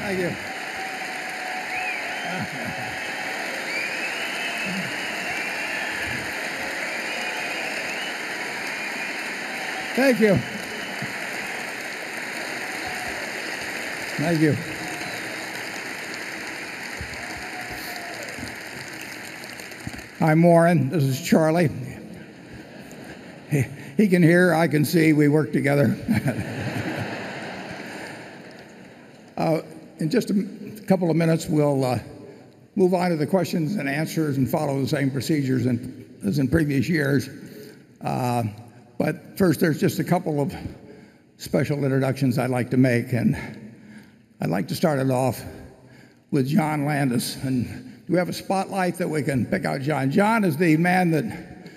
Thank you. Thank you. Thank you. I'm Warren, this is Charlie. He can hear, I can see. We work together. In just a couple of minutes, we'll move on to the questions and answers, and follow the same procedures as in previous years. First, there's just a couple of special introductions I'd like to make, and I'd like to start it off with John Landis. Do we have a spotlight that we can pick out John? John is the man that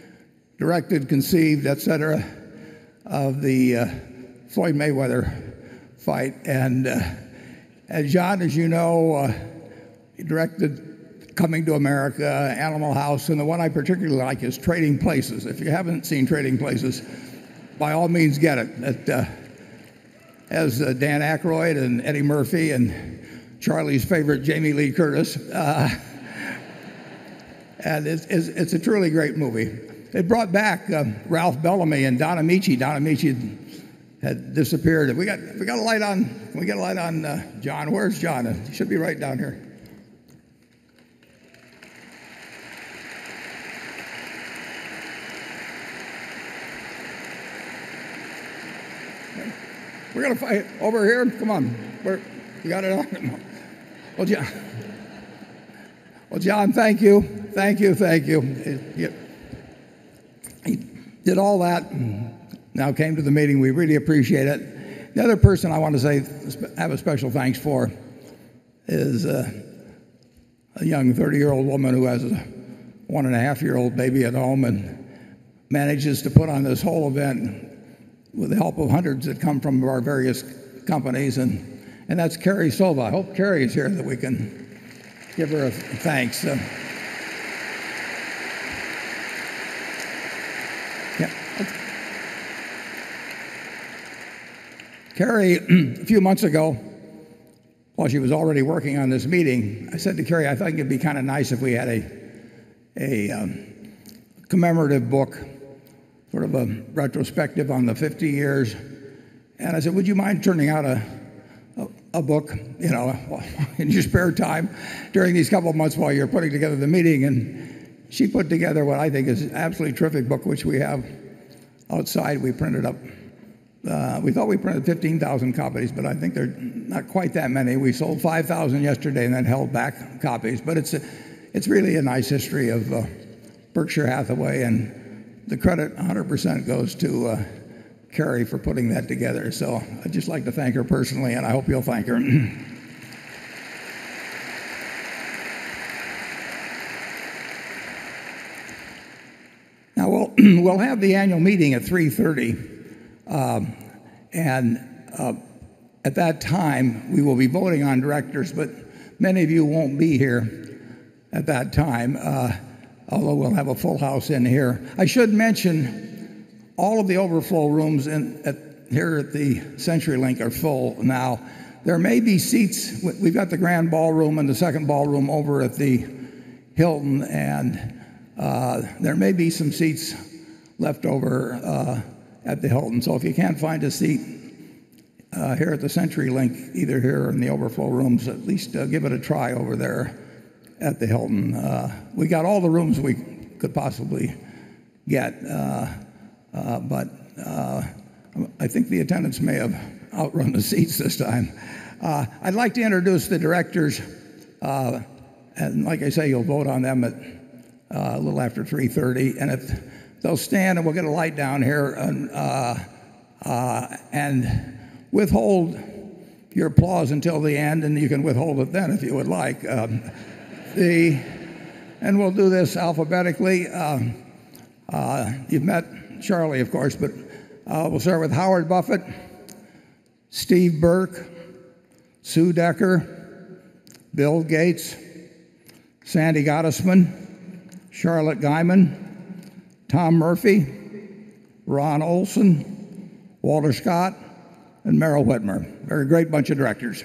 directed, conceived, et cetera, of the Floyd Mayweather fight. John, as you know, he directed "Coming to America," "Animal House," and the one I particularly like is "Trading Places." If you haven't seen "Trading Places," by all means, get it. It has Dan Aykroyd and Eddie Murphy, and Charlie's favorite, Jamie Lee Curtis. It's a truly great movie. It brought back Ralph Bellamy and Don Ameche. Don Ameche had disappeared. Have we got a light on John? Where's John? He should be right down here. We got to find Over here? Come on. You got it on him? Well, John, thank you. Thank you, thank you. He did all that, now came to the meeting. We really appreciate it. The other person I want to have a special thanks for is a young 30-year-old woman who has a one-and-a-half-year-old baby at home, and manages to put on this whole event with the help of hundreds that come from our various companies, that's Carrie Sova. I hope Carrie is here, that we can give her a thanks. Carrie, a few months ago, while she was already working on this meeting, I said to Carrie, "I thought it'd be kind of nice if we had a commemorative book, sort of a retrospective on the 50 years." I said, "Would you mind turning out a book in your spare time during these couple of months while you're putting together the meeting?" She put together what I think is an absolutely terrific book, which we have outside. We thought we printed 15,000 copies, but I think there are not quite that many. We sold 5,000 yesterday, then held back copies. It's really a nice history of Berkshire Hathaway, the credit 100% goes to Carrie for putting that together. I'd just like to thank her personally, I hope you'll thank her. Now, we'll have the annual meeting at 3:30 P.M. At that time, we will be voting on directors, many of you won't be here at that time, although we'll have a full house in here. I should mention all of the overflow rooms in here at the CenturyLink are full now. There may be seats. We've got the grand ballroom and the second ballroom over at the Hilton, there may be some seats left over at the Hilton. If you can't find a seat here at the CenturyLink, either here or in the overflow rooms, at least give it a try over there at the Hilton. We got all the rooms we could possibly get. I think the attendance may have outrun the seats this time. I'd like to introduce the directors. Like I say, you'll vote on them a little after 3:30 P.M. If they'll stand. We'll get a light down here. Withhold your applause until the end. You can withhold it then if you would like. We'll do this alphabetically. You've met Charlie, of course, but we'll start with Howard Buffett, Steve Burke, Sue Decker, Bill Gates, Sandy Gottesman, Charlotte Guyman, Tom Murphy, Ron Olson, Walter Scott, and Meryl Witmer. They're a great bunch of directors.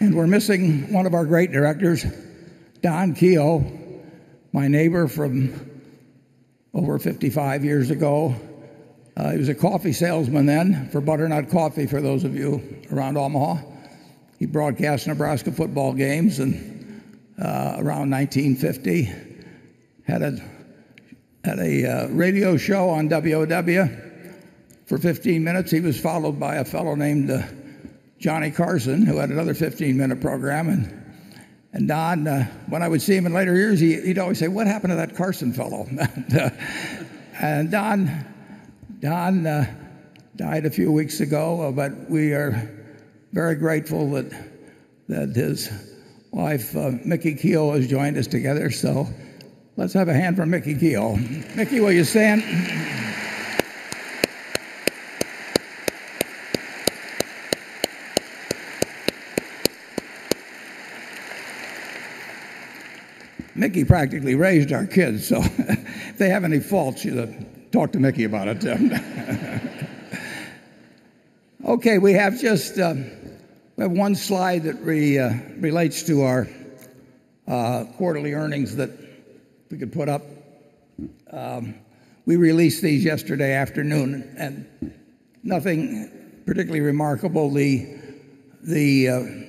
We're missing one of our great directors, Don Keough, my neighbor from over 55 years ago. He was a coffee salesman then for Butter-Nut Coffee, for those of you around Omaha. He broadcast Nebraska football games. Around 1950, he had a radio show on WOW for 15 minutes. He was followed by a fellow named Johnny Carson, who had another 15-minute program. Don, when I would see him in later years, he'd always say, "What happened to that Carson fellow?" Don died a few weeks ago, but we are very grateful that his wife Mickie Keough has joined us together. Let's have a hand for Mickie Keough. Mickie, will you stand? Mickie practically raised our kids, so if they have any faults, talk to Mickie about it. Okay, we have just one slide that relates to our quarterly earnings that we could put up. We released these yesterday afternoon. Nothing particularly remarkable. The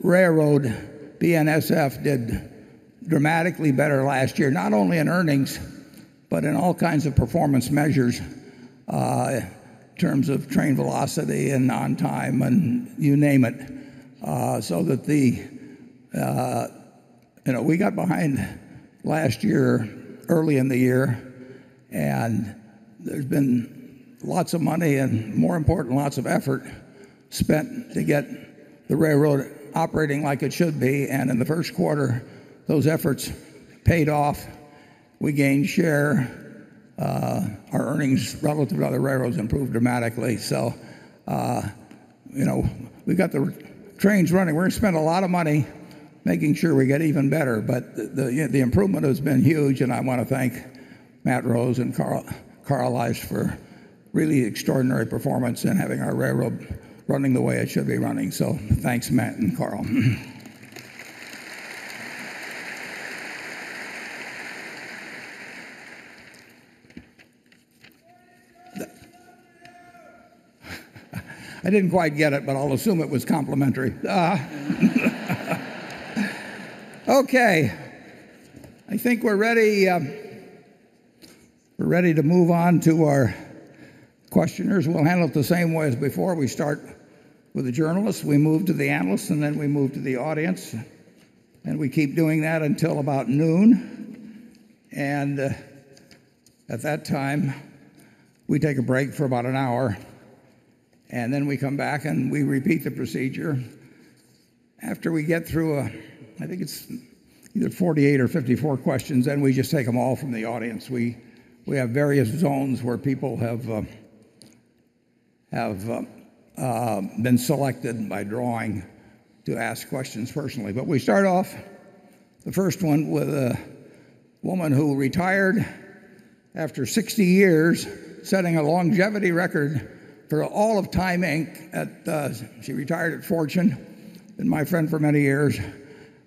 railroad, BNSF, did dramatically better last year, not only in earnings, but in all kinds of performance measures, in terms of train velocity and on time. You name it. We got behind last year, early in the year. There's been lots of money, and more important, lots of effort spent to get the railroad operating like it should be. In the first quarter, those efforts paid off. We gained share. Our earnings relative to other railroads improved dramatically. We got the trains running. We're going to spend a lot of money making sure we get even better, but the improvement has been huge. I want to thank Matt Rose and Carl Ice for really extraordinary performance in having our railroad running the way it should be running. Thanks, Matt and Carl. I didn't quite get it, but I'll assume it was complimentary. Okay. I think we're ready to move on to our questioners. We'll handle it the same way as before. We start with the journalists, we move to the analysts. Then we move to the audience. We keep doing that until about noon. At that time, we take a break for about an hour. Then we come back. We repeat the procedure. After we get through, I think it's either 48 or 54 questions, then we just take them all from the audience. We have various zones where people have been selected by drawing to ask questions personally. We start off the first one with a woman who retired after 60 years, setting a longevity record for all of Time Inc. She retired at Fortune, been my friend for many years.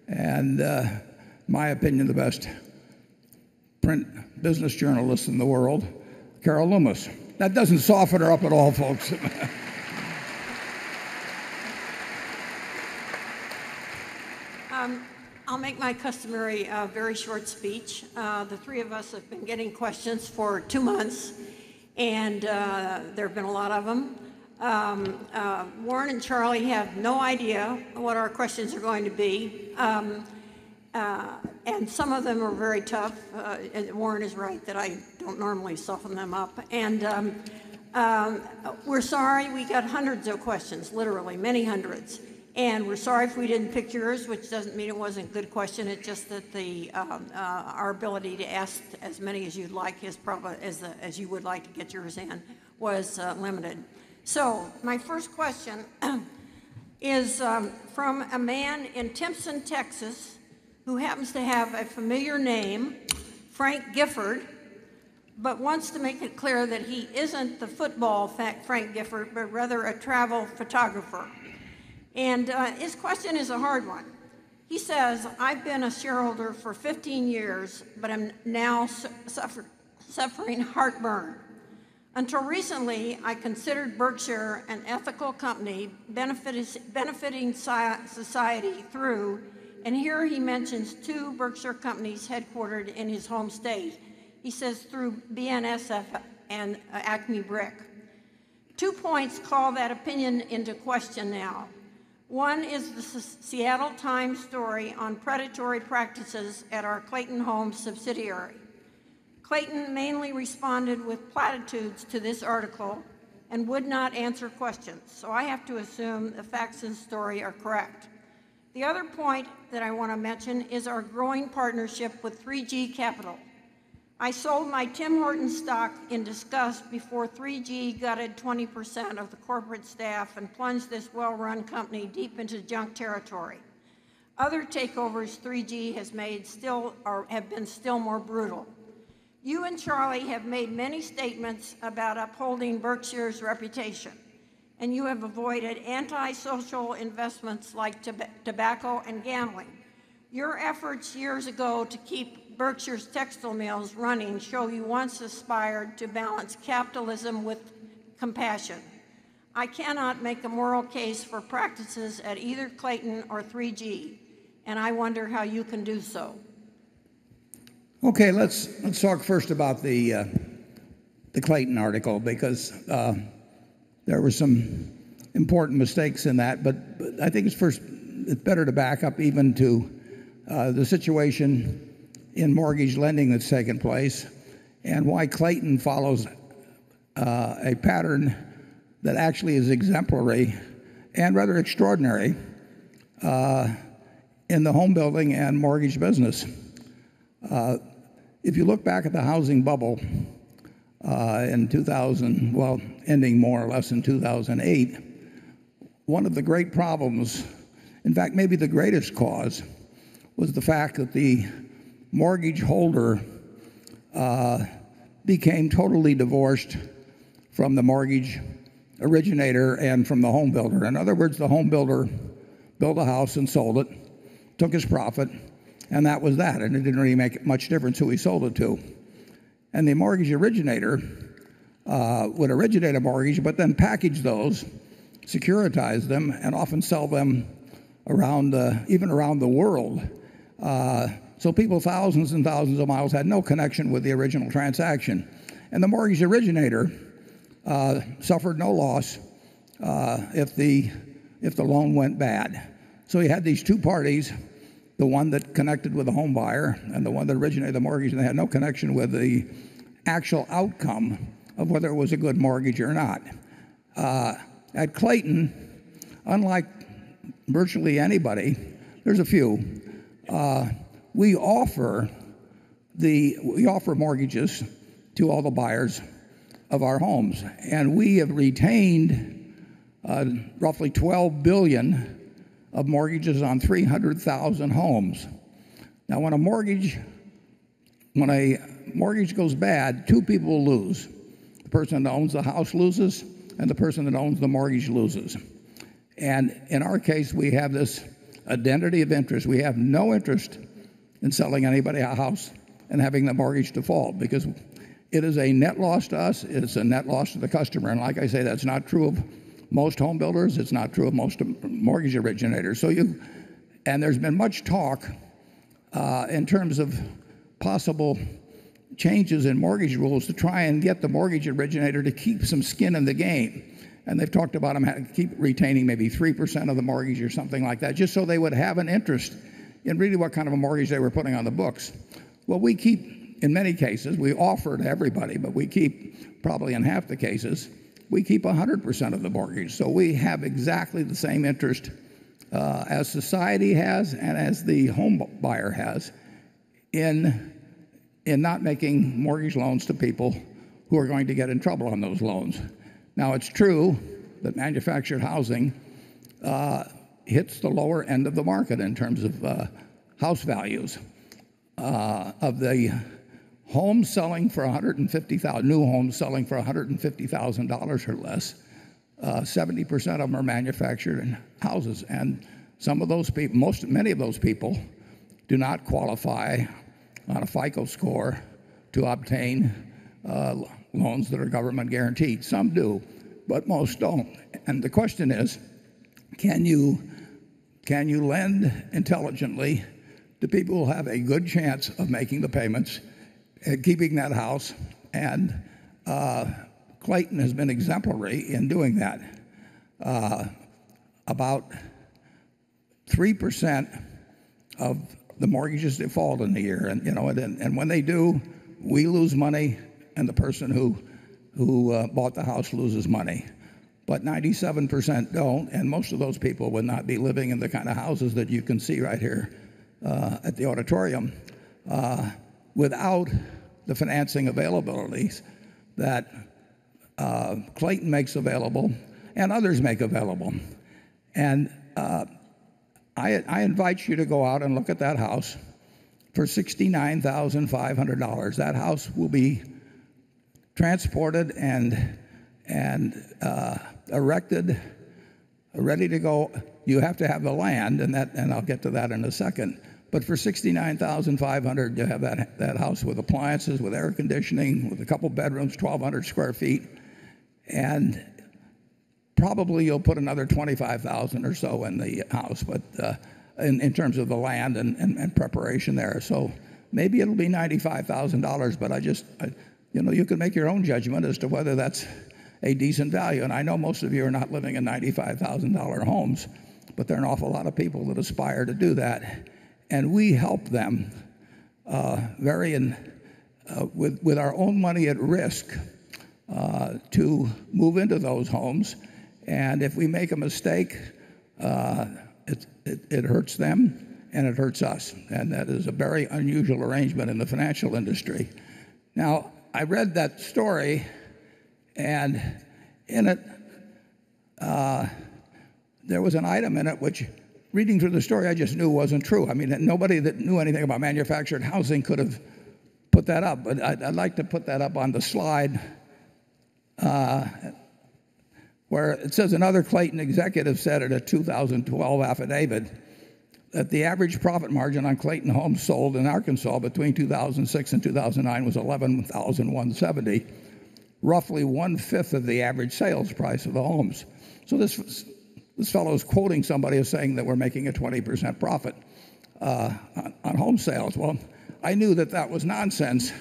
In my opinion, the best print business journalist in the world, Carol Loomis. That doesn't soften her up at all, folks. I'll make my customary very short speech. The three of us have been getting questions for two months, there have been a lot of them. Warren and Charlie have no idea what our questions are going to be. Some of them are very tough. Warren is right that I don't normally soften them up. We're sorry we got hundreds of questions, literally many hundreds. We're sorry if we didn't pick yours, which doesn't mean it wasn't a good question. It's just that our ability to ask as many as you would like to get yours in was limited. My first question is from a man in Timpson, Texas, who happens to have a familiar name, Frank Gifford, but wants to make it clear that he isn't the football Frank Gifford, but rather a travel photographer. His question is a hard one. He says, "I've been a shareholder for 15 years, but I'm now suffering heartburn. Until recently, I considered Berkshire an ethical company benefiting society through," and here he mentions two Berkshire companies headquartered in his home state. He says, "Through BNSF and Acme Brick. Two points call that opinion into question now. One is The Seattle Times story on predatory practices at our Clayton Homes subsidiary. Clayton mainly responded with platitudes to this article and would not answer questions, I have to assume the facts in the story are correct. The other point that I want to mention is our growing partnership with 3G Capital. I sold my Tim Hortons stock in disgust before 3G gutted 20% of the corporate staff and plunged this well-run company deep into junk territory. Other takeovers 3G has made have been still more brutal. You and Charlie have made many statements about upholding Berkshire's reputation, you have avoided anti-social investments like tobacco and gambling. Your efforts years ago to keep Berkshire's textile mills running show you once aspired to balance capitalism with compassion. I cannot make the moral case for practices at either Clayton or 3G, I wonder how you can do so. Okay, let's talk first about the Clayton article because there were some important mistakes in that. I think it's better to back up even to the situation in mortgage lending that's taken place and why Clayton follows a pattern that actually is exemplary and rather extraordinary in the home building and mortgage business If you look back at the housing bubble in 2000, well, ending more or less in 2008, one of the great problems, in fact, maybe the greatest cause, was the fact that the mortgage holder became totally divorced from the mortgage originator and from the home builder. In other words, the home builder built a house and sold it, took his profit, that was that. It didn't really make much difference who he sold it to. The mortgage originator would originate a mortgage, then package those, securitize them, and often sell them even around the world. People thousands and thousands of miles had no connection with the original transaction. The mortgage originator suffered no loss if the loan went bad. You had these two parties, the one that connected with the home buyer and the one that originated the mortgage, and they had no connection with the actual outcome of whether it was a good mortgage or not. At Clayton, unlike virtually anybody, there's a few, we offer mortgages to all the buyers of our homes, and we have retained roughly $12 billion of mortgages on 300,000 homes. When a mortgage goes bad, two people lose. The person that owns the house loses, and the person that owns the mortgage loses. In our case, we have this identity of interest. We have no interest in selling anybody a house and having the mortgage default because it is a net loss to us, it is a net loss to the customer. Like I say, that's not true of most home builders. It's not true of most mortgage originators. There's been much talk in terms of possible changes in mortgage rules to try and get the mortgage originator to keep some skin in the game. They've talked about them having to keep retaining maybe 3% of the mortgage or something like that, just so they would have an interest in really what kind of a mortgage they were putting on the books. We keep, in many cases, we offer to everybody, but we keep probably in half the cases, we keep 100% of the mortgage. We have exactly the same interest as society has and as the home buyer has in not making mortgage loans to people who are going to get in trouble on those loans. It's true that manufactured housing hits the lower end of the market in terms of house values. Of the new homes selling for $150,000 or less, 70% of them are manufactured houses. Many of those people do not qualify on a FICO score to obtain loans that are government guaranteed. Some do, but most don't. The question is, can you lend intelligently to people who have a good chance of making the payments and keeping that house? Clayton has been exemplary in doing that. About 3% of the mortgages default in a year. When they do, we lose money, and the person who bought the house loses money. But 97% don't, and most of those people would not be living in the kind of houses that you can see right here at the auditorium without the financing availabilities that Clayton makes available and others make available. I invite you to go out and look at that house. For $69,500, that house will be transported and erected, ready to go. You have to have the land, and I'll get to that in a second. For $69,500, you have that house with appliances, with air conditioning, with a couple bedrooms, 1,200 square feet. Probably you'll put another $25,000 or so in the house in terms of the land and preparation there. Maybe it'll be $95,000, but you can make your own judgment as to whether that's a decent value. I know most of you are not living in $95,000 homes, there are an awful lot of people that aspire to do that. We help them with our own money at risk to move into those homes. If we make a mistake, it hurts them, and it hurts us. That is a very unusual arrangement in the financial industry. I read that story, and in it, there was an item in it which, reading through the story, I just knew wasn't true. Nobody that knew anything about manufactured housing could have put that up. I'd like to put that up on the slide, where it says, "Another Clayton executive said at a 2012 affidavit that the average profit margin on Clayton Homes sold in Arkansas between 2006 and 2009 was 11,170, roughly one-fifth of the average sales price of the homes." This fellow is quoting somebody as saying that we're making a 20% profit on home sales. I knew that that was nonsense,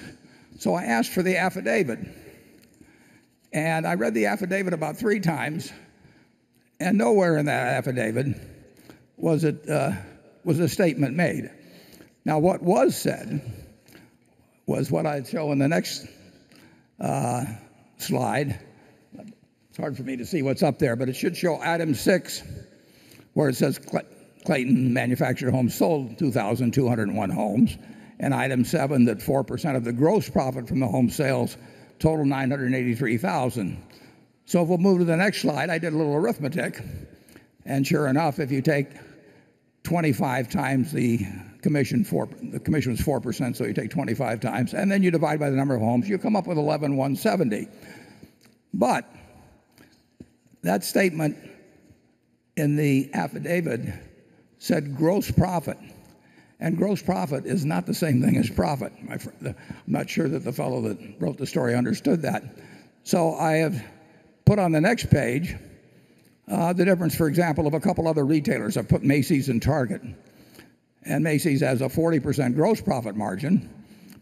I asked for the affidavit. I read the affidavit about three times, and nowhere in that affidavit was a statement made. What was said was what I show in the next slide. It's hard for me to see what's up there, but it should show item six where it says Clayton Manufactured Homes sold 2,201 homes, and item seven, that 4% of the gross profit from the home sales total $983,000. If we'll move to the next slide, I did a little arithmetic, sure enough, if you take 25 times the commission, the commission was 4%, you take 25 times, then you divide by the number of homes, you come up with 11,170. That statement in the affidavit said gross profit, and gross profit is not the same thing as profit. I'm not sure that the fellow that wrote the story understood that. I have put on the next page the difference, for example, of a couple other retailers. I've put Macy's and Target. Macy's has a 40% gross profit margin,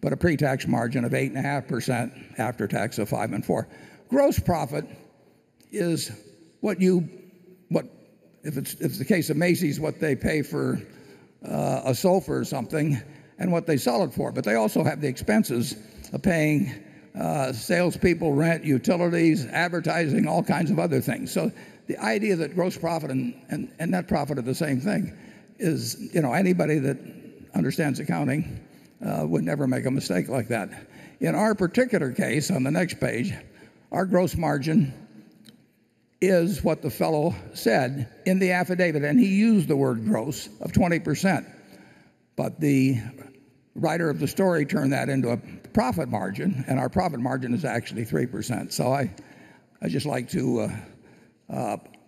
a pre-tax margin of 8.5%, after tax of 5% and 4%. Gross profit is what, if it's the case of Macy's, what they pay for a sofa or something and what they sell it for. They also have the expenses of paying salespeople, rent, utilities, advertising, all kinds of other things. The idea that gross profit and net profit are the same thing is anybody that understands accounting would never make a mistake like that. In our particular case, on the next page, our gross margin is what the fellow said in the affidavit and he used the word gross of 20%, but the writer of the story turned that into a profit margin, and our profit margin is actually 3%. I just like to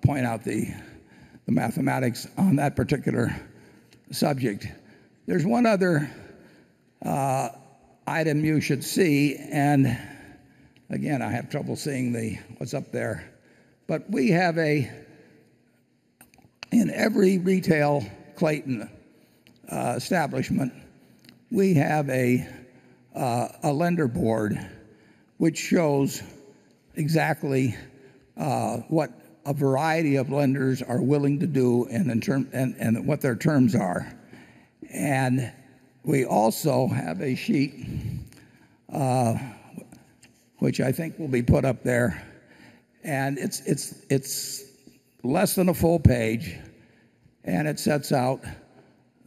point out the mathematics on that particular subject. There's one other item you should see, again, I have trouble seeing what's up there. In every retail Clayton establishment, we have a lender board which shows exactly what a variety of lenders are willing to do and what their terms are. We also have a sheet, which I think will be put up there. It's less than a full page, and it sets out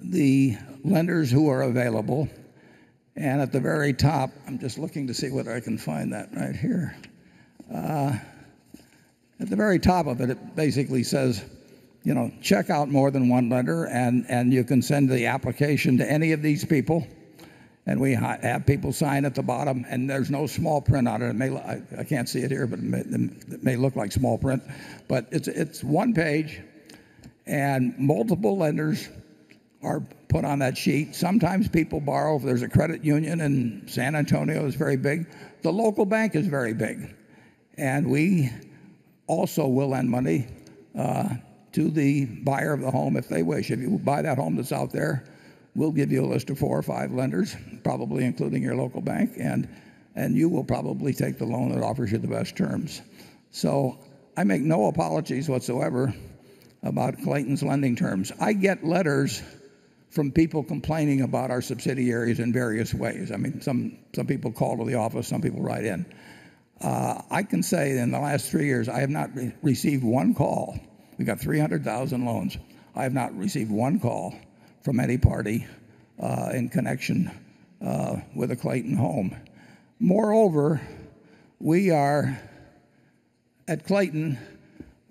the lenders who are available. At the very top, I'm just looking to see whether I can find that right here. At the very top of it basically says, "Check out more than one lender. You can send the application to any of these people." We have people sign at the bottom. There's no small print on it. I can't see it here, but it may look like small print. It's one page, and multiple lenders are put on that sheet. Sometimes people borrow. There's a credit union in San Antonio that's very big. The local bank is very big. We also will lend money to the buyer of the home if they wish. If you buy that home that's out there, we'll give you a list of four or five lenders, probably including your local bank. You will probably take the loan that offers you the best terms. I make no apologies whatsoever about Clayton's lending terms. I get letters from people complaining about our subsidiaries in various ways. Some people call to the office, some people write in. I can say in the last three years, I have not received one call. We got 300,000 loans. I have not received one call from any party in connection with a Clayton home. Moreover, at Clayton,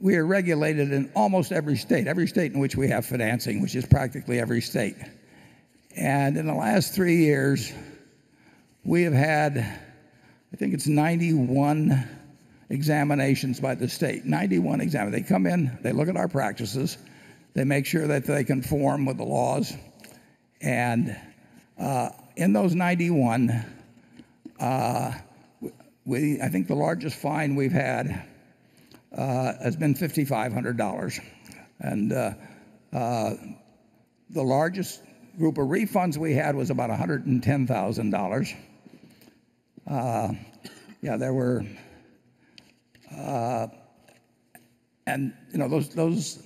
we are regulated in almost every state, every state in which we have financing, which is practically every state. In the last three years, we have had, I think it's 91 examinations by the state. 91 examinations. They come in, they look at our practices, they make sure that they conform with the laws. In those 91, I think the largest fine we've had has been $5,500. The largest group of refunds we had was about $110,000. Those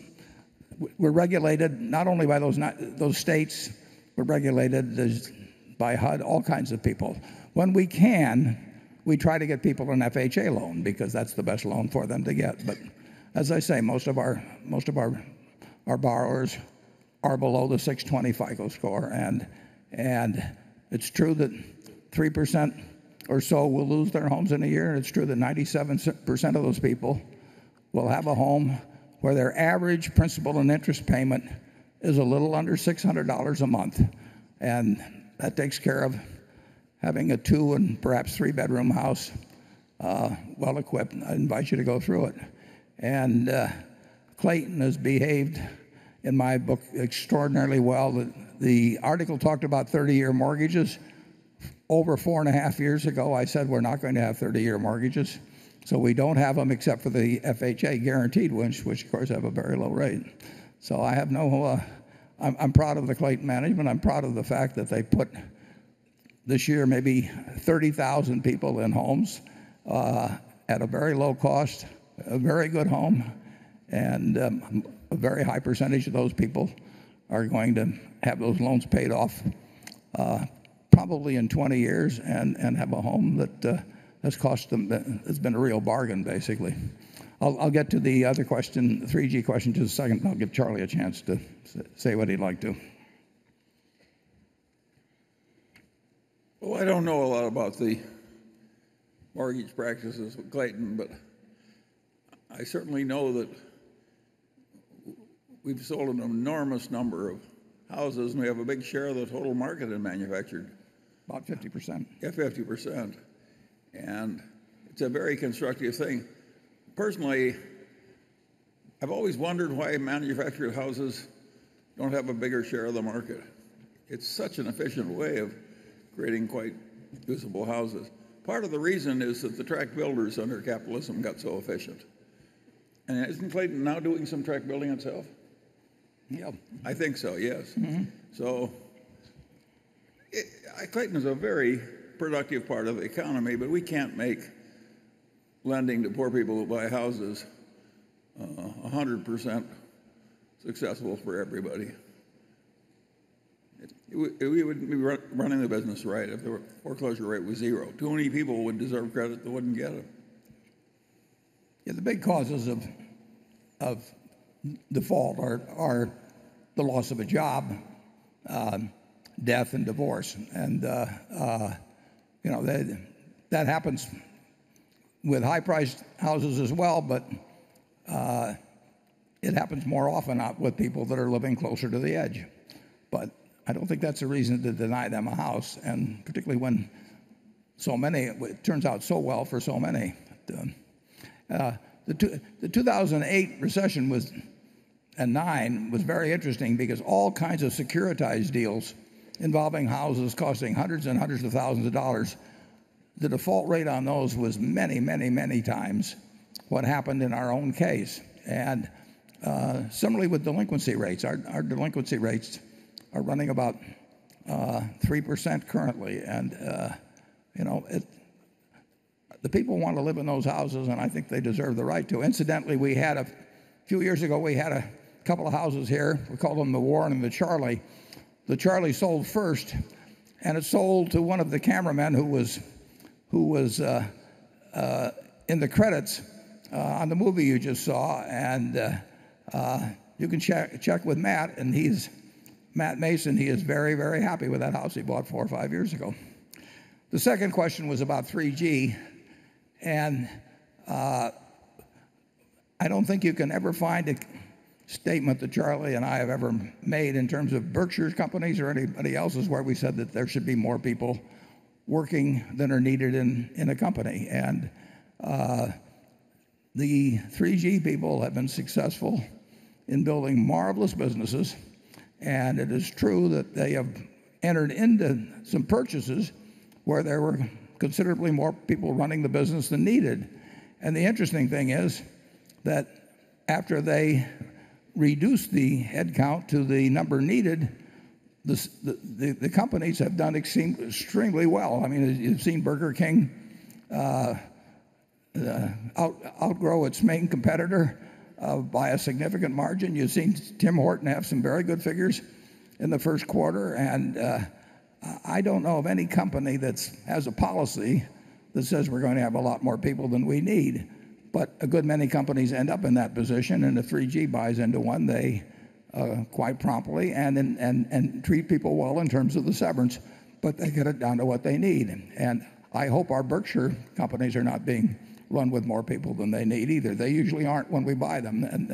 were regulated not only by those states, were regulated by HUD, all kinds of people. When we can, we try to get people an FHA loan because that's the best loan for them to get. As I say, most of our borrowers are below the 620 FICO score. It's true that 3% or so will lose their homes in a year. It's true that 97% of those people will have a home where their average principal and interest payment is a little under $600 a month, and that takes care of having a two and perhaps three-bedroom house well-equipped. I invite you to go through it. Clayton has behaved, in my book, extraordinarily well. The article talked about 30-year mortgages. Over four and a half years ago, I said we're not going to have 30-year mortgages. We don't have them except for the FHA guaranteed ones, which of course have a very low rate. I'm proud of the Clayton management. I'm proud of the fact that they put this year maybe 30,000 people in homes at a very low cost, a very good home. A very high percentage of those people are going to have those loans paid off probably in 20 years and have a home that has been a real bargain, basically. I'll get to the other question, the 3G question to the second. I'll give Charlie a chance to say what he'd like to. Well, I don't know a lot about the mortgage practices with Clayton, but I certainly know that we've sold an enormous number of houses, and we have a big share of the total market in manufactured. About 50%. Yeah, 50%. It's a very constructive thing. Personally, I've always wondered why manufactured houses don't have a bigger share of the market. It's such an efficient way of creating quite usable houses. Part of the reason is that the tract builders under capitalism got so efficient. Isn't Clayton now doing some track building itself? Yeah. I think so, yes. Clayton is a very productive part of the economy, but we can't make lending to poor people who buy houses 100% successful for everybody. We wouldn't be running the business right if the foreclosure rate was zero. Too many people would deserve credit that wouldn't get it. Yeah, the big causes of default are the loss of a job, death, and divorce. That happens with high-priced houses as well, but it happens more often with people that are living closer to the edge. I don't think that's a reason to deny them a house, and particularly when it turns out so well for so many. The 2008 recession and 2009 was very interesting because all kinds of securitized deals involving houses costing hundreds and hundreds of thousands of dollars, the default rate on those was many, many, many times what happened in our own case. Similarly with delinquency rates, our delinquency rates are running about 3% currently. The people want to live in those houses, and I think they deserve the right to. Incidentally, a few years ago, we had a couple of houses here. We called them the Warren and the Charlie. The Charlie sold first, and it sold to one of the cameramen who was in the credits on the movie you just saw. You can check with Matt Rose, he is very, very happy with that house he bought four or five years ago. The second question was about 3G, I don't think you can ever find a statement that Charlie and I have ever made in terms of Berkshire's companies or anybody else's where we said that there should be more people working than are needed in a company. The 3G people have been successful in building marvelous businesses, and it is true that they have entered into some purchases where there were considerably more people running the business than needed. The interesting thing is that after they reduced the headcount to the number needed, the companies have done extremely well. You've seen Burger King outgrow its main competitor by a significant margin. You've seen Tim Hortons have some very good figures in the first quarter. I don't know of any company that has a policy that says we're going to have a lot more people than we need. A good many companies end up in that position, and if 3G buys into one, they quite promptly and treat people well in terms of the severance, but they get it down to what they need. I hope our Berkshire companies are not being run with more people than they need either. They usually aren't when we buy them.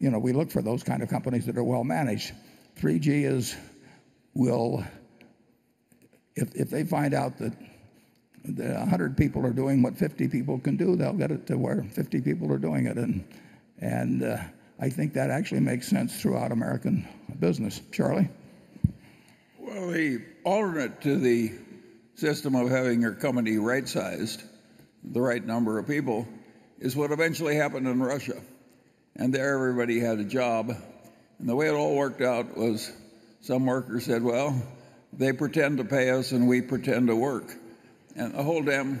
We look for those kind of companies that are well-managed. 3G, if they find out that 100 people are doing what 50 people can do, they'll get it to where 50 people are doing it. I think that actually makes sense throughout American business. Charlie? The alternate to the system of having your company right-sized, the right number of people, is what eventually happened in Russia. There everybody had a job. The way it all worked out was some worker said, "Well, they pretend to pay us, and we pretend to work." The whole damn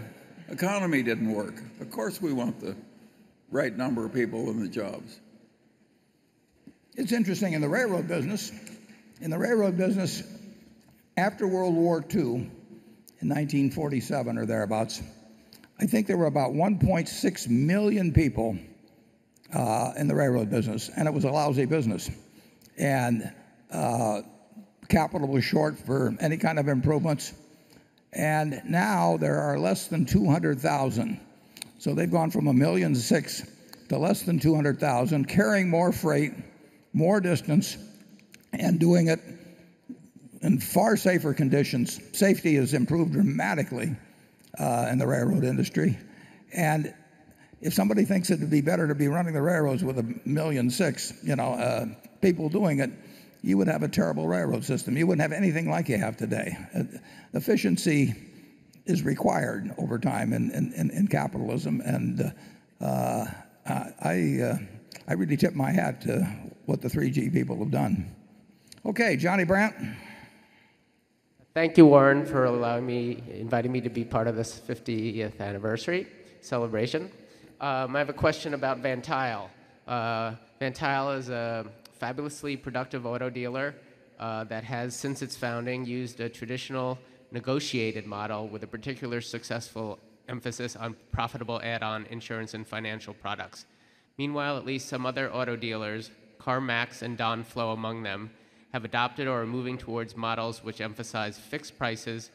economy didn't work. Of course, we want the right number of people in the jobs. It's interesting. In the railroad business after World War II, in 1947 or thereabouts, I think there were about 1.6 million people in the railroad business, and it was a lousy business. Capital was short for any kind of improvements. Now there are less than 200,000. They've gone from 1.6 million to less than 200,000, carrying more freight, more distance, and doing it in far safer conditions. Safety has improved dramatically in the railroad industry. If somebody thinks it would be better to be running the railroads with 1.6 million people doing it, you would have a terrible railroad system. You wouldn't have anything like you have today. Efficiency is required over time in capitalism, and I really tip my hat to what the 3G people have done. Jonathan Brandt Thank you, Warren, for inviting me to be part of this 50th anniversary celebration. I have a question about Van Tuyl. Van Tuyl is a fabulously productive auto dealer that has, since its founding, used a traditional negotiated model with a particular successful emphasis on profitable add-on insurance and financial products. Meanwhile, at least some other auto dealers, CarMax and Don Flow among them, have adopted or are moving towards models which emphasize fixed prices,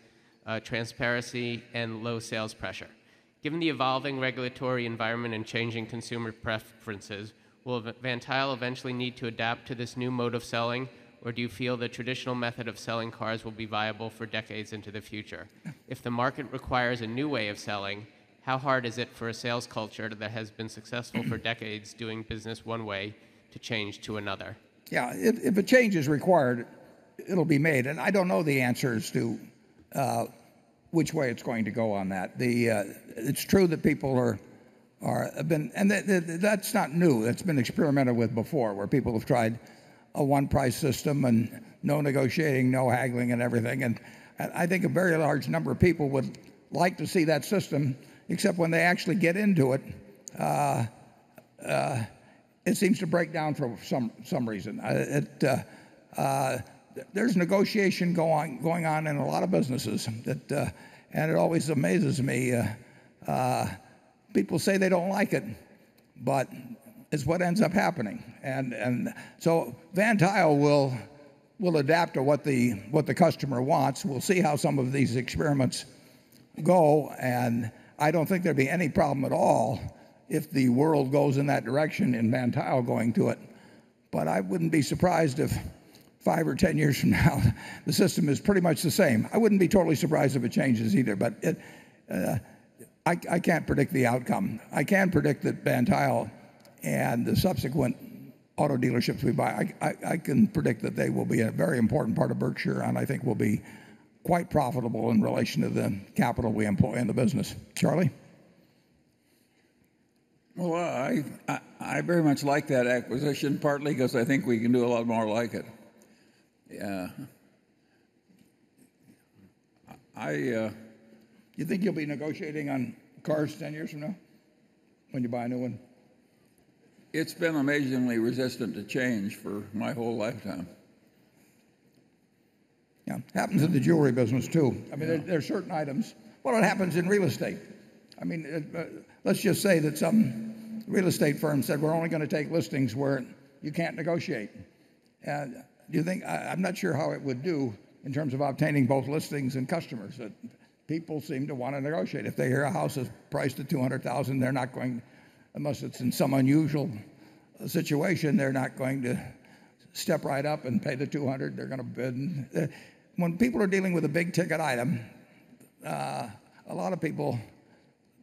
transparency, and low sales pressure. Given the evolving regulatory environment and changing consumer preferences, will Van Tuyl eventually need to adapt to this new mode of selling, or do you feel the traditional method of selling cars will be viable for decades into the future? If the market requires a new way of selling, how hard is it for a sales culture that has been successful for decades doing business one way to change to another? Yeah. If a change is required, it'll be made. I don't know the answers to which way it's going to go on that. It's true that people are. That's not new. That's been experimented with before, where people have tried a one-price system and no negotiating, no haggling, and everything. I think a very large number of people would like to see that system, except when they actually get into it seems to break down for some reason. There's negotiation going on in a lot of businesses, and it always amazes me. People say they don't like it, but it's what ends up happening. Van Tuyl will adapt to what the customer wants. We'll see how some of these experiments go, and I don't think there'd be any problem at all if the world goes in that direction and Van Tuyl going to it. I wouldn't be surprised if five or 10 years from now the system is pretty much the same. I wouldn't be totally surprised if it changes either. I can't predict the outcome. I can predict that Van Tuyl and the subsequent auto dealerships we buy, I can predict that they will be a very important part of Berkshire and I think will be quite profitable in relation to the capital we employ in the business. Charlie? Well, I very much like that acquisition, partly because I think we can do a lot more like it. Yeah. You think you'll be negotiating on cars 10 years from now when you buy a new one? It's been amazingly resistant to change for my whole lifetime. Yeah. Happens in the jewelry business, too. Yeah. There are certain items. Well, it happens in real estate. Let's just say that some real estate firm said, "We're only going to take listings where you can't negotiate." I'm not sure how it would do in terms of obtaining both listings and customers. People seem to want to negotiate. If they hear a house is priced at $200,000, unless it's in some unusual situation, they're not going to step right up and pay the 200. They're going to bid. When people are dealing with a big-ticket item, a lot of people,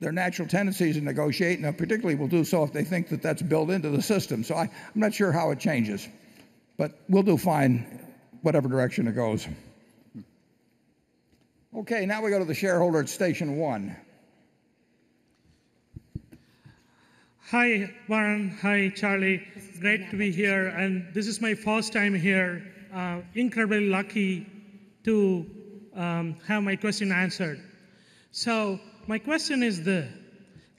their natural tendency is to negotiate, and particularly will do so if they think that that's built into the system. I'm not sure how it changes. We'll do fine whatever direction it goes. Okay, now we go to the shareholder at station 1. Hi, Warren. Hi, Charlie. Great to be here, this is my first time here. Incredibly lucky to have my question answered. My question is this: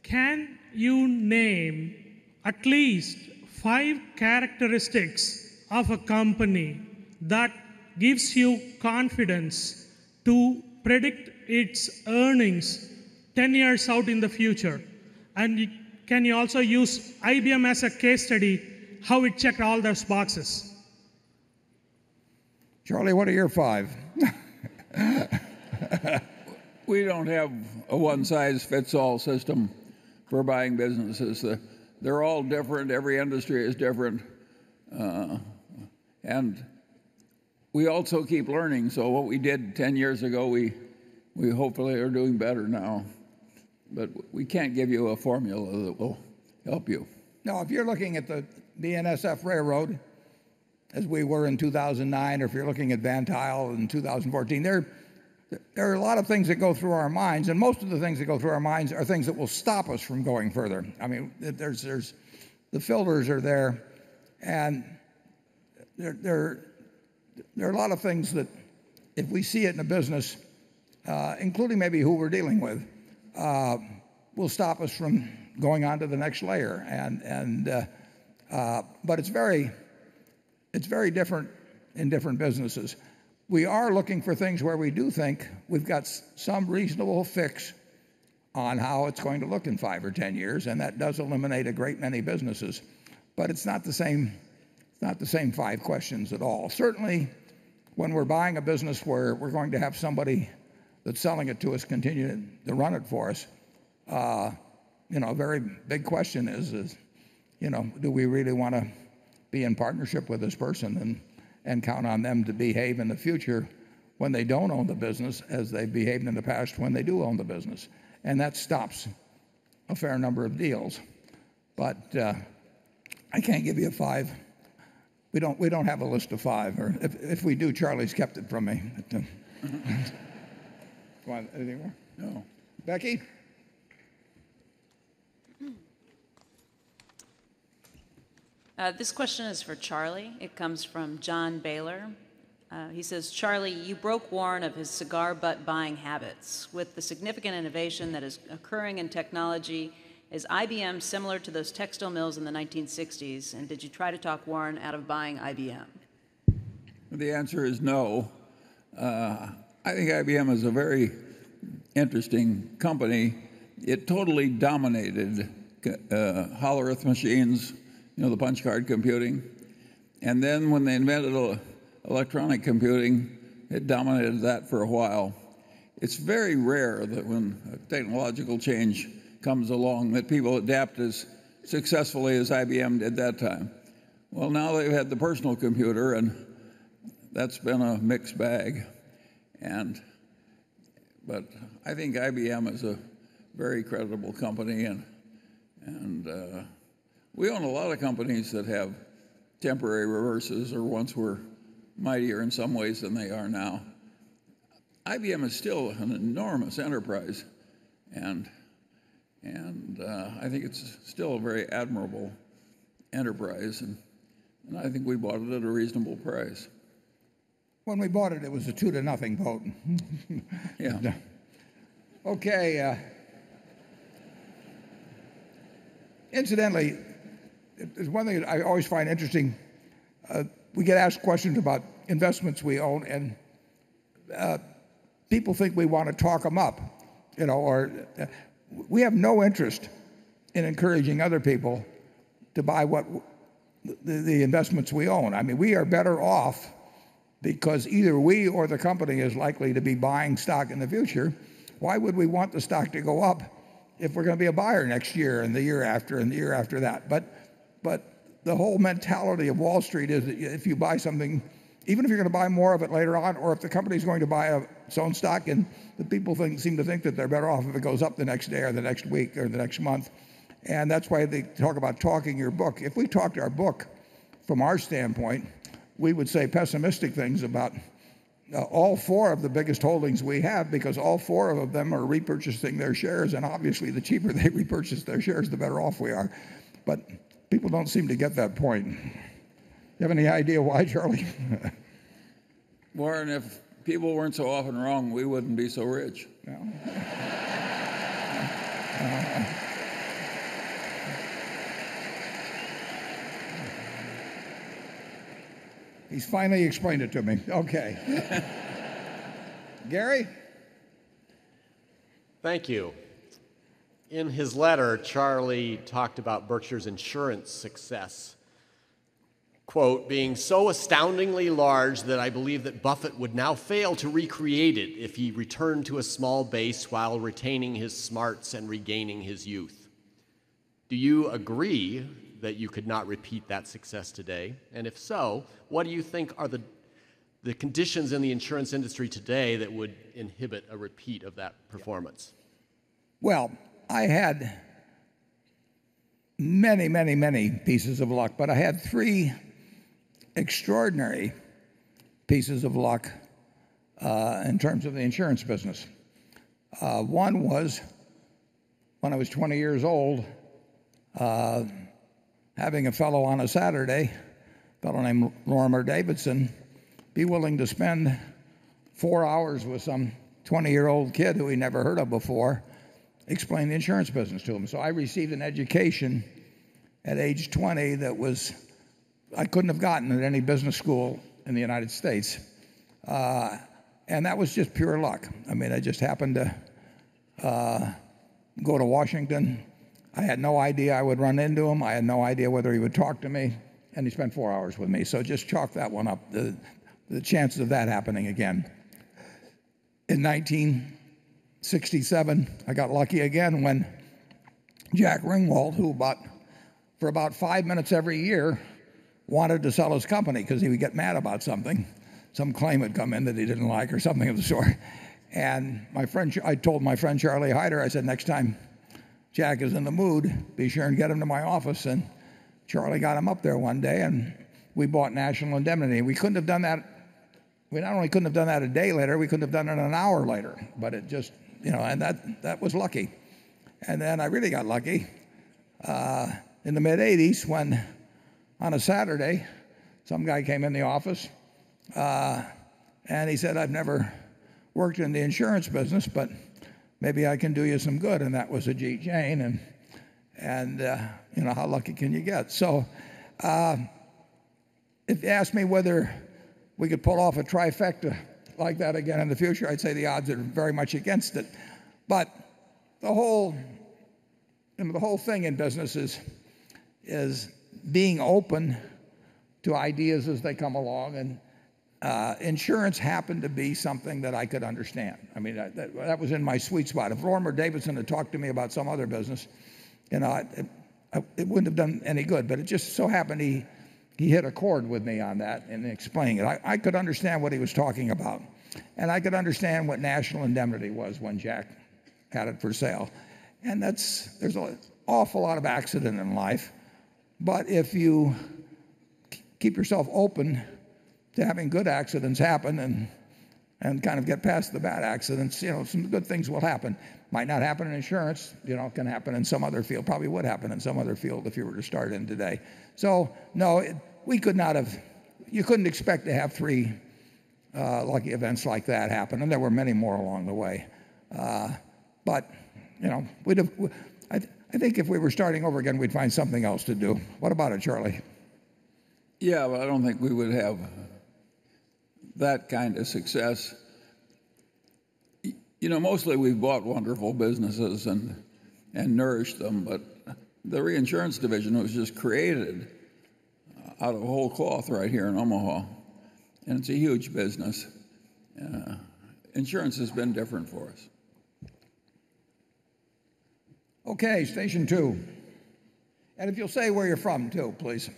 Can you name at least five characteristics of a company that gives you confidence to predict its earnings 10 years out in the future? Can you also use IBM as a case study, how it checked all those boxes? Charlie, what are your five? We don't have a one-size-fits-all system for buying businesses. They're all different. Every industry is different. We also keep learning. What we did 10 years ago, we hopefully are doing better now. We can't give you a formula that will help you. Now, if you're looking at the BNSF Railway as we were in 2009, or if you're looking at Van Tuyl in 2014, there are a lot of things that go through our minds, most of the things that go through our minds are things that will stop us from going further. The filters are there are a lot of things that if we see it in a business, including maybe who we're dealing with, will stop us from going on to the next layer. It's very different in different businesses. We are looking for things where we do think we've got some reasonable fix on how it's going to look in five or 10 years, that does eliminate a great many businesses. It's not the same five questions at all. Certainly, when we're buying a business where we're going to have somebody that's selling it to us continue to run it for us, a very big question is do we really want to be in partnership with this person and count on them to behave in the future when they don't own the business as they behaved in the past when they do own the business? That stops a fair number of deals. I can't give you a five. We don't have a list of five. If we do, Charlie's kept it from me. You want anything more? No. Becky? This question is for Charlie. It comes from John Baylor. He says, "Charlie, you broke Warren of his cigar butt buying habits. With the significant innovation that is occurring in technology, is IBM similar to those textile mills in the 1960s, and did you try to talk Warren out of buying IBM? The answer is no. I think IBM is a very interesting company. It totally dominated Hollerith machines, the punch card computing. Then when they invented electronic computing, it dominated that for a while. It's very rare that when a technological change comes along, that people adapt as successfully as IBM did that time. Well, now they've had the personal computer and that's been a mixed bag. I think IBM is a very credible company. We own a lot of companies that have temporary reverses or once were mightier in some ways than they are now. IBM is still an enormous enterprise, and I think it's still a very admirable enterprise, and I think we bought it at a reasonable price. When we bought it was a two to nothing vote. Yeah. Okay. Incidentally, there is one thing that I always find interesting. We get asked questions about investments we own, and people think we want to talk them up. We have no interest in encouraging other people to buy the investments we own. We are better off because either we or the company is likely to be buying stock in the future. Why would we want the stock to go up if we are going to be a buyer next year, and the year after, and the year after that? The whole mentality of Wall Street is if you buy something, even if you are going to buy more of it later on, or if the company is going to buy its own stock, the people seem to think that they are better off if it goes up the next day or the next week or the next month. That is why they talk about talking your book. If we talked our book from our standpoint, we would say pessimistic things about all four of the biggest holdings we have because all four of them are repurchasing their shares, and obviously the cheaper they repurchase their shares, the better off we are. People don't seem to get that point. Do you have any idea why, Charlie? Warren, if people weren't so often wrong, we wouldn't be so rich. Yeah. He has finally explained it to me. Okay. Gary? Thank you. In his letter, Charlie talked about Berkshire's insurance success, quote, "Being so astoundingly large that I believe that Buffett would now fail to recreate it if he returned to a small base while retaining his smarts and regaining his youth." Do you agree that you could not repeat that success today? If so, what do you think are the conditions in the insurance industry today that would inhibit a repeat of that performance? Well, I had many pieces of luck, but I had three extraordinary pieces of luck, in terms of the insurance business. One was when I was 20 years old, having a fellow on a Saturday, a fellow named Lorimer Davidson, be willing to spend four hours with some 20-year-old kid who he never heard of before, explain the insurance business to him. I received an education at age 20 that I couldn't have gotten at any business school in the U.S. That was just pure luck. I just happened to go to Washington. I had no idea I would run into him. I had no idea whether he would talk to me, and he spent four hours with me. Just chalk that one up, the chances of that happening again. In 1967, I got lucky again when Jack Ringwalt, who for about five minutes every year wanted to sell his company because he would get mad about something. Some claim had come in that he didn't like or something of the sort. I told my friend Charlie Heider, I said, "Next time Jack is in the mood, be sure and get him to my office." Charlie got him up there one day and we bought National Indemnity. We not only couldn't have done that a day later, we couldn't have done it an hour later. Then I really got lucky, in the mid-'80s when on a Saturday, some guy came in the office, and he said, "I've never worked in the insurance business, but maybe I can do you some good." That was Ajit Jain, and how lucky can you get? If you asked me whether we could pull off a trifecta like that again in the future, I'd say the odds are very much against it. The whole thing in business is being open to ideas as they come along, and insurance happened to be something that I could understand. That was in my sweet spot. If Lorimer Davidson had talked to me about some other business, it wouldn't have done any good. It just so happened he hit a chord with me on that in explaining it. I could understand what he was talking about, and I could understand what National Indemnity was when Jack had it for sale. There's an awful lot of accident in life, but if you keep yourself open to having good accidents happen and kind of get past the bad accidents. Some good things will happen. Might not happen in insurance, it can happen in some other field. Probably would happen in some other field if you were to start in today. No, you couldn't expect to have three lucky events like that happen, and there were many more along the way. I think if we were starting over again, we'd find something else to do. What about it, Charlie? Yeah, well, I don't think we would have that kind of success. Mostly we've bought wonderful businesses and nourished them, the reinsurance division was just created out of whole cloth right here in Omaha, and it's a huge business. Insurance has been different for us. Okay, station two. If you'll say where you're from, too, please.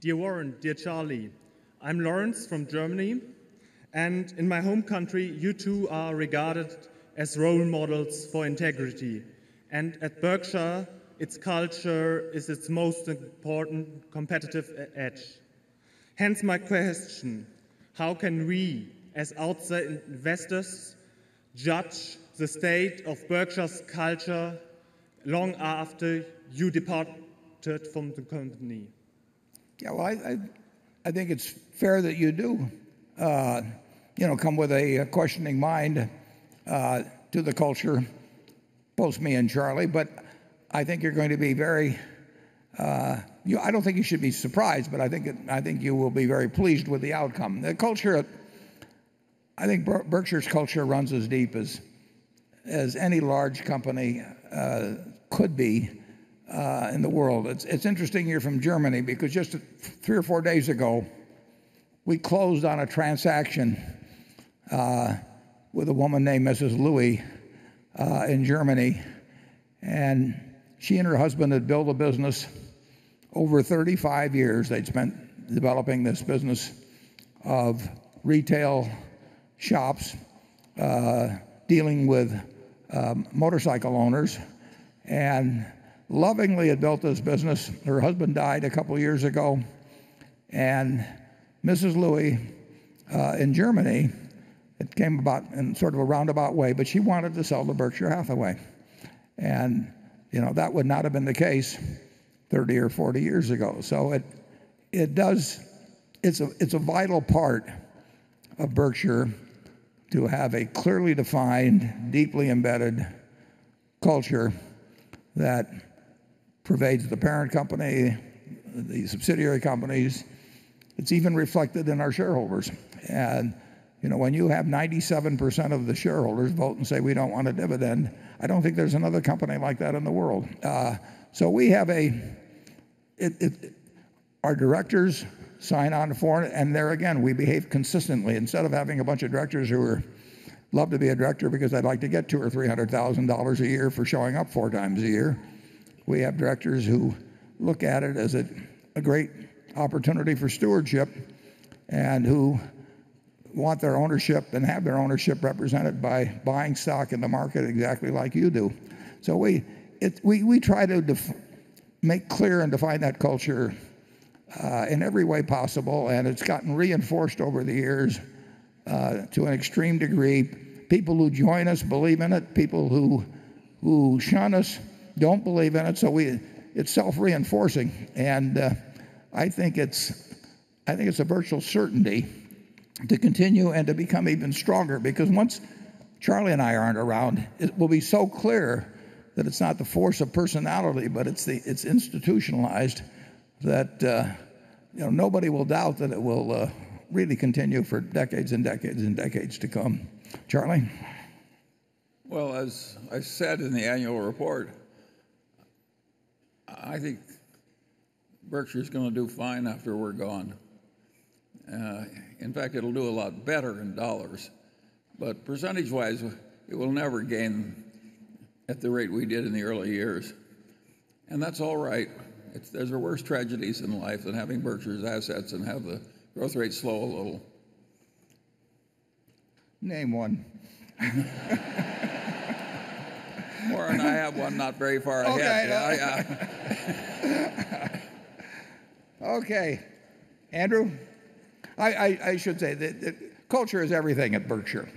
Dear Warren, dear Charlie. I'm Lawrence from Germany, in my home country, you two are regarded as role models for integrity. At Berkshire, its culture is its most important competitive edge. Hence my question, how can we, as outside investors, judge the state of Berkshire's culture long after you departed from the company? Well, I think it's fair that you do come with a questioning mind to the culture, both me and Charlie. I don't think you should be surprised, but I think you will be very pleased with the outcome. I think Berkshire's culture runs as deep as any large company could be in the world. It's interesting you're from Germany because just three or four days ago, we closed on a transaction with a woman named Mrs. Louis in Germany, and she and her husband had built a business. Over 35 years, they'd spent developing this business of retail shops dealing with motorcycle owners, and lovingly had built this business. Her husband died a couple of years ago, and Mrs. Louis in Germany, it came about in sort of a roundabout way, but she wanted to sell to Berkshire Hathaway. That would not have been the case 30 or 40 years ago. It's a vital part of Berkshire to have a clearly defined, deeply embedded culture that pervades the parent company, the subsidiary companies. It's even reflected in our shareholders. When you have 97% of the shareholders vote and say, "We don't want a dividend," I don't think there's another company like that in the world. Our directors sign on for it, and there again, we behave consistently. Instead of having a bunch of directors who love to be a director because "I'd like to get $200,000 or $300,000 a year for showing up four times a year," we have directors who look at it as a great opportunity for stewardship and who want their ownership and have their ownership represented by buying stock in the market exactly like you do. We try to make clear and define that culture in every way possible, and it's gotten reinforced over the years to an extreme degree. People who join us believe in it. People who shun us don't believe in it. It's self-reinforcing, and I think it's a virtual certainty to continue and to become even stronger because once Charlie and I aren't around, it will be so clear that it's not the force of personality, but it's institutionalized, that nobody will doubt that it will really continue for decades and decades and decades to come. Charlie? Well, as I said in the annual report, I think Berkshire's going to do fine after we're gone. In fact, it'll do a lot better in dollars. Percentage-wise, it will never gain at the rate we did in the early years, and that's all right. There are worse tragedies in life than having Berkshire's assets and have the growth rate slow a little. Name one. Warren, I have one not very far ahead. Okay, I know. Okay. Andrew? I should say that culture is everything at Berkshire.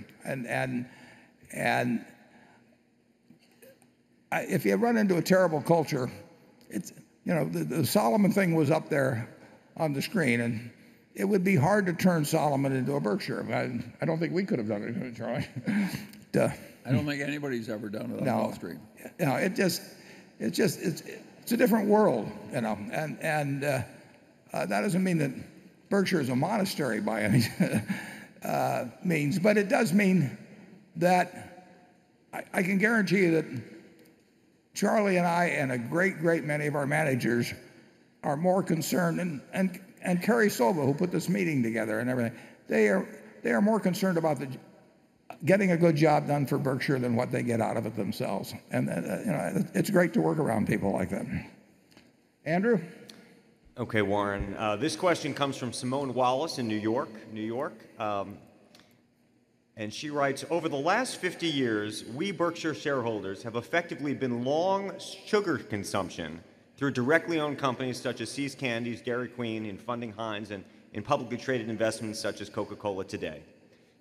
If you run into a terrible culture, the Salomon thing was up there on the screen, and it would be hard to turn Salomon into a Berkshire. I don't think we could have done it, Charlie. I don't think anybody's ever done it on Wall Street. No. It's a different world. That doesn't mean that Berkshire is a monastery by any means. It does mean that I can guarantee you that Charlie and I and a great many of our managers are more concerned, and Carrie Sova, who put this meeting together and everything, they are more concerned about getting a good job done for Berkshire than what they get out of it themselves. It's great to work around people like that. Andrew? Okay, Warren. This question comes from Simone Wallace in New York, N.Y. She writes, "Over the last 50 years, we Berkshire shareholders have effectively been long sugar consumption through directly owned companies such as See's Candies, Dairy Queen, and funding Heinz, and in publicly traded investments such as Coca-Cola today.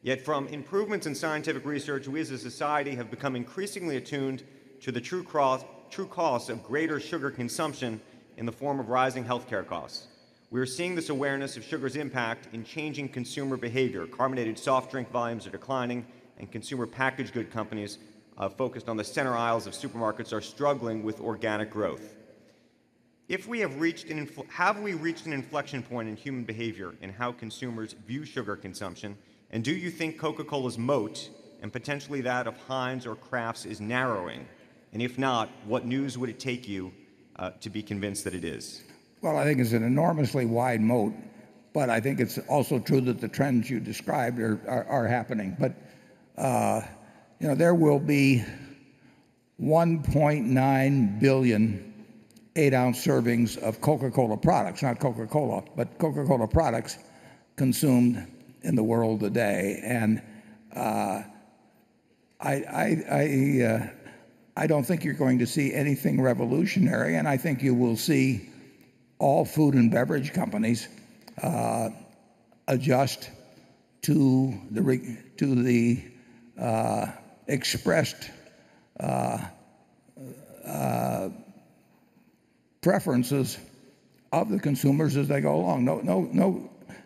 Yet from improvements in scientific research, we as a society have become increasingly attuned to the true costs of greater sugar consumption in the form of rising healthcare costs. We are seeing this awareness of sugar's impact in changing consumer behavior. Carbonated soft drink volumes are declining and consumer packaged good companies focused on the center aisles of supermarkets are struggling with organic growth. Have we reached an inflection point in human behavior in how consumers view sugar consumption, and do you think Coca-Cola's moat and potentially that of Heinz or Kraft's is narrowing? If not, what news would it take you to be convinced that it is? Well, I think it's an enormously wide moat, but I think it's also true that the trends you described are happening. There will be 1.9 billion eight-ounce servings of Coca-Cola products, not Coca-Cola, but Coca-Cola products consumed in the world today. I don't think you're going to see anything revolutionary, and I think you will see all food and beverage companies adjust to the expressed preferences of the consumers as they go along.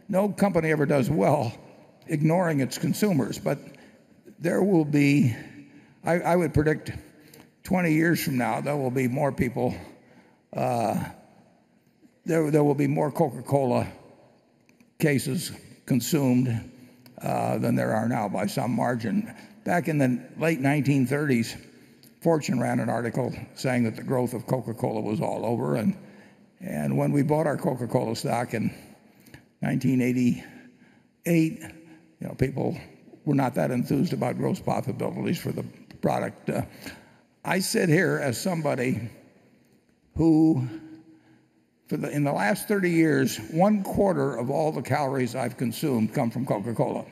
No company ever does well ignoring its consumers. I would predict 20 years from now, there will be more Coca-Cola cases consumed than there are now by some margin. Back in the late 1930s, Fortune ran an article saying that the growth of Coca-Cola was all over, and when we bought our Coca-Cola stock in 1988, people were not that enthused about growth possibilities for the product. I sit here as somebody who in the last 30 years, one-quarter of all the calories I've consumed come from Coca-Cola.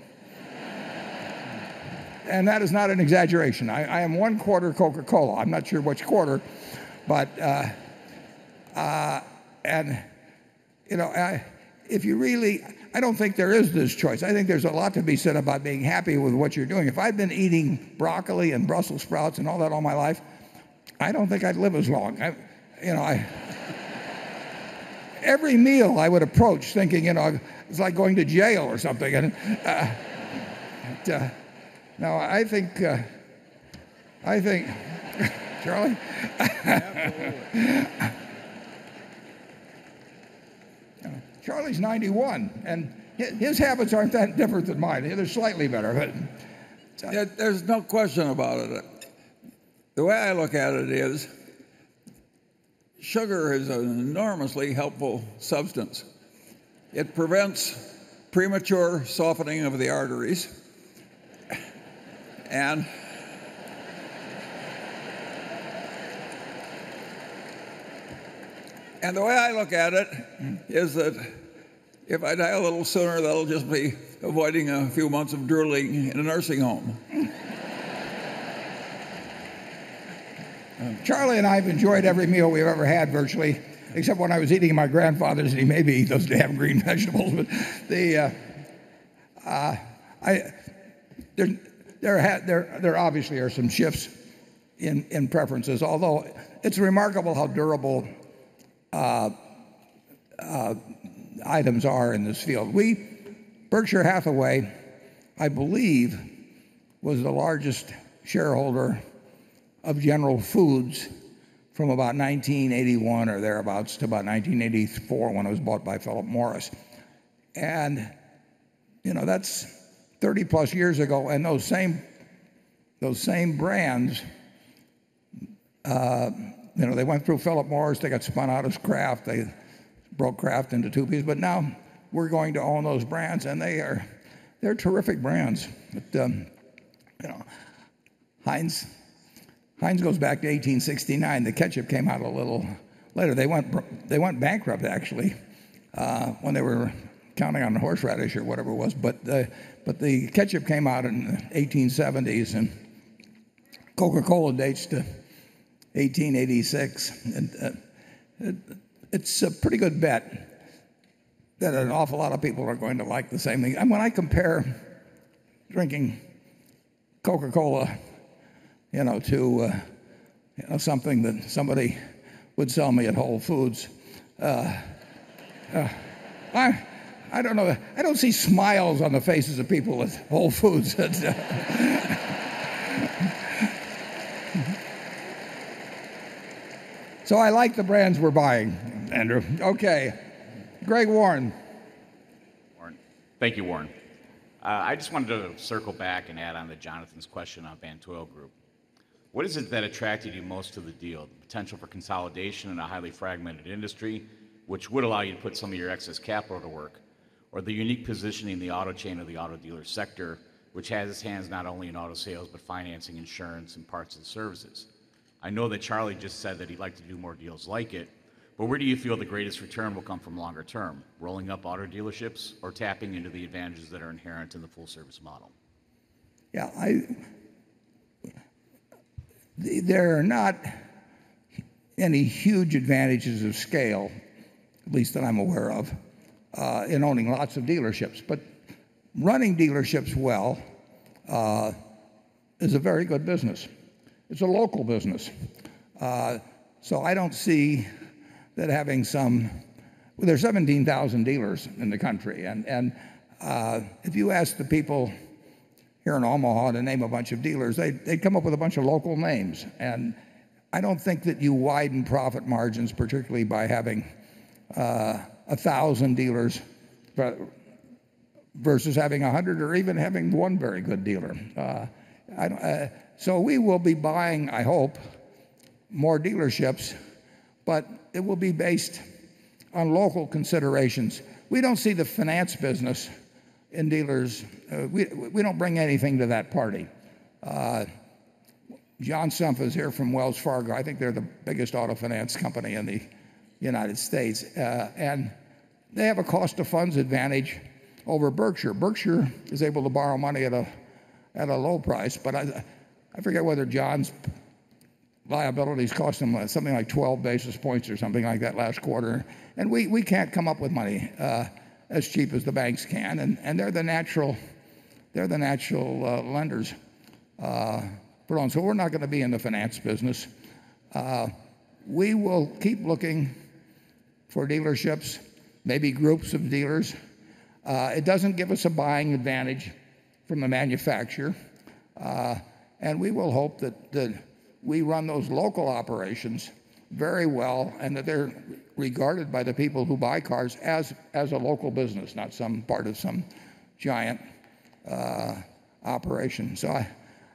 That is not an exaggeration. I am one-quarter Coca-Cola. I'm not sure which quarter. I don't think there is this choice. I think there's a lot to be said about being happy with what you're doing. If I'd been eating broccoli and Brussels sprouts and all that all my life, I don't think I'd live as long. Every meal I would approach thinking it's like going to jail or something. No, I think Charlie? Absolutely. Charlie's 91, his habits aren't that different than mine. They're slightly better. There's no question about it. The way I look at it is sugar is an enormously helpful substance. It prevents premature softening of the arteries. The way I look at it is that if I die a little sooner, that'll just be avoiding a few months of drooling in a nursing home. Charlie and I have enjoyed every meal we've ever had virtually, except when I was eating at my grandfather's, and he made me eat those damn green vegetables. There obviously are some shifts in preferences, although it's remarkable how durable items are in this field. Berkshire Hathaway, I believe, was the largest shareholder of General Foods from about 1981 or thereabouts to about 1984 when it was bought by Philip Morris. That's 30 plus years ago, and those same brands, they went through Philip Morris, they got spun out as Kraft, they broke Kraft into two pieces, now we're going to own those brands, and they're terrific brands. Heinz goes back to 1869. The ketchup came out a little later. They went bankrupt, actually, when they were counting on the horseradish or whatever it was. The ketchup came out in the 1870s, and Coca-Cola dates to 1886. It's a pretty good bet that an awful lot of people are going to like the same thing. When I compare drinking Coca-Cola to something that somebody would sell me at Whole Foods, I don't know. I don't see smiles on the faces of people with Whole Foods. I like the brands we're buying, Andrew. Okay. Gregg Warren. Warren. Thank you, Warren. I just wanted to circle back and add on to Jonathan's question on Van Tuyl Group. What is it that attracted you most to the deal? The potential for consolidation in a highly fragmented industry, which would allow you to put some of your excess capital to work, or the unique positioning in the auto chain of the auto dealer sector, which has its hands not only in auto sales, but financing, insurance, and parts and services? I know that Charlie just said that he'd like to do more deals like it, but where do you feel the greatest return will come from longer term, rolling up auto dealerships or tapping into the advantages that are inherent in the full service model? Yeah. There are not any huge advantages of scale, at least that I'm aware of, in owning lots of dealerships. Running dealerships well is a very good business. It's a local business. There are 17,000 dealers in the country, if you ask the people here in Omaha to name a bunch of dealers, they'd come up with a bunch of local names. I don't think that you widen profit margins particularly by having 1,000 dealers versus having 100 or even having one very good dealer. We will be buying, I hope, more dealerships, but it will be based on local considerations. We don't see the finance business in dealers. We don't bring anything to that party. John Shrewsberry is here from Wells Fargo. I think they're the biggest auto finance company in the U.S. They have a cost of funds advantage over Berkshire. Berkshire is able to borrow money at a low price, but I forget whether John's liabilities cost him something like 12 basis points or something like that last quarter. We can't come up with money as cheap as the banks can, and they're the natural lenders. We're not going to be in the finance business. We will keep looking for dealerships, maybe groups of dealers. It doesn't give us a buying advantage from the manufacturer. We will hope that we run those local operations very well and that they're regarded by the people who buy cars as a local business, not some part of some giant operation.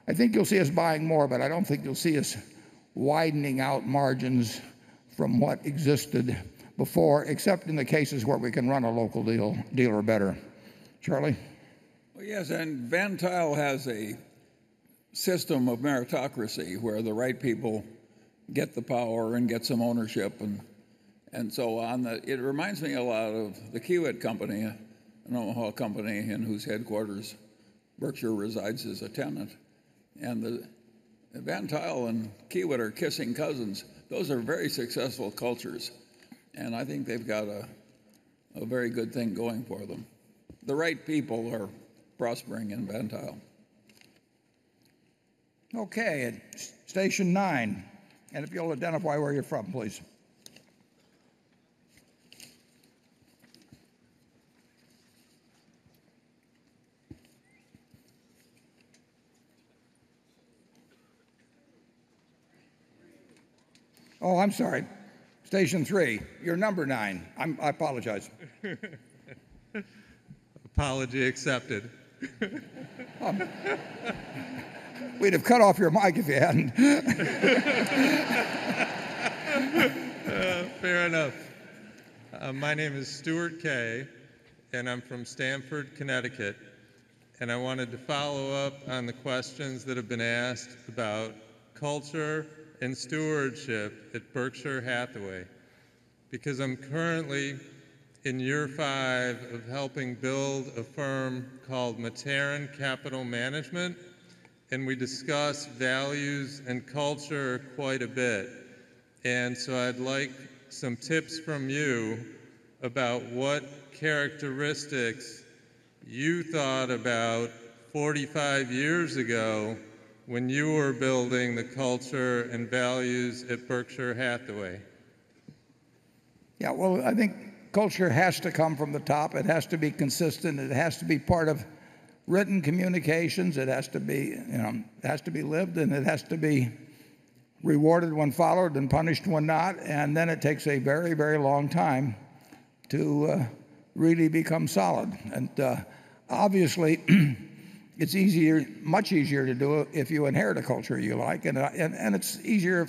I think you'll see us buying more, but I don't think you'll see us widening out margins from what existed before, except in the cases where we can run a local dealer better. Charlie? Yes, Van Tuyl has a system of meritocracy where the right people get the power and get some ownership and so on. It reminds me a lot of the Kiewit Company, an Omaha company in whose headquarters Berkshire resides as a tenant. Van Tuyl and Kiewit are kissing cousins. Those are very successful cultures, and I think they've got a very good thing going for them. The right people are prospering in Van Tuyl. Station 9, if you'll identify where you're from, please. Oh, I'm sorry, station 3. You're number 9. I apologize. Apology accepted. We'd have cut off your mic if you hadn't. Fair enough. My name is Stuart K. I'm from Stamford, Connecticut, and I wanted to follow up on the questions that have been asked about culture and stewardship at Berkshire Hathaway because I'm currently in year five of helping build a firm called Matarin Capital Management, and we discuss values and culture quite a bit. I'd like some tips from you about what characteristics you thought about 45 years ago when you were building the culture and values at Berkshire Hathaway. Yeah. Well, I think culture has to come from the top. It has to be consistent, it has to be part of written communications. It has to be lived, and it has to be rewarded when followed and punished when not. It takes a very long time to really become solid. Obviously, it's much easier to do if you inherit a culture you like, and it's easier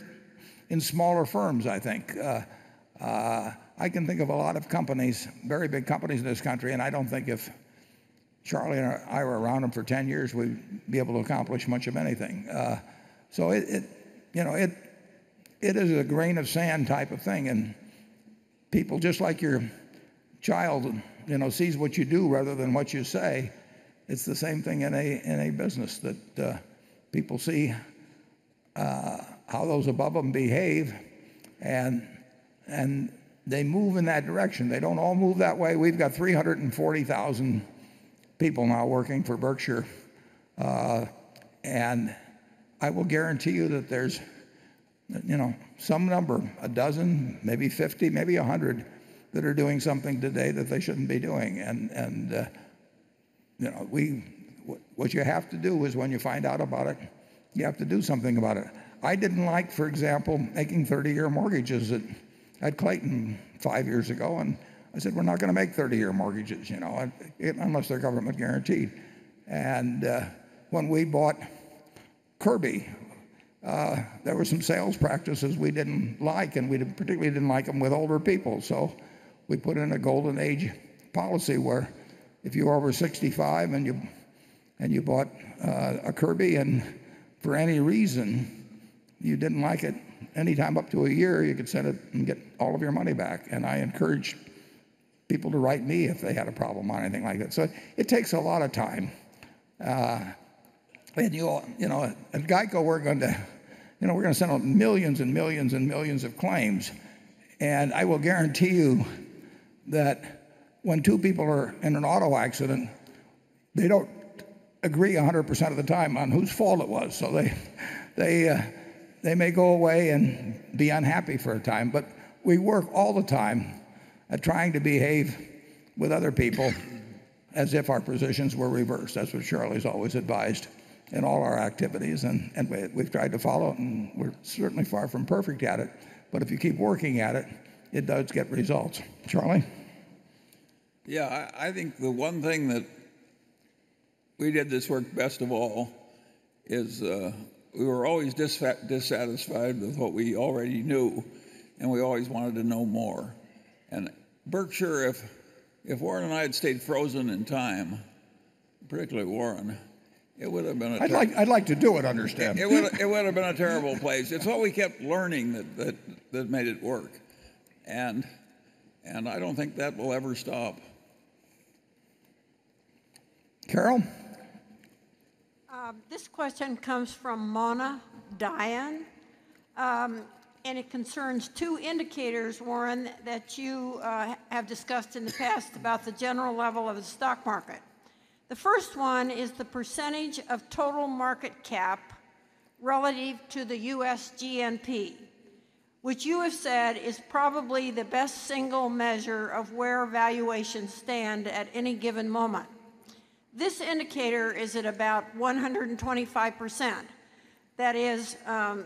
in smaller firms, I think. I can think of a lot of companies, very big companies in this country, and I don't think if Charlie and I were around them for 10 years, we'd be able to accomplish much of anything. It is a grain of sand type of thing, and people just like your child sees what you do rather than what you say. It's the same thing in a business that people see how those above them behave and they move in that direction. They don't all move that way. We've got 340,000 people now working for Berkshire. I will guarantee you that there's some number, a dozen, maybe 50, maybe 100, that are doing something today that they shouldn't be doing. What you have to do is when you find out about it, you have to do something about it. I didn't like, for example, making 30-year mortgages at Clayton five years ago, and I said, "We're not going to make 30-year mortgages, unless they're government guaranteed." When we bought Kirby, there were some sales practices we didn't like, and we particularly didn't like them with older people. We put in a golden age policy where if you're over 65 and you bought a Kirby, and for any reason you didn't like it, anytime up to a year, you could send it and get all of your money back. I encouraged people to write me if they had a problem on anything like that. It takes a lot of time. At GEICO, we're going to send out millions and millions and millions of claims, and I will guarantee you that when two people are in an auto accident, they don't agree 100% of the time on whose fault it was. They may go away and be unhappy for a time. We work all the time at trying to behave with other people as if our positions were reversed. That's what Charlie's always advised in all our activities. We've tried to follow it, and we're certainly far from perfect at it. If you keep working at it does get results. Charlie? Yeah, I think the one thing that we did this work best of all is we were always dissatisfied with what we already knew, and we always wanted to know more. Berkshire, if Warren and I had stayed frozen in time, particularly Warren, it would have been a I'd like to do it, understand it would've been a terrible place. It's what we kept learning that made it work, and I don't think that will ever stop. Carol? This question comes from Mona Diane, it concerns two indicators, Warren, that you have discussed in the past about the general level of the stock market. The first one is the percentage of total market cap relative to the U.S. GNP, which you have said is probably the best single measure of where valuations stand at any given moment. This indicator is at about 125%. That is the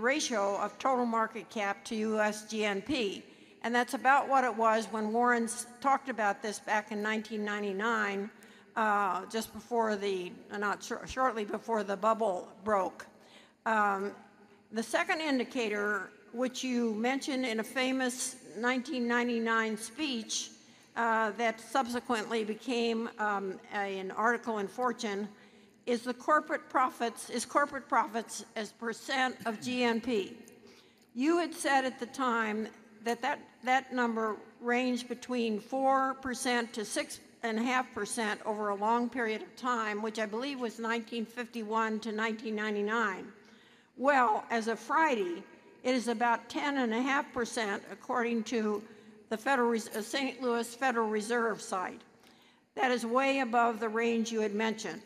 ratio of total market cap to U.S. GNP, that's about what it was when Warren talked about this back in 1999 shortly before the bubble broke. The second indicator, which you mentioned in a famous 1999 speech, that subsequently became an article in "Fortune," is corporate profits as percent of GNP. You had said at the time that that number ranged between 4%-6.5% over a long period of time, which I believe was 1951 to 1999. As of Friday, it is about 10.5% according to the St. Louis Federal Reserve site. That is way above the range you had mentioned.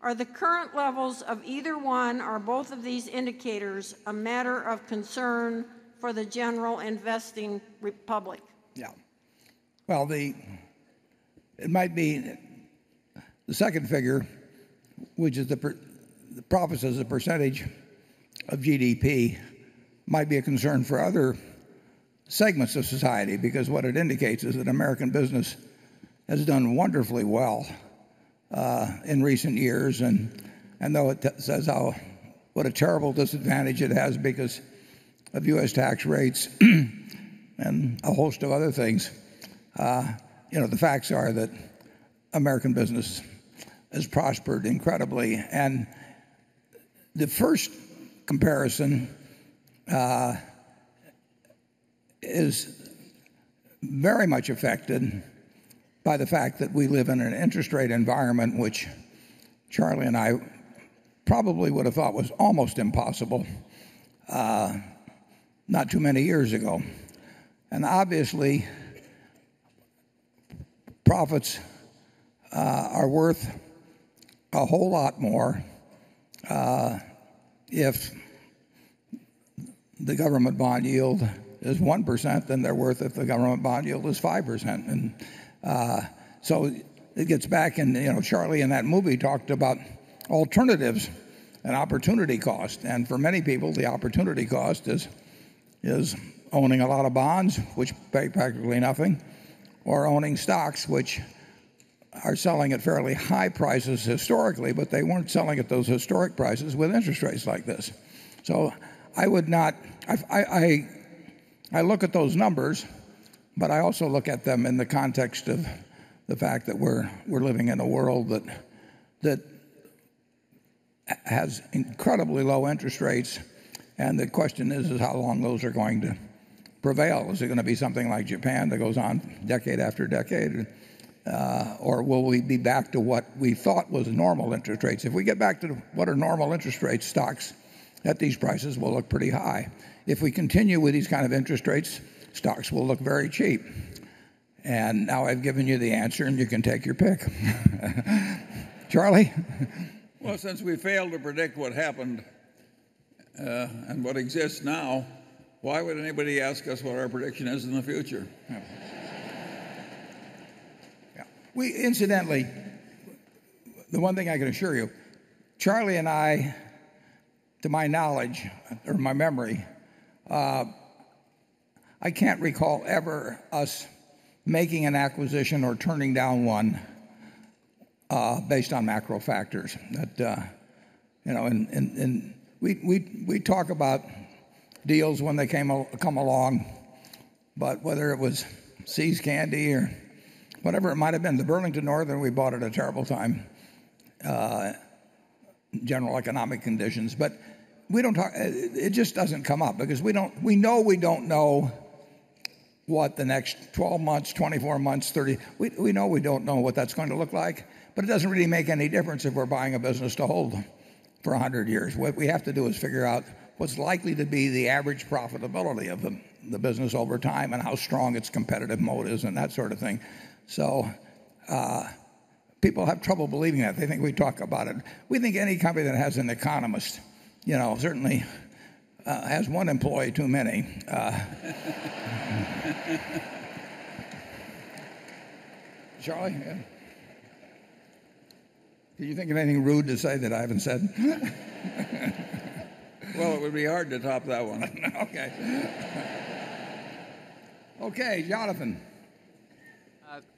Are the current levels of either one or both of these indicators a matter of concern for the general investing public? Yeah. It might be the second figure, which is the profits as a percentage of GDP, might be a concern for other segments of society because what it indicates is that American business has done wonderfully well in recent years. Though it says what a terrible disadvantage it has because of U.S. tax rates and a host of other things, the facts are that American business has prospered incredibly. The first comparison is very much affected by the fact that we live in an interest rate environment, which Charlie and I probably would have thought was almost impossible not too many years ago. Obviously, profits are worth a whole lot more if the government bond yield is 1% than they're worth if the government bond yield is 5%. It gets back and Charlie in that movie talked about alternatives and opportunity cost. For many people, the opportunity cost is owning a lot of bonds, which pay practically nothing, or owning stocks which are selling at fairly high prices historically, but they weren't selling at those historic prices with interest rates like this. I look at those numbers, but I also look at them in the context of the fact that we're living in a world that has incredibly low interest rates, the question is how long those are going to prevail? Is it going to be something like Japan that goes on decade after decade? Will we be back to what we thought was normal interest rates? If we get back to what are normal interest rates, stocks at these prices will look pretty high. If we continue with these kind of interest rates, stocks will look very cheap. Now I've given you the answer, and you can take your pick. Charlie? Since we failed to predict what happened and what exists now, why would anybody ask us what our prediction is in the future? Incidentally, the one thing I can assure you, Charlie and I, to my knowledge or my memory, I can't recall ever us making an acquisition or turning down one based on macro factors. We talk about deals when they come along Whether it was See's Candies or whatever it might've been. The Burlington Northern we bought at a terrible time, general economic conditions. It just doesn't come up because we know we don't know what the next 12 months, 24 months. We know we don't know what that's going to look like, but it doesn't really make any difference if we're buying a business to hold for 100 years. What we have to do is figure out what's likely to be the average profitability of the business over time and how strong its competitive moat is and that sort of thing. People have trouble believing that. They think we talk about it. We think any company that has an economist certainly has one employee too many. Charlie? Yeah. Can you think of anything rude to say that I haven't said? Well, it would be hard to top that one. Okay. Okay, Jonathan.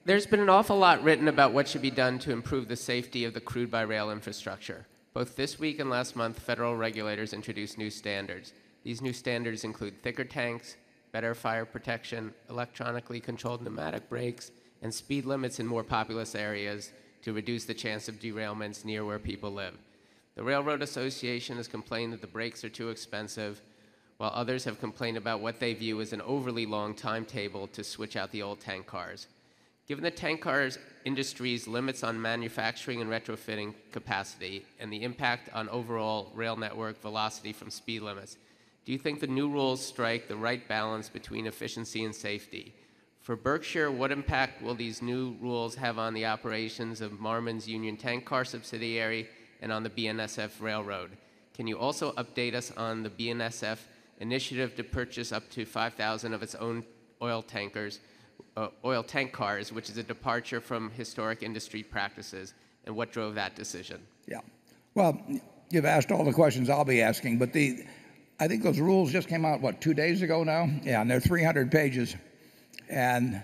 There's been an awful lot written about what should be done to improve the safety of the crude-by-rail infrastructure. Both this week and last month, federal regulators introduced new standards. These new standards include thicker tanks, better fire protection, electronically controlled pneumatic brakes, and speed limits in more populous areas to reduce the chance of derailments near where people live. The Railroad Association has complained that the brakes are too expensive, while others have complained about what they view as an overly long timetable to switch out the old tank cars. Given the tank cars industry's limits on manufacturing and retrofitting capacity and the impact on overall rail network velocity from speed limits, do you think the new rules strike the right balance between efficiency and safety? For Berkshire, what impact will these new rules have on the operations of Marmon's Union Tank Car subsidiary and on the BNSF Railroad? Can you also update us on the BNSF initiative to purchase up to 5,000 of its own oil tank cars, which is a departure from historic industry practices, and what drove that decision? Well, you've asked all the questions I'll be asking, I think those rules just came out, what, two days ago now? They're 300 pages, and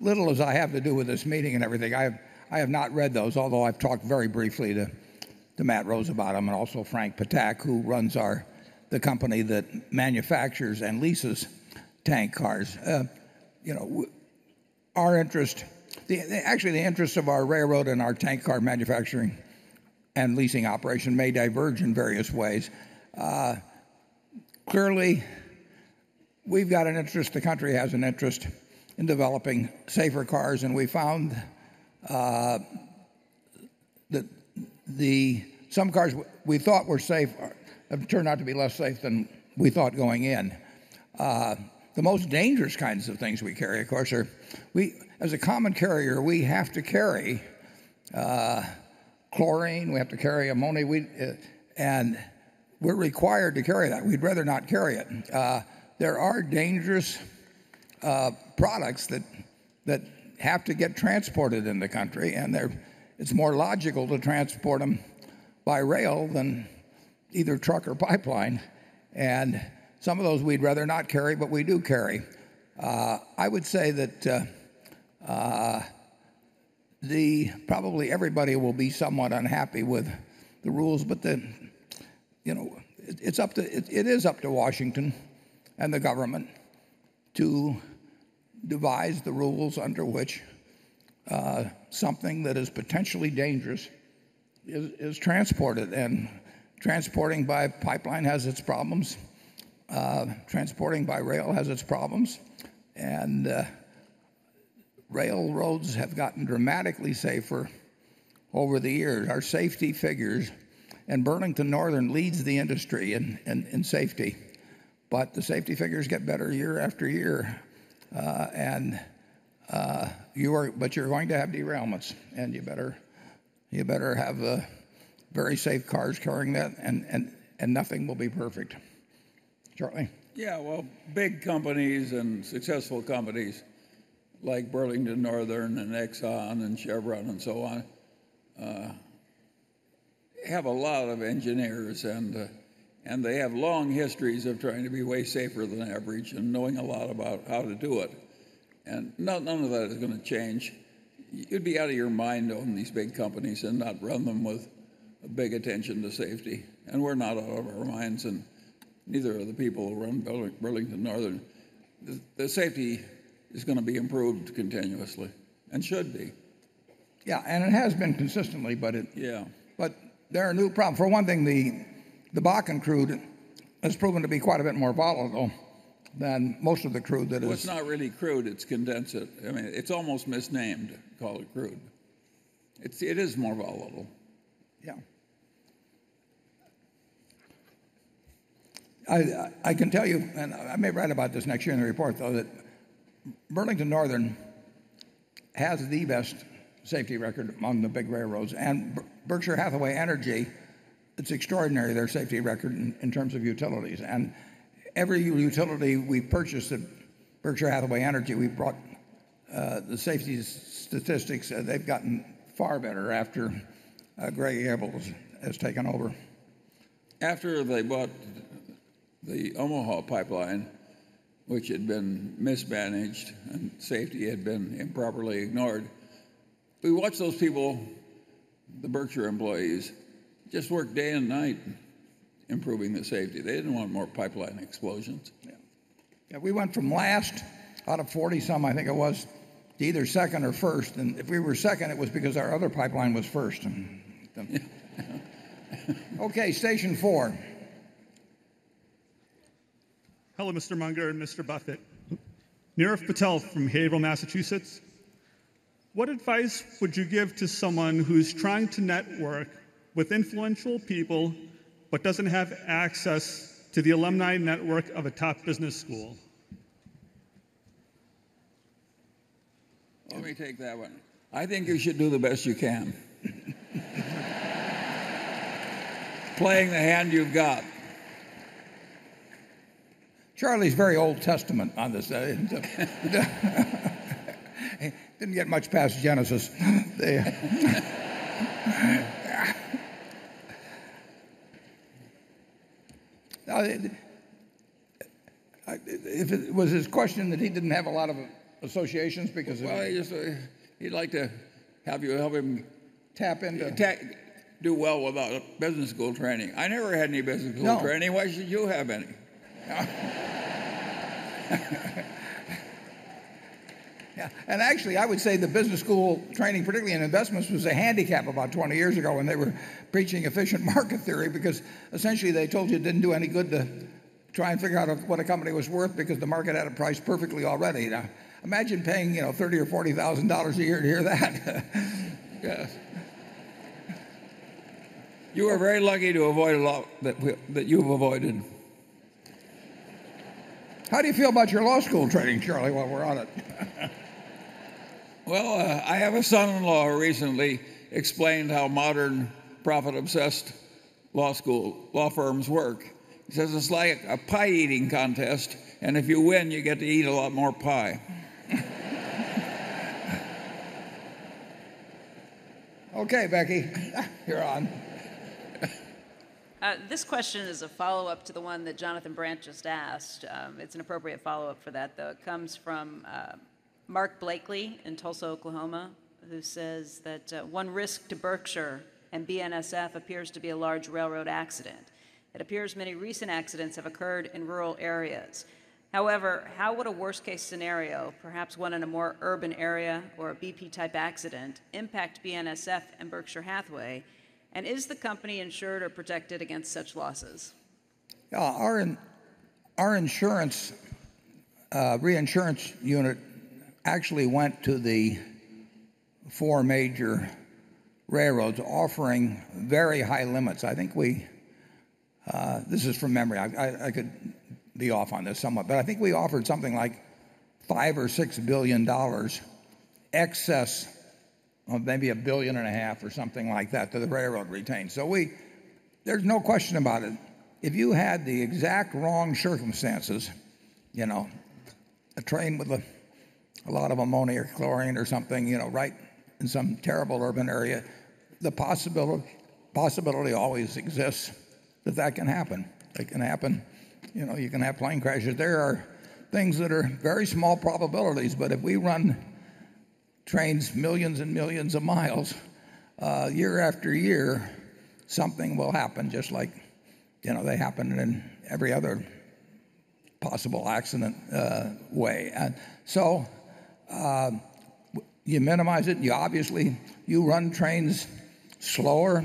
little as I have to do with this meeting and everything, I have not read those, although I've talked very briefly to Matt Rose about them and also Frank Ptak, who runs the company that manufactures and leases tank cars. Actually, the interests of our railroad and our tank car manufacturing and leasing operation may diverge in various ways. Clearly, we've got an interest, the country has an interest in developing safer cars, and we found that some cars we thought were safe have turned out to be less safe than we thought going in. As a common carrier, we have to carry chlorine, we have to carry ammonia. We're required to carry that. We'd rather not carry it. There are dangerous products that have to get transported in the country, it's more logical to transport them by rail than either truck or pipeline. Some of those we'd rather not carry, but we do carry. I would say that probably everybody will be somewhat unhappy with the rules, it is up to Washington and the government to devise the rules under which something that is potentially dangerous is transported. Transporting by pipeline has its problems. Transporting by rail has its problems. Railroads have gotten dramatically safer over the years. Our safety figures, and Burlington Northern leads the industry in safety, the safety figures get better year after year. You're going to have derailments, and you better have very safe cars carrying that, and nothing will be perfect. Charlie? Well, big companies and successful companies like Burlington Northern and Exxon and Chevron and so on, have a lot of engineers, they have long histories of trying to be way safer than average and knowing a lot about how to do it. None of that is going to change. You'd be out of your mind to own these big companies and not run them with a big attention to safety. We're not out of our minds, and neither are the people who run Burlington Northern. The safety is going to be improved continuously and should be. It has been consistently, but it. Yeah There are new problems. For one thing, the Bakken crude has proven to be quite a bit more volatile than most of the crude that. Well, it's not really crude, it's condensate. I mean, it's almost misnamed, call it crude. It is more volatile. Yeah. I can tell you, and I may write about this next year in the report, though, that Burlington Northern has the best safety record among the big railroads, and Berkshire Hathaway Energy, it's extraordinary, their safety record in terms of utilities. Every utility we've purchased at Berkshire Hathaway Energy, the safety statistics, they've gotten far better after Greg Abel has taken over. After they bought the Omaha pipeline, which had been mismanaged and safety had been improperly ignored, we watched those people The Berkshire employees just worked day and night improving the safety. They didn't want more pipeline explosions. Yeah. Yeah, we went from last out of 40 some, I think it was, to either second or first, and if we were second, it was because our other pipeline was first. Yeah. Okay, station 4. Hello, Mr. Munger and Mr. Buffett. Nirav Patel from Haverhill, Massachusetts. What advice would you give to someone who's trying to network with influential people but doesn't have access to the alumni network of a top business school? Let me take that one. I think you should do the best you can. Playing the hand you've got. Charlie's very Old Testament on this. He didn't get much past Genesis. Now, was his question that he didn't have a lot of associations because of. Well, he'd like to have you help him. Tap into. Do well without business school training. I never had any business school training. No. Why should you have any? Yeah. Actually, I would say the business school training, particularly in investments, was a handicap about 20 years ago when they were preaching efficient market theory because essentially they told you it didn't do any good to try and figure out what a company was worth because the market had it priced perfectly already. Now, imagine paying $30,000 or $40,000 a year to hear that. Yes. You are very lucky that you've avoided. How do you feel about your law school training, Charlie, while we're on it? Well, I have a son-in-law who recently explained how modern profit-obsessed law firms work. He says it's like a pie eating contest, and if you win, you get to eat a lot more pie. Okay, Becky, you're on. This question is a follow-up to the one that Jonathan Brandt just asked. It's an appropriate follow-up for that, though. It comes from Mark Blakely in Tulsa, Oklahoma, who says that one risk to Berkshire and BNSF appears to be a large railroad accident. It appears many recent accidents have occurred in rural areas. However, how would a worst case scenario, perhaps one in a more urban area or a BP type accident, impact BNSF and Berkshire Hathaway? Is the company insured or protected against such losses? Our reinsurance unit actually went to the four major railroads offering very high limits. This is from memory, I could be off on this somewhat. I think we offered something like $5 billion or $6 billion excess of maybe a billion and a half or something like that that the railroad retains. There's no question about it. If you had the exact wrong circumstances, a train with a lot of ammonia or chlorine or something right in some terrible urban area, the possibility always exists that that can happen. It can happen. You can have plane crashes. There are things that are very small probabilities, but if we run trains millions and millions of miles year after year, something will happen just like they happen in every other possible accident way. You minimize it, you obviously run trains slower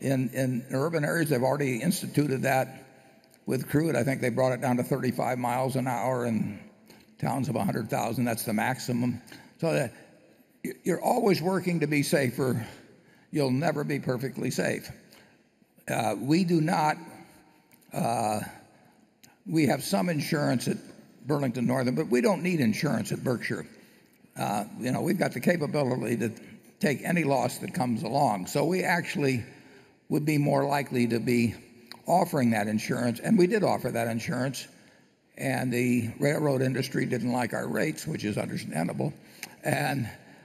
in urban areas. They've already instituted that with crude. I think they brought it down to 35 miles an hour in towns of 100,000. That's the maximum. You're always working to be safer. You'll never be perfectly safe. We have some insurance at Burlington Northern, but we don't need insurance at Berkshire. We've got the capability to take any loss that comes along. We actually would be more likely to be offering that insurance, and we did offer that insurance, and the railroad industry didn't like our rates, which is understandable.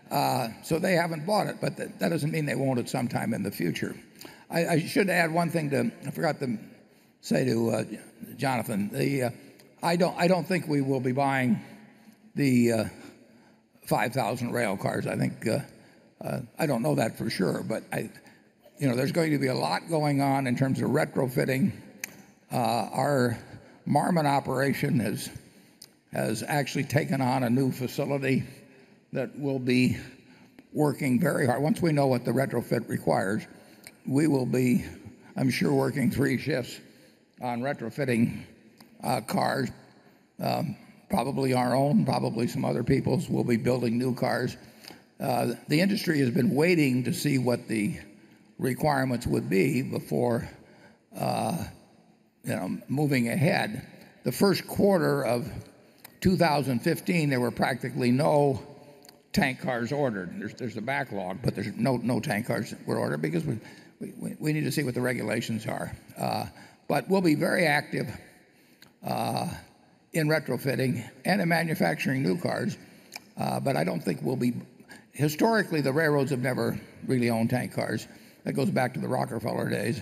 They haven't bought it, but that doesn't mean they won't at some time in the future. I should add one thing I forgot to say to Jonathan. I don't think we will be buying the 5,000 rail cars. I don't know that for sure, but there's going to be a lot going on in terms of retrofitting. Our Marmon operation has actually taken on a new facility that will be working very hard. Once we know what the retrofit requires, we will be, I'm sure, working three shifts on retrofitting cars. Probably our own, probably some other people's. We'll be building new cars. The industry has been waiting to see what the requirements would be before moving ahead. The first quarter of 2015, there were practically no tank cars ordered. There's a backlog, but there's no tank cars that were ordered because we need to see what the regulations are. We'll be very active in retrofitting and in manufacturing new cars. Historically, the railroads have never really owned tank cars. That goes back to the Rockefeller days.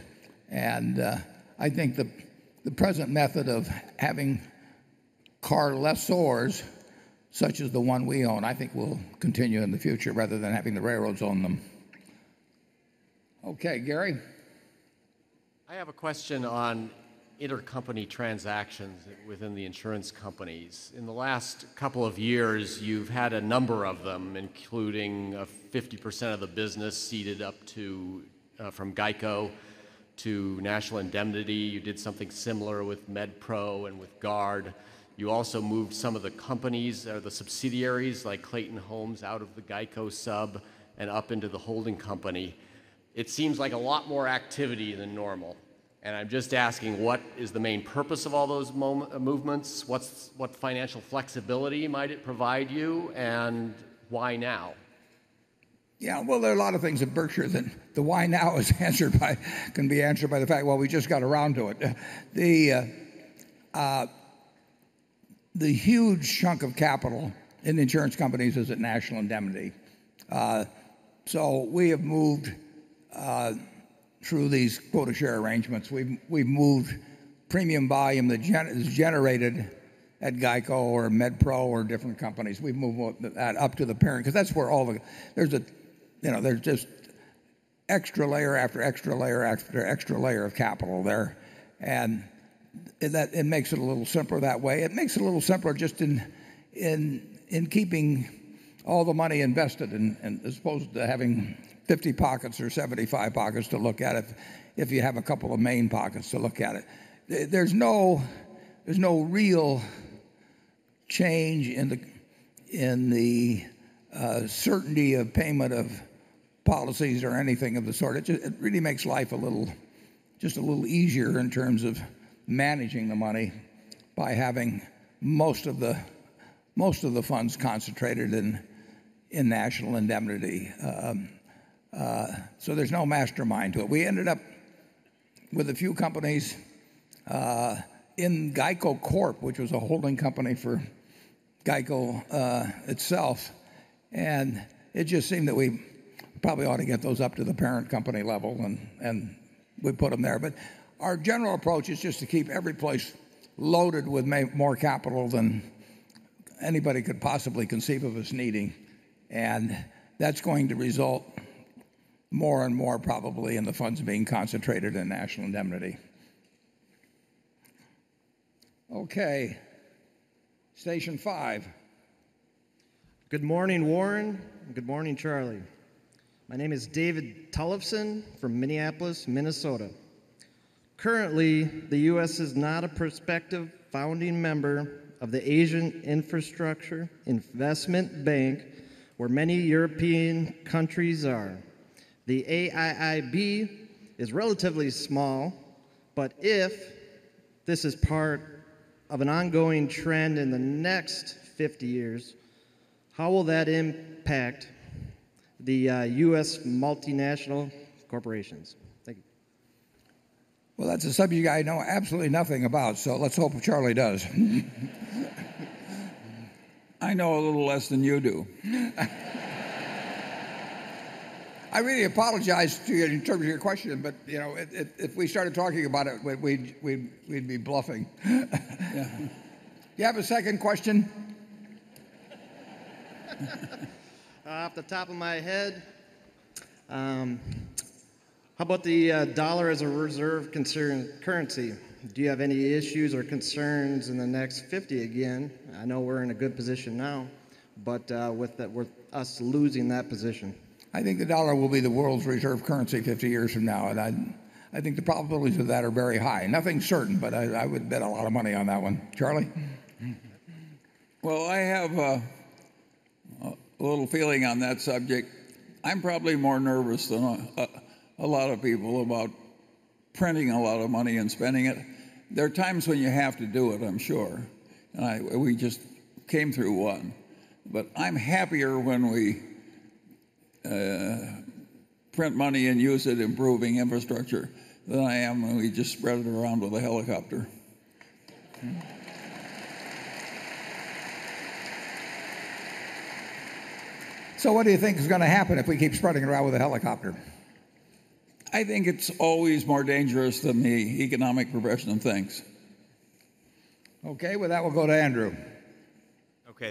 I think the present method of having car lessors, such as the one we own, I think will continue in the future rather than having the railroads own them. Okay, Gary? I have a question on intercompany transactions within the insurance companies. In the last couple of years, you've had a number of them, including 50% of the business ceded up from GEICO to National Indemnity. You did something similar with MedPro and with GUARD. You also moved some of the companies or the subsidiaries, like Clayton Homes, out of the GEICO sub and up into the holding company. It seems like a lot more activity than normal, I'm just asking what is the main purpose of all those movements? What financial flexibility might it provide you, and why now? Yeah. Well, there are a lot of things at Berkshire. The why now can be answered by the fact, well, we just got around to it. The huge chunk of capital in the insurance companies is at National Indemnity. We have moved through these quota share arrangements. We've moved premium volume that is generated at GEICO or MedPro or different companies. We've moved that up to the parent because that's where all the There's just extra layer after extra layer after extra layer of capital there, and it makes it a little simpler that way. It makes it a little simpler just in keeping all the money invested as opposed to having 50 pockets or 75 pockets to look at it if you have a couple of main pockets to look at it. There's no real change in the certainty of payment of policies or anything of the sort. It really makes life just a little easier in terms of managing the money by having most of the funds concentrated in National Indemnity. There's no mastermind to it. We ended up with a few companies in GEICO Corp, which was a holding company for GEICO itself, and it just seemed that we probably ought to get those up to the parent company level, and we put them there. Our general approach is just to keep every place loaded with more capital than anybody could possibly conceive of as needing, and that's going to result more and more probably in the funds being concentrated in National Indemnity. Okay, station five. Good morning, Warren, and good morning, Charlie. My name is David Tollifson from Minneapolis, Minnesota. Currently, the U.S. is not a prospective founding member of the Asian Infrastructure Investment Bank, where many European countries are. The AIIB is relatively small, but if this is part of an ongoing trend in the next 50 years, how will that impact the U.S. multinational corporations? Thank you. Well, that's a subject I know absolutely nothing about, so let's hope Charlie does. I know a little less than you do. I really apologize to you in terms of your question, but if we started talking about it, we'd be bluffing. Yeah. Do you have a second question? Off the top of my head, how about the dollar as a reserve currency? Do you have any issues or concerns in the next 50, again? I know we're in a good position now, but with us losing that position. I think the dollar will be the world's reserve currency 50 years from now, and I think the probabilities of that are very high. Nothing's certain, but I would bet a lot of money on that one. Charlie? Well, I have a little feeling on that subject. I'm probably more nervous than a lot of people about printing a lot of money and spending it. There are times when you have to do it, I'm sure. We just came through one. I'm happier when we print money and use it improving infrastructure than I am when we just spread it around with a helicopter. What do you think is going to happen if we keep spreading it around with a helicopter? I think it's always more dangerous than the economic profession thinks. With that, we'll go to Andrew.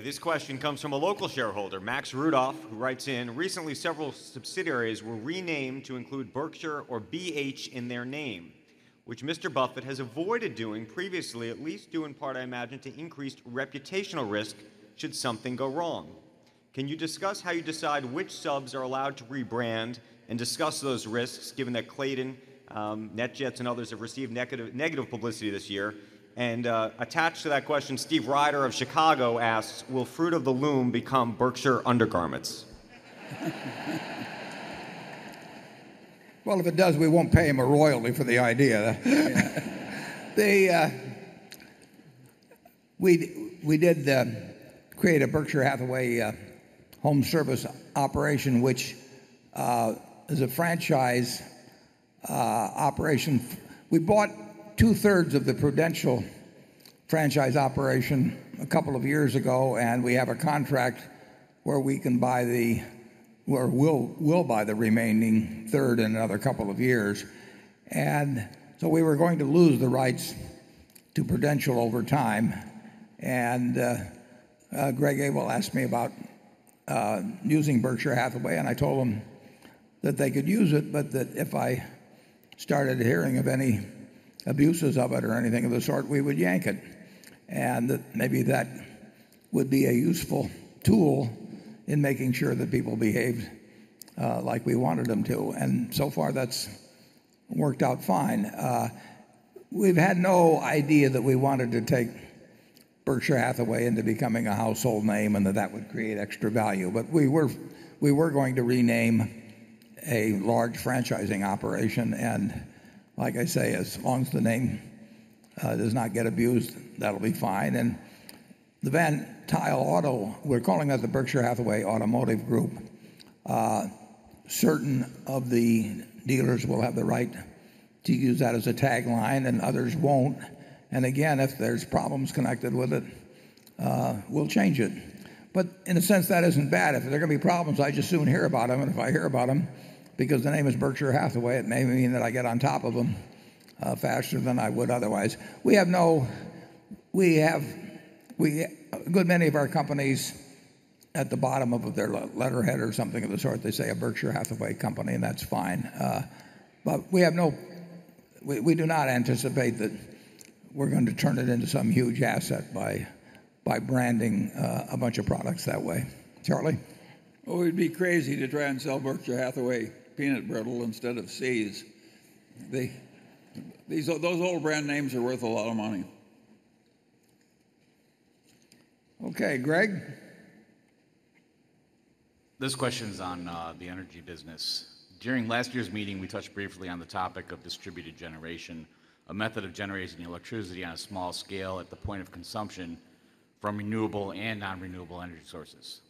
This question comes from a local shareholder, Max Rudolph, who writes in, "Recently, several subsidiaries were renamed to include Berkshire or BH in their name, which Mr. Buffett has avoided doing previously, at least due in part, I imagine, to increased reputational risk should something go wrong. Can you discuss how you decide which subs are allowed to rebrand and discuss those risks given that Clayton, NetJets, and others have received negative publicity this year?" Attached to that question, Steve Ryder of Chicago asks, "Will Fruit of the Loom become Berkshire Undergarments? If it does, we won't pay him a royalty for the idea. We did create a Berkshire Hathaway HomeServices operation, which is a franchise operation. We bought two-thirds of the Prudential franchise operation a couple of years ago, and we have a contract where we can buy or will buy the remaining third in another couple of years. We were going to lose the rights to Prudential over time, and Greg Abel asked me about using Berkshire Hathaway, and I told him that they could use it, but that if I started hearing of any abuses of it or anything of the sort, we would yank it. That maybe that would be a useful tool in making sure that people behaved like we wanted them to. So far, that's worked out fine. We've had no idea that we wanted to take Berkshire Hathaway into becoming a household name and that that would create extra value. We were going to rename a large franchising operation, and like I say, as long as the name does not get abused, that'll be fine. The Van Tuyl Auto, we're calling it the Berkshire Hathaway Automotive Group. Certain of the dealers will have the right to use that as a tagline, and others won't. Again, if there's problems connected with it, we'll change it. In a sense, that isn't bad. If there are going to be problems, I'd just soon hear about them. If I hear about them, because the name is Berkshire Hathaway, it may mean that I get on top of them faster than I would otherwise. A good many of our companies at the bottom of their letterhead or something of the sort, they say a Berkshire Hathaway company, and that's fine. We do not anticipate that we're going to turn it into some huge asset by branding a bunch of products that way. Charlie? We'd be crazy to try and sell Berkshire Hathaway peanut brittle instead of See's. Those old brand names are worth a lot of money. Okay. Greg? This question's on the energy business. During last year's meeting, we touched briefly on the topic of distributed generation, a method of generating electricity on a small scale at the point of consumption from renewable and non-renewable energy sources.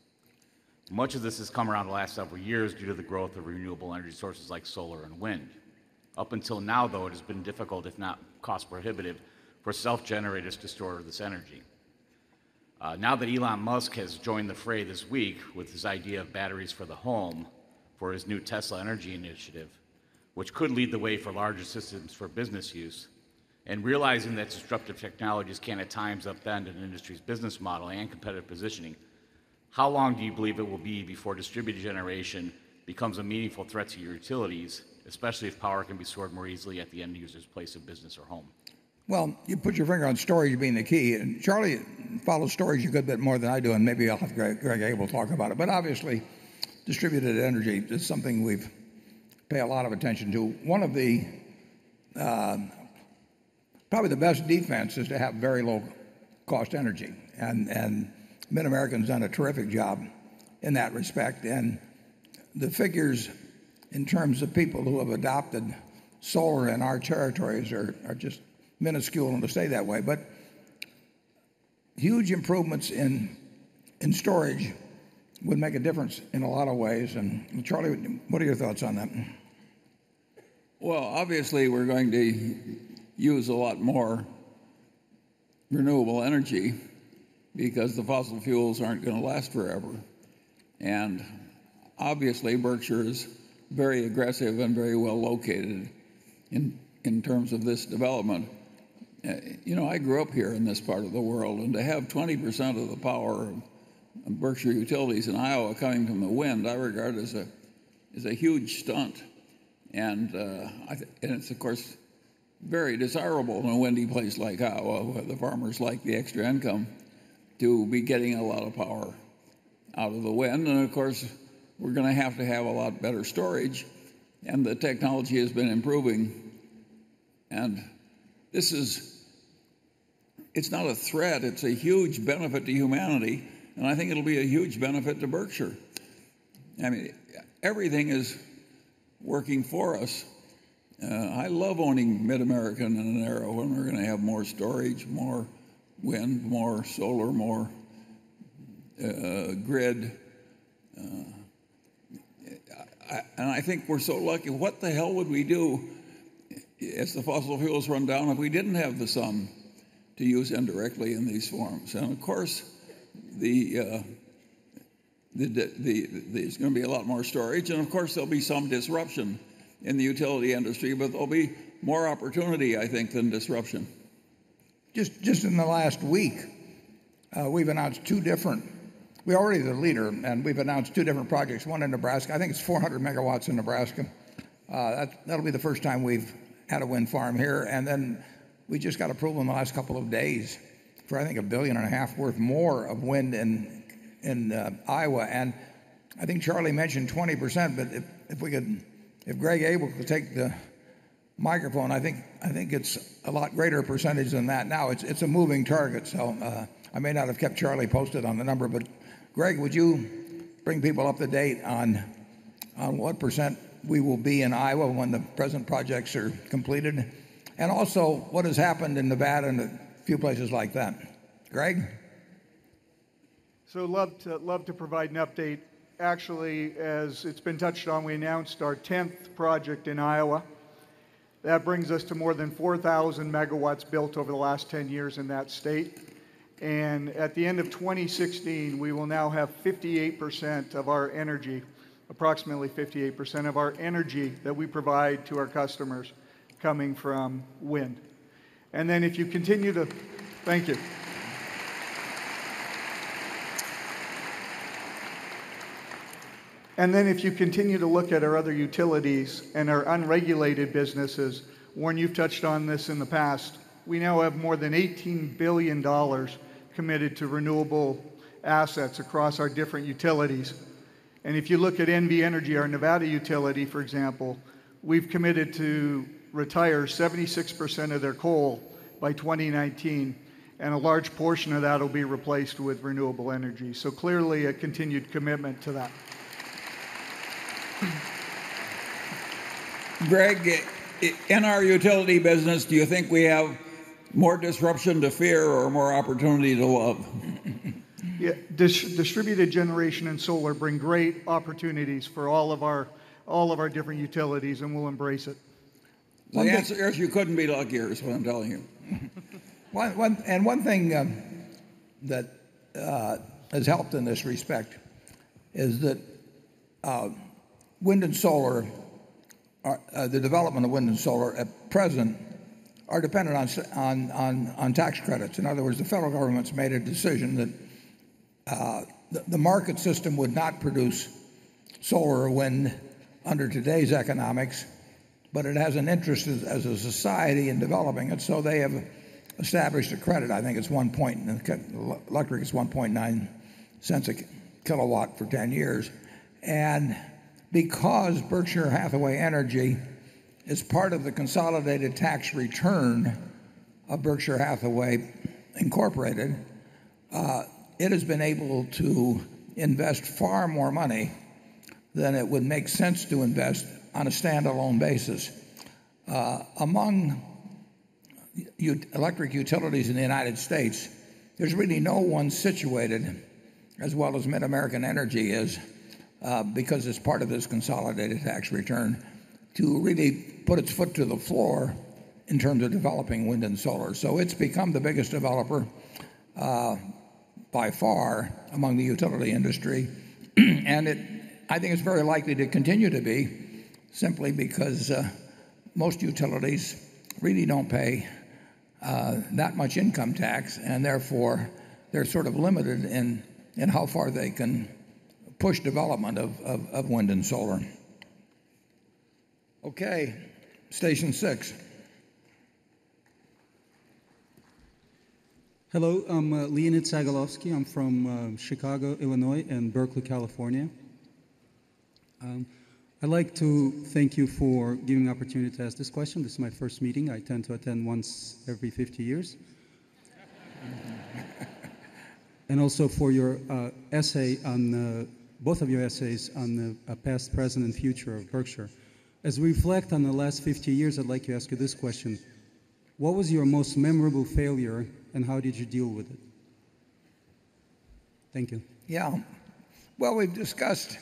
Much of this has come around the last several years due to the growth of renewable energy sources like solar and wind. Up until now, though, it has been difficult, if not cost-prohibitive, for self-generators to store this energy. Now that Elon Musk has joined the fray this week with his idea of batteries for the home for his new Tesla Energy initiative, which could lead the way for larger systems for business use, realizing that disruptive technologies can at times upend an industry's business model and competitive positioning, how long do you believe it will be before distributed generation becomes a meaningful threat to your utilities, especially if power can be stored more easily at the end user's place of business or home? Well, you put your finger on storage being the key. Charlie follows storage a good bit more than I do, maybe I'll have Greg Abel talk about it. Obviously, distributed energy is something we pay a lot of attention to. Probably the best defense is to have very low-cost energy, MidAmerican's done a terrific job in that respect. The figures in terms of people who have adopted solar in our territories are just minuscule and will stay that way. Huge improvements in storage would make a difference in a lot of ways. Charlie, what are your thoughts on that? Well, obviously, we're going to use a lot more renewable energy because the fossil fuels aren't going to last forever. Obviously, Berkshire is very aggressive and very well located in terms of this development. I grew up here in this part of the world, and to have 20% of the power of Berkshire utilities in Iowa coming from the wind, I regard as a huge stunt. It's, of course, very desirable in a windy place like Iowa, the farmers like the extra income, to be getting a lot of power out of the wind. Of course, we're going to have to have a lot better storage, and the technology has been improving. It's not a threat. It's a huge benefit to humanity, and I think it'll be a huge benefit to Berkshire. Everything is working for us. I love owning MidAmerican Energy and, [inaudible] and we're going to have more storage, more wind, more solar, more grid. I think we're so lucky. What the hell would we do if the fossil fuels run down, if we didn't have the sun to use indirectly in these forms? Of course, there's going to be a lot more storage. Of course, there'll be some disruption in the utility industry, but there'll be more opportunity, I think, than disruption. Just in the last week, we've announced We're already the leader, and we've announced two different projects, one in Nebraska. I think it's 400 megawatts in Nebraska. That'll be the first time we've had a wind farm here. Then we just got approval in the last couple of days for, I think, a billion and a half worth more of wind in Iowa. I think Charlie mentioned 20%, but if Greg Abel could take the microphone, I think it's a lot greater percentage than that now. It's a moving target, so I may not have kept Charlie posted on the number. Greg, would you bring people up to date on what percent we will be in Iowa when the present projects are completed? Also what has happened in Nevada and a few places like that. Greg? Love to provide an update. Actually, as it's been touched on, we announced our 10th project in Iowa. That brings us to more than 4,000 megawatts built over the last 10 years in that state. At the end of 2016, we will now have 58% of our energy, approximately 58% of our energy that we provide to our customers coming from wind. Thank you. Then if you continue to look at our other utilities and our unregulated businesses, Warren, you've touched on this in the past, we now have more than $18 billion committed to renewable assets across our different utilities. If you look at NV Energy, our Nevada utility, for example, we've committed to retire 76% of their coal by 2019, and a large portion of that will be replaced with renewable energy. Clearly, a continued commitment to that. Greg, in our utility business, do you think we have more disruption to fear or more opportunity to love? Yeah. distributed generation and solar bring great opportunities for all of our different utilities, and we'll embrace it. The answer is you couldn't be luckier, is what I'm telling you. One thing that has helped in this respect is that wind and solar, the development of wind and solar at present, are dependent on tax credits. In other words, the federal government's made a decision that the market system would not produce solar or wind under today's economics, but it has an interest as a society in developing it, so they have established a credit. I think electric is $0.019 a kilowatt for 10 years. Because Berkshire Hathaway Energy is part of the consolidated tax return of Berkshire Hathaway Incorporated, it has been able to invest far more money than it would make sense to invest on a standalone basis. Among electric utilities in the U.S., there's really no one situated as well as MidAmerican Energy is, because it's part of this consolidated tax return to really put its foot to the floor in terms of developing wind and solar. It's become the biggest developer by far among the utility industry and I think it's very likely to continue to be simply because most utilities really don't pay that much income tax and therefore they're sort of limited in how far they can push development of wind and solar. Okay, station six. Hello, I'm Leonid Sagalovsky. I'm from Chicago, Illinois and Berkeley, California. I'd like to thank you for giving the opportunity to ask this question. This is my first meeting. I tend to attend once every 50 years. Also for both of your essays on the past, present, and future of Berkshire. As we reflect on the last 50 years, I'd like to ask you this question. What was your most memorable failure, and how did you deal with it? Thank you. Yeah. Well, we've discussed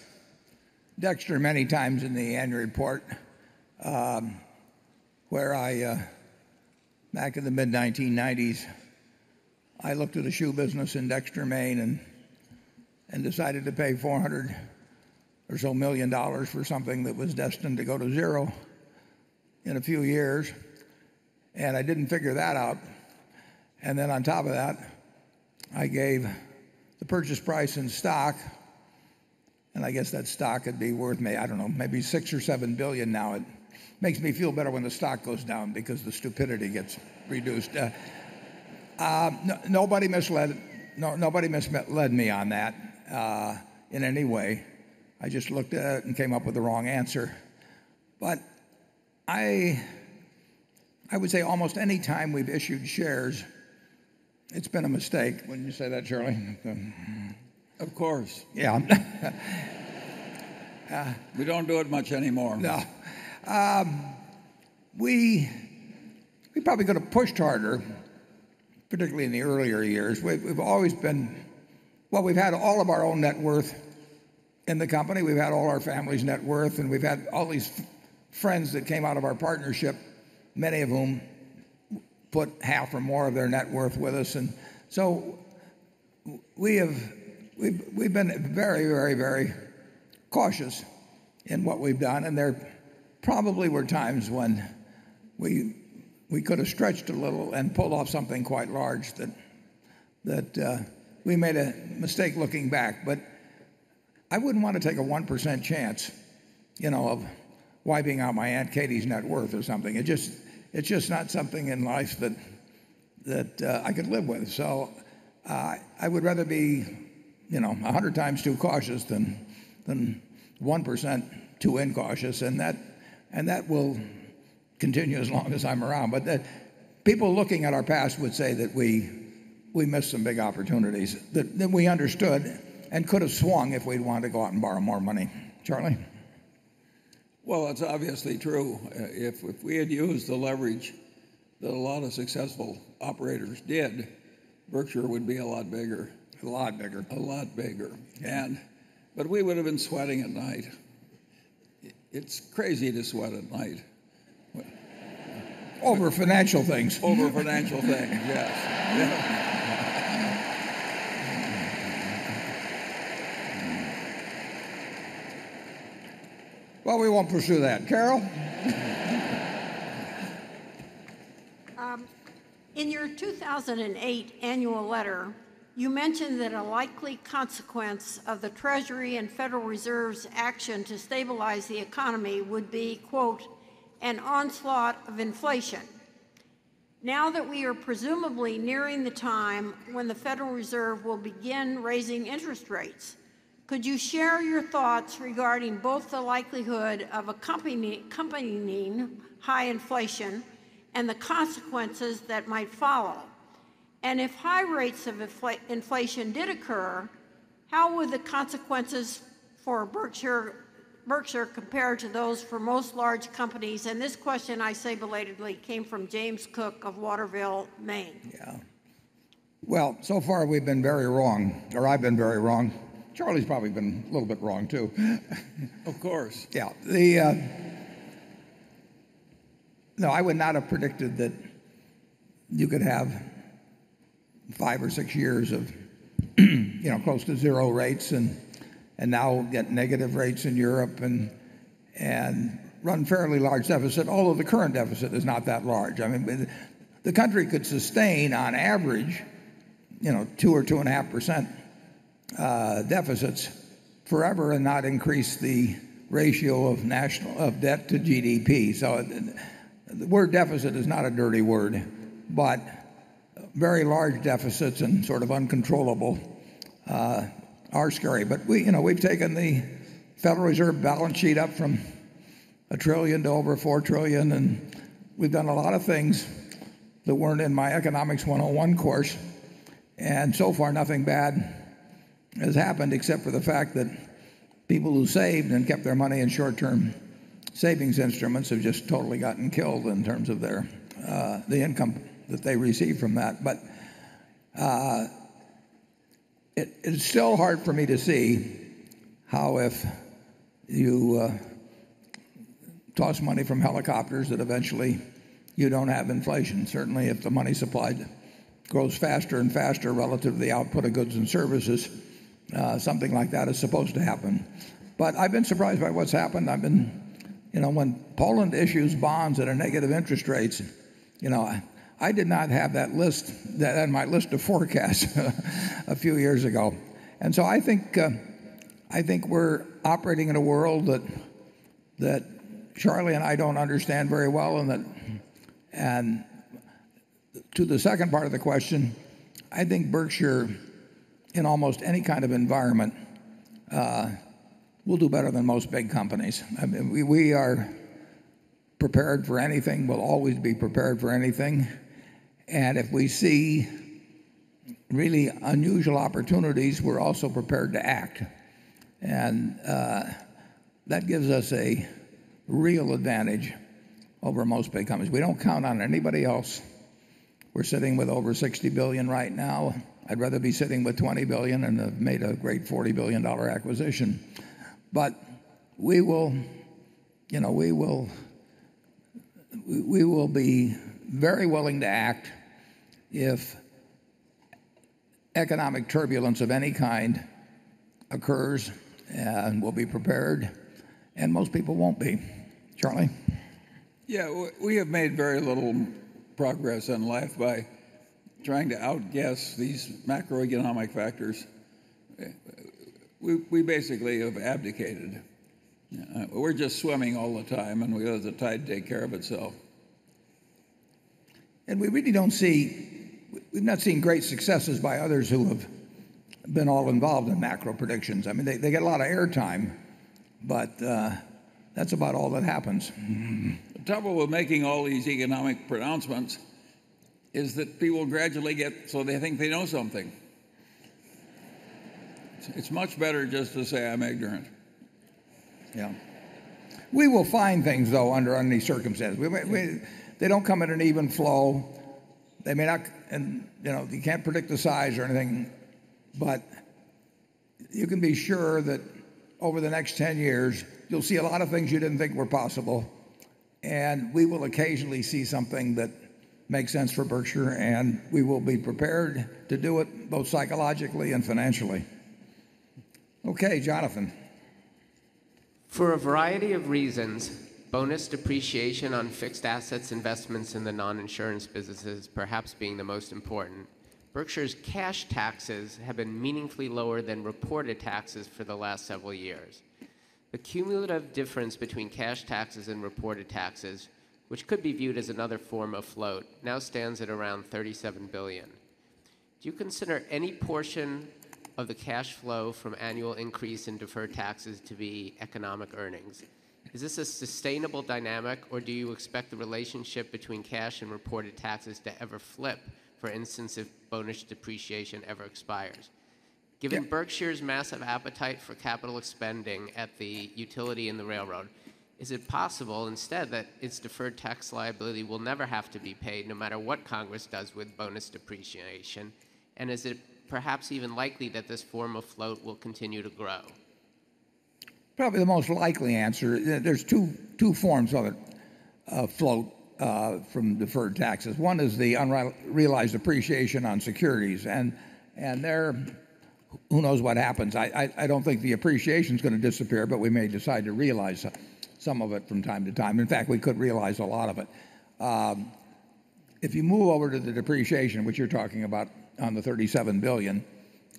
Dexter many times in the annual report, where back in the mid 1990s, I looked at a shoe business in Dexter, Maine and decided to pay $400 million or so for something that was destined to go to zero in a few years, I didn't figure that out. Then on top of that, I gave the purchase price in stock, I guess that stock would be worth maybe, I don't know, maybe $6 billion or $7 billion now. It makes me feel better when the stock goes down because the stupidity gets reduced. Nobody misled me on that in any way. I just looked at it and came up with the wrong answer. I would say almost any time we've issued shares, it's been a mistake. Wouldn't you say that, Charlie? Of course. Yeah. We don't do it much anymore. No. We probably could have pushed harder, particularly in the earlier years. We've had all of our own net worth in the company. We've had all our family's net worth, and we've had all these friends that came out of our partnership, many of whom put half or more of their net worth with us. We've been very cautious in what we've done, and there probably were times when we could have stretched a little and pulled off something quite large that we made a mistake looking back. I wouldn't want to take a 1% chance of wiping out my Aunt Katie's net worth or something. It's just not something in life that I could live with. I would rather be 100 times too cautious than 1% too incautious, and that will continue as long as I'm around. People looking at our past would say that we missed some big opportunities that we understood and could have swung if we'd wanted to go out and borrow more money. Charlie? It's obviously true. If we had used the leverage That a lot of successful operators did, Berkshire would be a lot bigger. A lot bigger. A lot bigger. We would've been sweating at night. It's crazy to sweat at night. Over financial things. Over financial things, yes. Well, we won't pursue that. Carol? In your 2008 annual letter, you mentioned that a likely consequence of the Treasury and Federal Reserve's action to stabilize the economy would be, quote, "an onslaught of inflation." Now that we are presumably nearing the time when the Federal Reserve will begin raising interest rates, could you share your thoughts regarding both the likelihood of accompanying high inflation and the consequences that might follow? If high rates of inflation did occur, how would the consequences for Berkshire compare to those for most large companies? This question, I say belatedly, came from James Cook of Waterville, Maine. Yeah. Well, so far we've been very wrong, or I've been very wrong. Charlie's probably been a little bit wrong, too. Of course. Yeah. I would not have predicted that you could have five or six years of close to zero rates, now get negative rates in Europe and run fairly large deficit, although the current deficit is not that large. The country could sustain on average 2% or 2.5% deficits forever and not increase the ratio of debt to GDP. The word deficit is not a dirty word, very large deficits and sort of uncontrollable are scary. We've taken the Federal Reserve balance sheet up from $1 trillion to over $4 trillion, we've done a lot of things that weren't in my Economics 101 course, so far nothing bad has happened except for the fact that people who saved and kept their money in short-term savings instruments have just totally gotten killed in terms of the income that they received from that. It's still hard for me to see how if you toss money from helicopters that eventually you don't have inflation. Certainly, if the money supply grows faster and faster relative to the output of goods and services, something like that is supposed to happen. I've been surprised by what's happened. When Poland issues bonds that are negative interest rates, I did not have that on my list of forecasts a few years ago. I think we're operating in a world that Charlie and I don't understand very well. To the second part of the question, I think Berkshire, in almost any kind of environment will do better than most big companies. We are prepared for anything. We'll always be prepared for anything, if we see really unusual opportunities, we're also prepared to act, that gives us a real advantage over most big companies. We don't count on anybody else. We're sitting with over $60 billion right now. I'd rather be sitting with $20 billion and have made a great $40 billion acquisition. We will be very willing to act if economic turbulence of any kind occurs, we'll be prepared, most people won't be. Charlie? Yeah. We have made very little progress in life by trying to outguess these macroeconomic factors. We basically have abdicated. We're just swimming all the time, we let the tide take care of itself. We've not seen great successes by others who have been all involved in macro predictions. They get a lot of air time, but that's about all that happens. The trouble with making all these economic pronouncements is that people gradually get so they think they know something. It's much better just to say, "I'm ignorant. Yeah. We will find things, though, under any circumstances. They don't come at an even flow. You can't predict the size or anything, but you can be sure that over the next 10 years, you'll see a lot of things you didn't think were possible, and we will occasionally see something that makes sense for Berkshire, and we will be prepared to do it both psychologically and financially. Okay. Jonathan. For a variety of reasons, bonus depreciation on fixed assets investments in the non-insurance businesses perhaps being the most important, Berkshire's cash taxes have been meaningfully lower than reported taxes for the last several years. The cumulative difference between cash taxes and reported taxes, which could be viewed as another form of float, now stands at around $37 billion. Do you consider any portion of the cash flow from annual increase in deferred taxes to be economic earnings? Is this a sustainable dynamic, or do you expect the relationship between cash and reported taxes to ever flip, for instance, if bonus depreciation ever expires? Given Berkshire's massive appetite for capital spending at the utility and the railroad, is it possible instead that its deferred tax liability will never have to be paid no matter what Congress does with bonus depreciation? Is it perhaps even likely that this form of float will continue to grow? Probably the most likely answer, there's two forms of it, float from deferred taxes. One is the unrealized appreciation on securities, there, who knows what happens. I don't think the appreciation's going to disappear, we may decide to realize some of it from time to time. In fact, we could realize a lot of it. If you move over to the depreciation, which you're talking about on the $37 billion,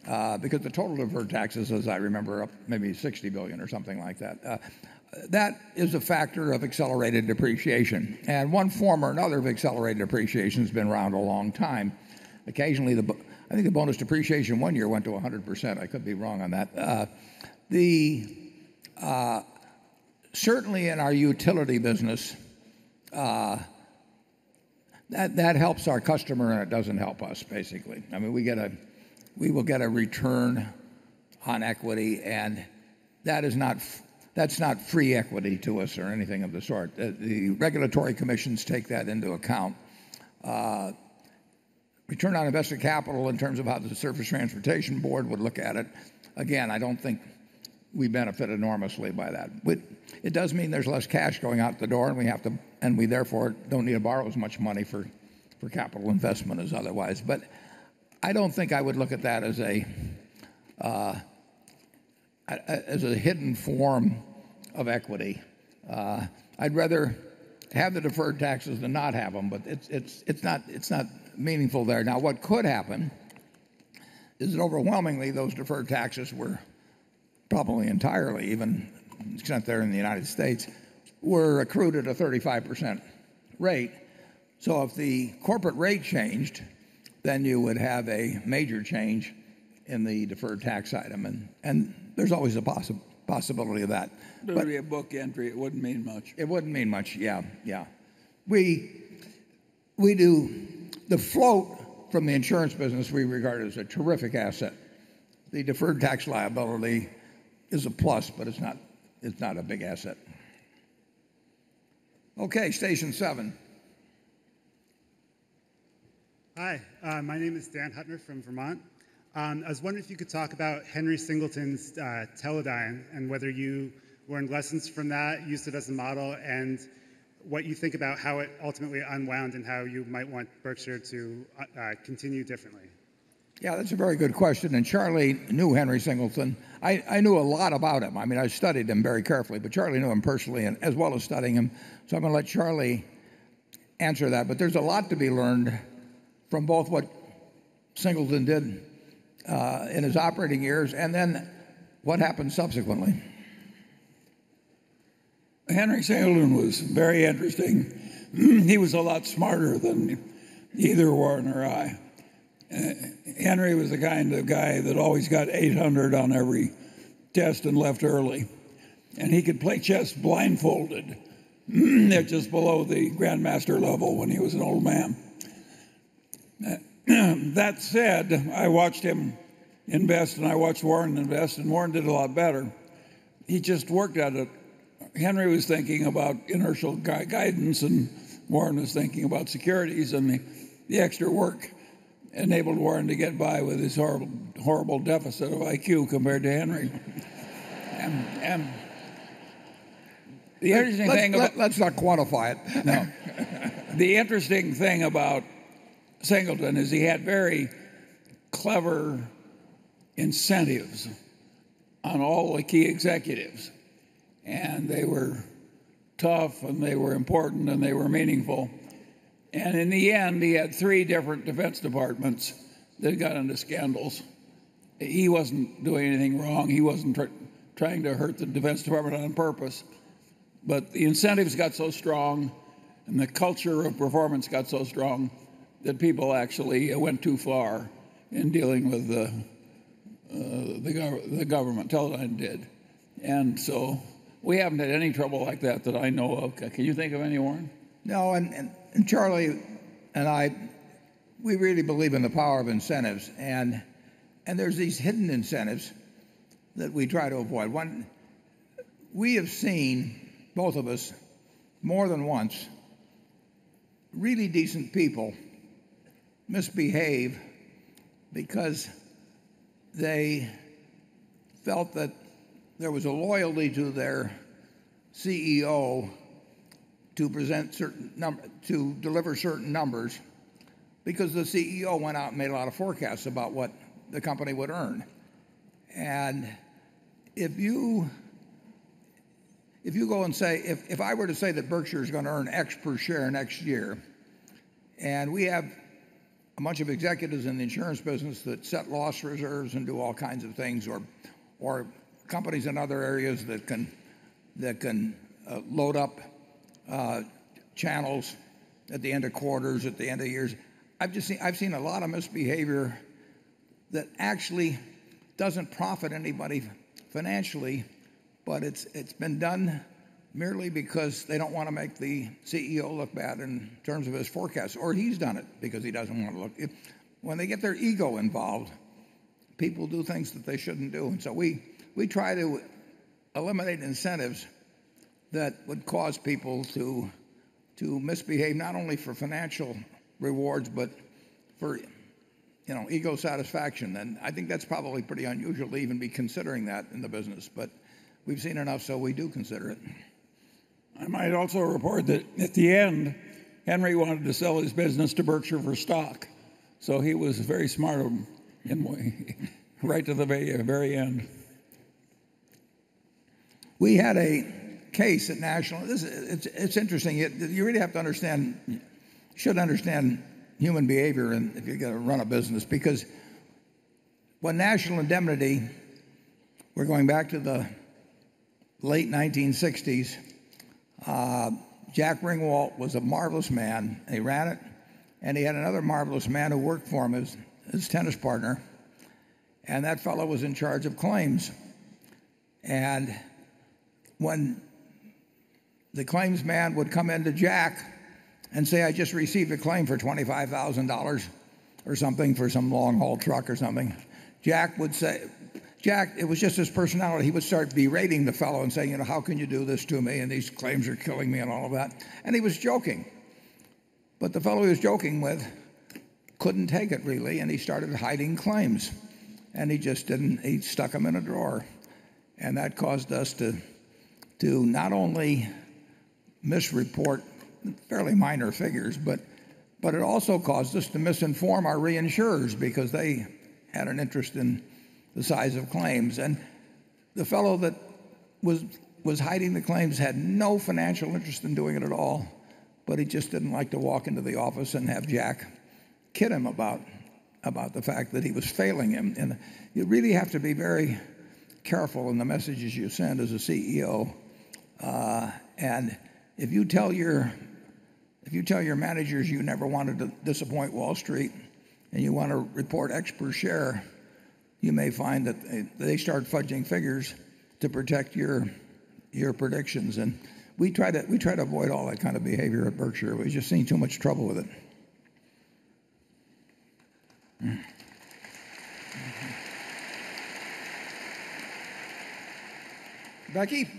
because the total deferred taxes, as I remember, maybe $60 billion or something like that. That is a factor of accelerated depreciation. One form or another of accelerated depreciation has been around a long time. Occasionally, I think the bonus depreciation one year went to 100%. I could be wrong on that. Certainly, in our utility business that helps our customer, it doesn't help us, basically. I mean, we will get a return on equity, that's not free equity to us or anything of the sort. The regulatory commissions take that into account. Return on invested capital in terms of how the Surface Transportation Board would look at it, again, I don't think we benefit enormously by that. It does mean there's less cash going out the door, we therefore don't need to borrow as much money for capital investment as otherwise. I don't think I would look at that as a hidden form of equity. I'd rather have the deferred taxes than not have them, it's not meaningful there. What could happen is that overwhelmingly those deferred taxes were probably entirely even, extent they're in the U.S., were accrued at a 35% rate. If the corporate rate changed, you would have a major change in the deferred tax item, there's always a possibility of that. There would be a book entry. It wouldn't mean much. It wouldn't mean much. Yeah. The float from the insurance business we regard as a terrific asset. The deferred tax liability is a plus, but it's not a big asset. Okay, station seven. Hi, my name is Dan Hutner from Vermont. I was wondering if you could talk about Henry Singleton's Teledyne and whether you learned lessons from that, used it as a model, and what you think about how it ultimately unwound and how you might want Berkshire to continue differently. Yeah, that's a very good question. Charlie knew Henry Singleton. I knew a lot about him. I mean, I studied him very carefully. Charlie knew him personally and as well as studying him. I'm going to let Charlie answer that. There's a lot to be learned from both what Singleton did in his operating years and then what happened subsequently. Henry Singleton was very interesting. He was a lot smarter than either Warren or I. Henry was the kind of guy that always got 800 on every test and left early, and he could play chess blindfolded at just below the grandmaster level when he was an old man. That said, I watched him invest, and I watched Warren invest, and Warren did a lot better. He just worked at it. Henry was thinking about inertial guidance, and Warren was thinking about securities. I mean, the extra work enabled Warren to get by with his horrible deficit of IQ compared to Henry. Let's not quantify it. No. The interesting thing about Singleton is he had very clever incentives on all the key executives, and they were tough, and they were important, and they were meaningful. In the end, he had three different defense departments that got into scandals. He wasn't doing anything wrong. He wasn't trying to hurt the Department of Defense on purpose. But the incentives got so strong, and the culture of performance got so strong that people actually went too far in dealing with the government, Teledyne did. So we haven't had any trouble like that that I know of. Can you think of any, Warren? No. Charlie and I, we really believe in the power of incentives, and there's these hidden incentives that we try to avoid. One, we have seen, both of us, more than once, really decent people misbehave because they felt that there was a loyalty to their CEO to deliver certain numbers because the CEO went out and made a lot of forecasts about what the company would earn. If you go and say if I were to say that Berkshire is going to earn X per share next year, and we have a bunch of executives in the insurance business that set loss reserves and do all kinds of things or companies in other areas that can load up channels at the end of quarters, at the end of years. I've seen a lot of misbehavior that actually doesn't profit anybody financially. It's been done merely because they don't want to make the CEO look bad in terms of his forecast, or he's done it because he doesn't want to look. When they get their ego involved, people do things that they shouldn't do. We try to eliminate incentives that would cause people to misbehave, not only for financial rewards, but for ego satisfaction. I think that's probably pretty unusual to even be considering that in the business, but we've seen enough, so we do consider it. I might also report that at the end, Henry wanted to sell his business to Berkshire for stock, so he was very smart right to the very end. We had a case at National. It's interesting. You really should understand human behavior if you're going to run a business, because when National Indemnity, we're going back to the late 1960s, Jack Ringwalt was a marvelous man, and he ran it, and he had another marvelous man who worked for him, his tennis partner, and that fellow was in charge of claims. When the claims man would come in to Jack and say, "I just received a claim for $25,000," or something for some long-haul truck or something, Jack, it was just his personality, he would start berating the fellow and saying, "How can you do this to me?" and "These claims are killing me," and all of that. He was joking. The fellow he was joking with couldn't take it, really, and he started hiding claims. He stuck them in a drawer. That caused us to not only misreport fairly minor figures, but it also caused us to misinform our reinsurers because they had an interest in the size of claims. The fellow that was hiding the claims had no financial interest in doing it at all, but he just didn't like to walk into the office and have Jack kid him about the fact that he was failing him. You really have to be very careful in the messages you send as a CEO. If you tell your managers you never wanted to disappoint Wall Street and you want to report X per share, you may find that they start fudging figures to protect your predictions. We try to avoid all that kind of behavior at Berkshire. We've just seen too much trouble with it. Becky?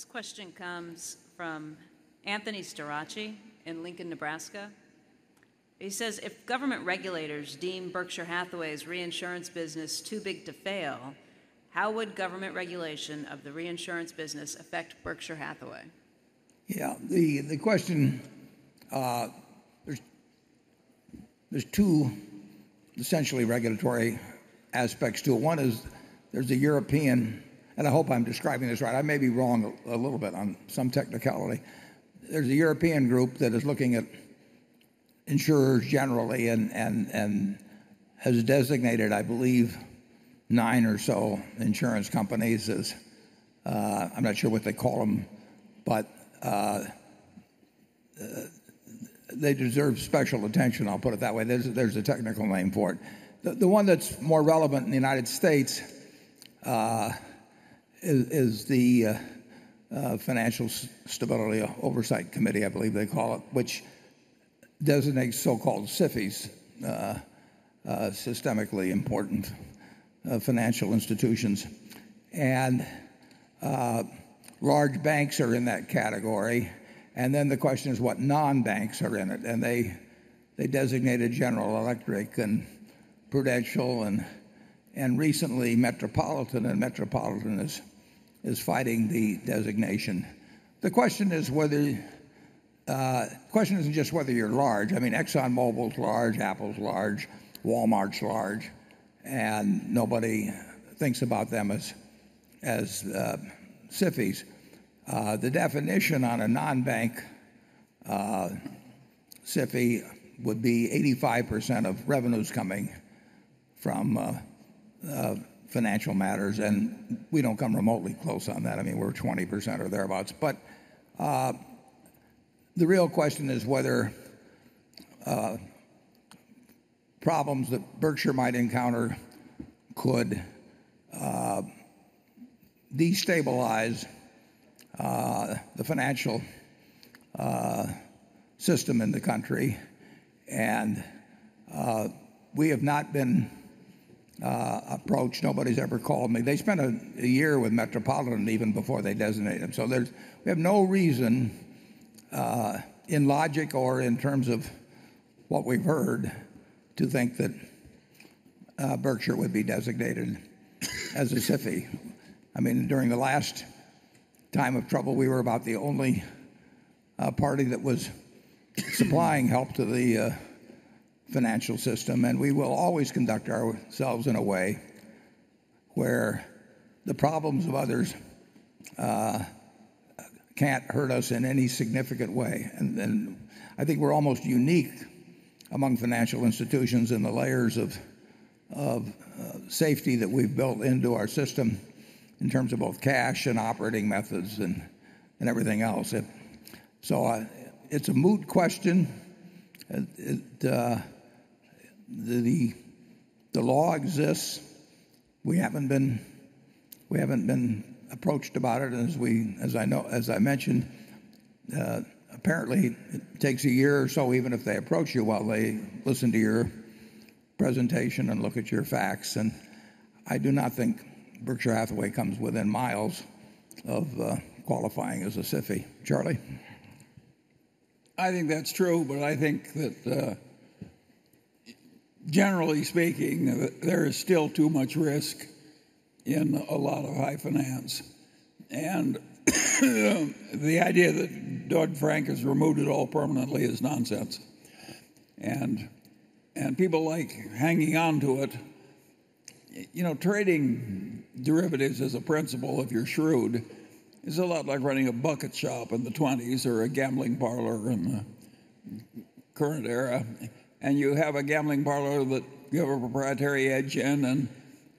This question comes from Anthony Starace in Lincoln, Nebraska. He says, "If government regulators deem Berkshire Hathaway's reinsurance business too big to fail, how would government regulation of the reinsurance business affect Berkshire Hathaway? There's two essentially regulatory aspects to it. One is there's a European, and I hope I'm describing this right. I may be wrong a little bit on some technicality. There's a European group that is looking at insurers generally and has designated, I believe, nine or so insurance companies as, I'm not sure what they call them, but they deserve special attention, I'll put it that way. There's a technical name for it. The one that's more relevant in the U.S. is the Financial Stability Oversight Council, I believe they call it, which designates so-called SIFIs, systemically important financial institutions. Large banks are in that category. The question is what non-banks are in it? They designated General Electric and Prudential and recently MetLife, and MetLife is fighting the designation. The question isn't just whether you're large. ExxonMobil's large, Apple's large, Walmart's large, and nobody thinks about them as SIFIs. The definition on a non-bank SIFI would be 85% of revenues coming from financial matters, and we don't come remotely close on that. We're 20% or thereabouts. The real question is whether problems that Berkshire might encounter could destabilize the financial system in the country. We have not been approached. Nobody's ever called me. They spent a year with MetLife even before they designated them. We have no reason in logic or in terms of what we've heard to think that Berkshire would be designated as a SIFI. During the last time of trouble, we were about the only party that was supplying help to the financial system, and we will always conduct ourselves in a way where the problems of others can't hurt us in any significant way. I think we're almost unique among financial institutions in the layers of safety that we've built into our system in terms of both cash and operating methods and everything else. It's a moot question. The law exists. We haven't been approached about it, and as I mentioned apparently it takes a year or so even if they approach you while they listen to your presentation and look at your facts. I do not think Berkshire Hathaway comes within miles of qualifying as a SIFI. Charlie? I think that's true, but I think that generally speaking, there is still too much risk in a lot of high finance. The idea that Dodd-Frank has removed it all permanently is nonsense. People like hanging on to it. Trading derivatives as a principle, if you're shrewd, is a lot like running a bucket shop in the '20s or a gambling parlor in the current era. You have a gambling parlor that you have a proprietary edge in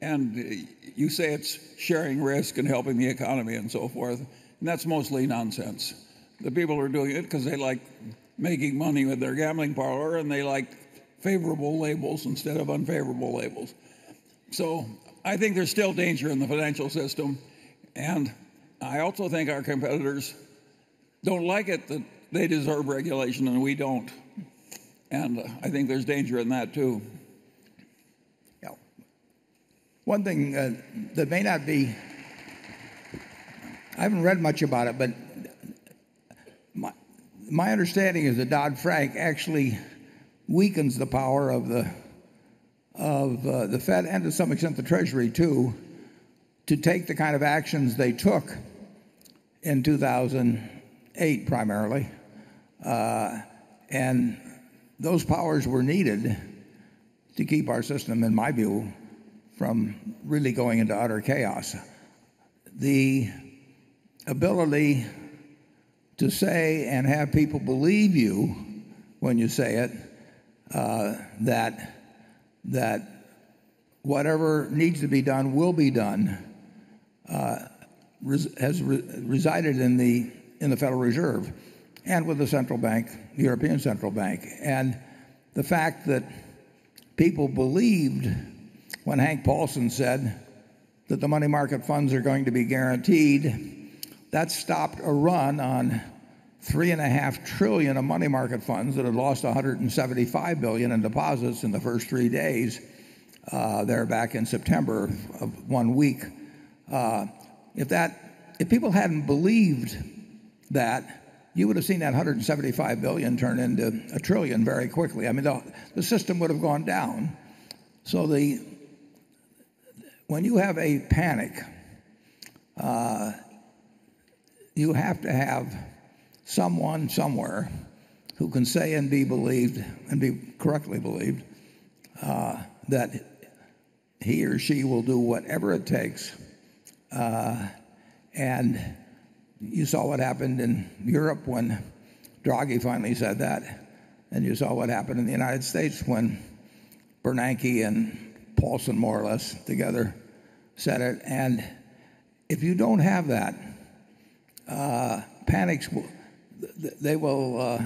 and you say it's sharing risk and helping the economy and so forth, and that's mostly nonsense. The people are doing it because they like making money with their gambling parlor, and they like favorable labels instead of unfavorable labels. I think there's still danger in the financial system, and I also think our competitors don't like it that they deserve regulation and we don't, and I think there's danger in that, too. One thing that may not be I haven't read much about it, but my understanding is that Dodd-Frank actually weakens the power of the Fed and to some extent, the Treasury too, to take the kind of actions they took in 2008, primarily. Those powers were needed to keep our system, in my view, from really going into utter chaos. The ability to say and have people believe you when you say it that whatever needs to be done will be done has resided in the Federal Reserve and with the central bank, the European Central Bank. The fact that people believed when Hank Paulson said that the money market funds are going to be guaranteed, that stopped a run on $3.5 trillion of money market funds that had lost $175 billion in deposits in the first three days there back in September of one week. If people hadn't believed that, you would've seen that $175 billion turn into $1 trillion very quickly. I mean, the system would've gone down. When you have a panic, you have to have someone somewhere who can say and be correctly believed that he or she will do whatever it takes. You saw what happened in Europe when Draghi finally said that, and you saw what happened in the U.S. when Bernanke and Paulson more or less together said it. If you don't have that, panics will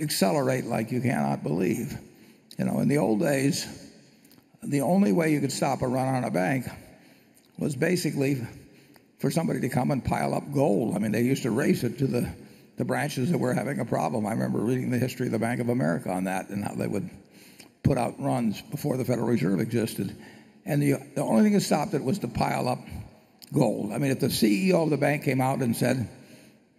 accelerate like you cannot believe. In the old days, the only way you could stop a run on a bank was basically for somebody to come and pile up gold. They used to race it to the branches that were having a problem. I remember reading the history of the Bank of America on that and how they would put out runs before the Federal Reserve existed. The only thing that stopped it was to pile up gold. If the CEO of the bank came out and said,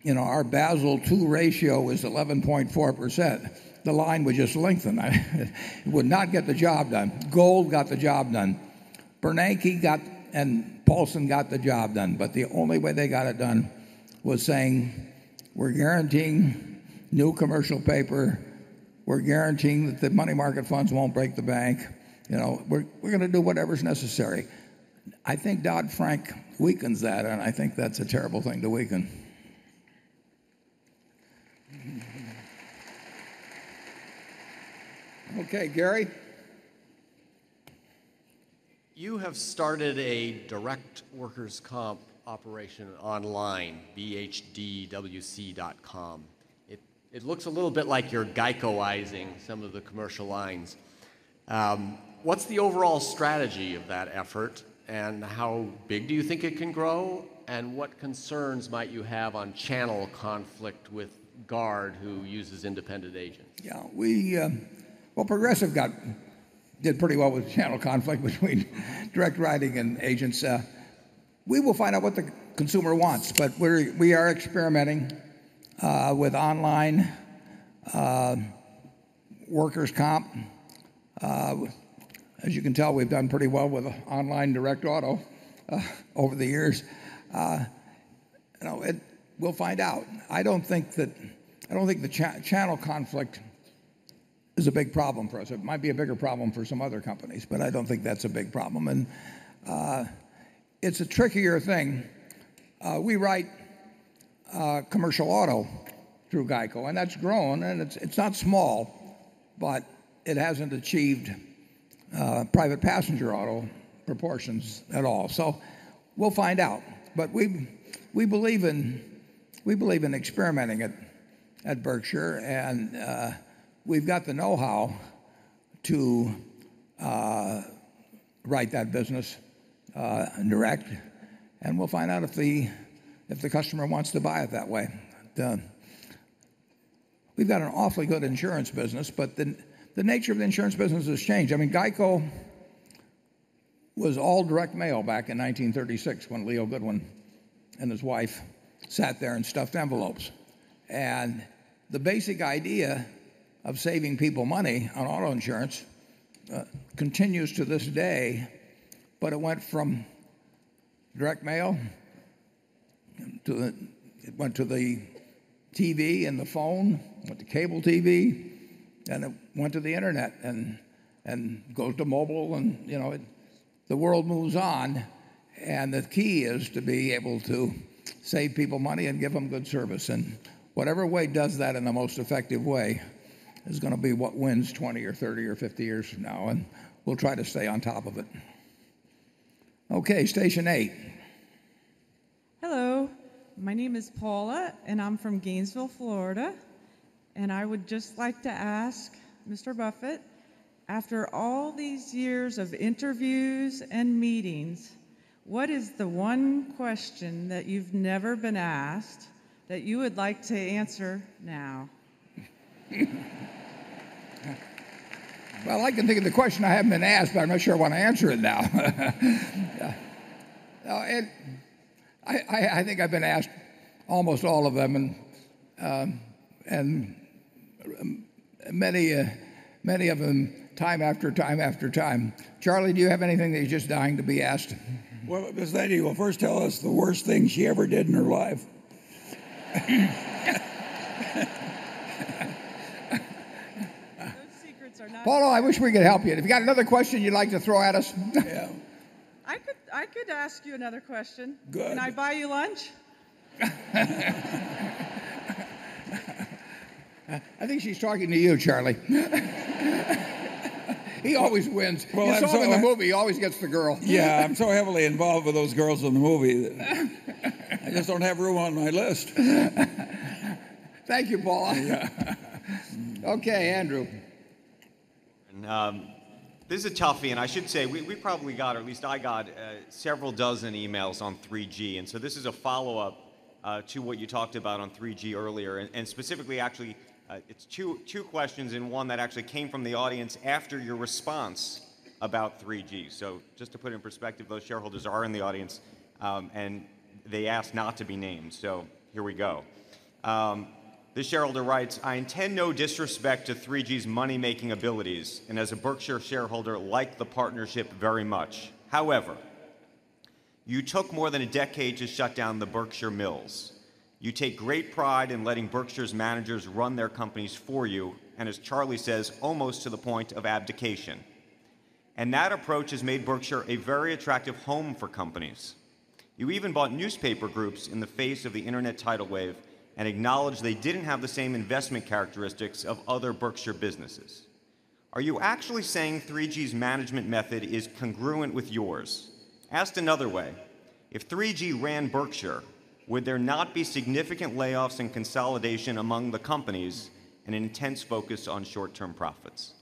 "Our Basel II ratio is 11.4%," the line would just lengthen. It would not get the job done. Gold got the job done. Bernanke and Paulson got the job done, but the only way they got it done was saying, "We're guaranteeing new commercial paper. We're guaranteeing that the money market funds won't break the buck. We're going to do whatever's necessary." I think Dodd-Frank weakens that, and I think that's a terrible thing to weaken. Okay, Gary? You have started a direct workers' comp operation online, bhdwc.com. It looks a little bit like you're GEICO-izing some of the commercial lines. What's the overall strategy of that effort and how big do you think it can grow, and what concerns might you have on channel conflict with Guard, who uses independent agents? Yeah. Well, Progressive did pretty well with channel conflict between direct writing and agents. We will find out what the consumer wants, but we are experimenting with online workers' comp. As you can tell, we've done pretty well with online direct auto over the years. We'll find out. I don't think the channel conflict is a big problem for us. It might be a bigger problem for some other companies, but I don't think that's a big problem. It's a trickier thing. We write commercial auto through GEICO, and that's grown, and it's not small, but it hasn't achieved private passenger auto proportions at all. We'll find out. We believe in experimenting at Berkshire, and we've got the know-how to write that business direct, and we'll find out if the customer wants to buy it that way. We've got an awfully good insurance business, but the nature of the insurance business has changed. GEICO was all direct mail back in 1936 when Leo Goodwin and his wife sat there and stuffed envelopes. The basic idea of saving people money on auto insurance continues to this day, but it went from direct mail, it went to the TV and the phone, it went to cable TV, and it went to the internet, and goes to mobile. The world moves on, and the key is to be able to save people money and give them good service. Whatever way does that in the most effective way is going to be what wins 20 or 30 or 50 years from now, and we'll try to stay on top of it. Okay, station eight. Hello, my name is Paula, and I'm from Gainesville, Florida. I would just like to ask Mr. Buffett, after all these years of interviews and meetings, what is the one question that you've never been asked that you would like to answer now? Well, I can think of the question I haven't been asked, but I'm not sure I want to answer it now. I think I've been asked almost all of them, and many of them time after time after time. Charlie, do you have anything that you're just dying to be asked? Well, this lady will first tell us the worst thing she ever did in her life. Those secrets are not. Paula, I wish we could help you. If you got another question you'd like to throw at us. Yeah. I could ask you another question. Good. Can I buy you lunch? I think she's talking to you, Charlie. He always wins. Well, I'm. You saw him in the movie. He always gets the girl. Yeah. I'm so heavily involved with those girls in the movie that I just don't have room on my list. Thank you, Paula. Yeah. Okay, Andrew. This is a toughie, I should say we probably got, or at least I got, several dozen emails on 3G. This is a follow-up to what you talked about on 3G earlier. Specifically, actually, it's two questions in one that actually came from the audience after your response about 3G. Just to put it in perspective, those shareholders are in the audience, and they asked not to be named. Here we go. This shareholder writes, "I intend no disrespect to 3G's money-making abilities, and as a Berkshire shareholder, like the partnership very much. However, you took more than a decade to shut down the Berkshire mills. You take great pride in letting Berkshire's managers run their companies for you, and as Charlie says, almost to the point of abdication. That approach has made Berkshire a very attractive home for companies. You even bought newspaper groups in the face of the internet tidal wave and acknowledged they didn't have the same investment characteristics of other Berkshire businesses. Are you actually saying 3G's management method is congruent with yours? Asked another way, if 3G ran Berkshire, would there not be significant layoffs and consolidation among the companies and intense focus on short-term profits?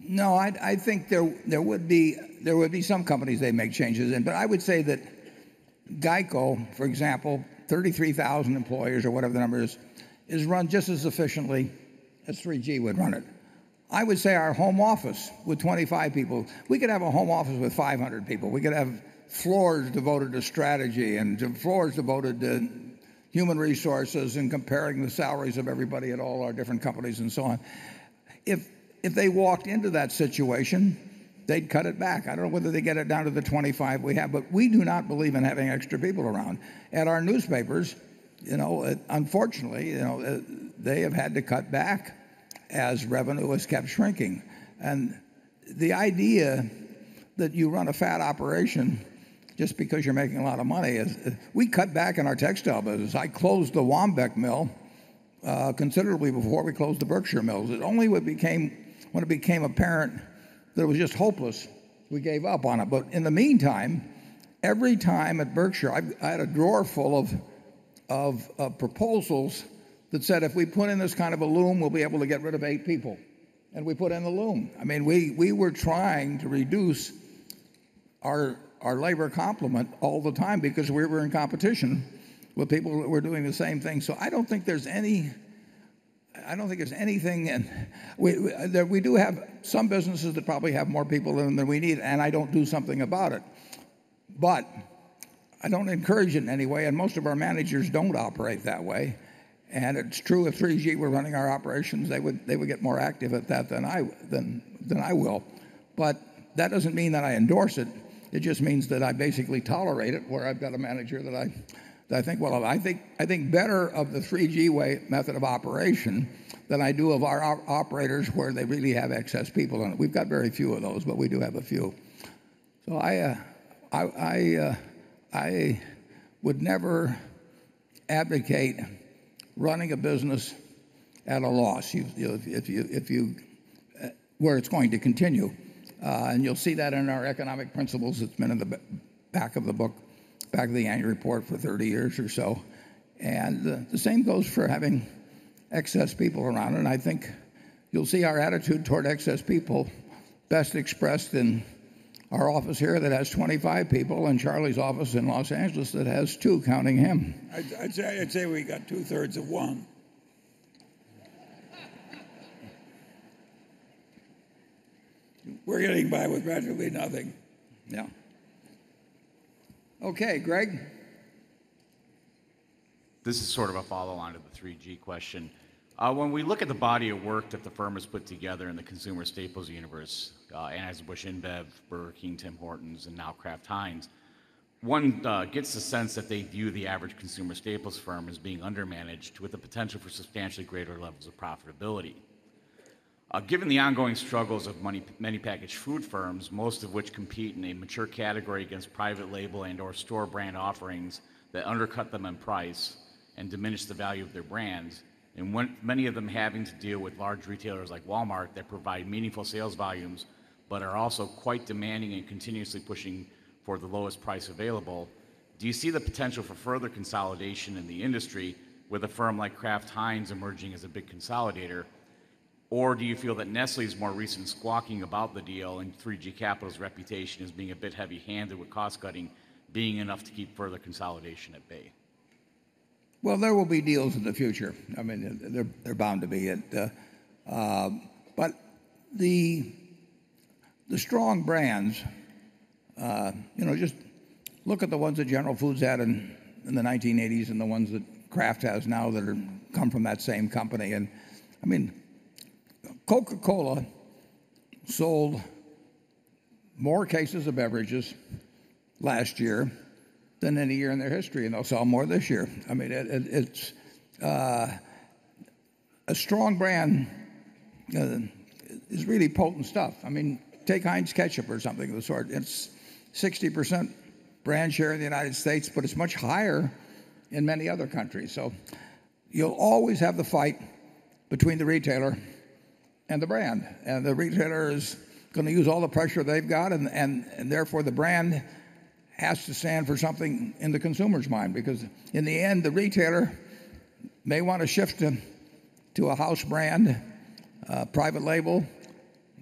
No, I think there would be some companies they'd make changes in. I would say that GEICO, for example, 33,000 employers or whatever the number is run just as efficiently as 3G would run it. I would say our home office with 25 people. We could have a home office with 500 people. We could have floors devoted to strategy and floors devoted to human resources and comparing the salaries of everybody at all our different companies and so on. If they walked into that situation, they'd cut it back. I don't know whether they'd get it down to the 25 we have, but we do not believe in having extra people around. At our newspapers, unfortunately, they have had to cut back as revenue has kept shrinking. The idea that you are run a fat operation just because you are making a lot of money is. We cut back in our textile business. I closed the Waumbec mill considerably before we closed the Berkshire mills. Only when it became apparent that it was just hopeless, we gave up on it. In the meantime, every time at Berkshire, I had a drawer full of proposals that said if we put in this kind of a loom, we will be able to get rid of eight people, and we put in the loom. We were trying to reduce our labor complement all the time because we were in competition with people that were doing the same thing. We do have some businesses that probably have more people in them than we need, and I don't do something about it. I don't encourage it in any way, and most of our managers don't operate that way. It is true if 3G were running our operations, they would get more active at that than I will. That doesn't mean that I endorse it. It just means that I basically tolerate it where I have got a manager that I think better of the 3G way method of operation than I do of our operators where they really have excess people. We have got very few of those, but we do have a few. I would never abrogate running a business at a loss, where it is going to continue. You will see that in our economic principles. It has been in the back of the book, back of the annual report for 30 years or so. The same goes for having excess people around. I think you will see our attitude toward excess people best expressed in our office here that has 25 people, and Charlie's office in Los Angeles that has two, counting him. I would say we got two-thirds of one. We are getting by with virtually nothing. Yeah. Okay, Greg. This is sort of a follow-on to the 3G question. When we look at the body of work that the firm has put together in the consumer staples universe, Anheuser-Busch InBev, Burger King, Tim Hortons, and now Kraft Heinz, one gets the sense that they view the average consumer staples firm as being under-managed with the potential for substantially greater levels of profitability. Given the ongoing struggles of many packaged food firms, most of which compete in a mature category against private label and/or store brand offerings that undercut them in price and diminish the value of their brands, and many of them having to deal with large retailers like Walmart that provide meaningful sales volumes but are also quite demanding and continuously pushing for the lowest price available, do you see the potential for further consolidation in the industry with a firm like Kraft Heinz emerging as a big consolidator? Do you feel that Nestlé's more recent squawking about the deal and 3G Capital's reputation as being a bit heavy-handed with cost-cutting being enough to keep further consolidation at bay? Well, there will be deals in the future. They're bound to be. The strong brands, just look at the ones that General Foods had in the 1980s and the ones that Kraft has now that come from that same company. Coca-Cola sold more cases of beverages last year than any year in their history, and they'll sell more this year. A strong brand is really potent stuff. Take Heinz Ketchup or something of the sort. It's 60% brand share in the United States, but it's much higher in many other countries. You'll always have the fight between the retailer and the brand, and the retailer is going to use all the pressure they've got, and therefore the brand has to stand for something in the consumer's mind because in the end, the retailer may want to shift to a house brand, private label.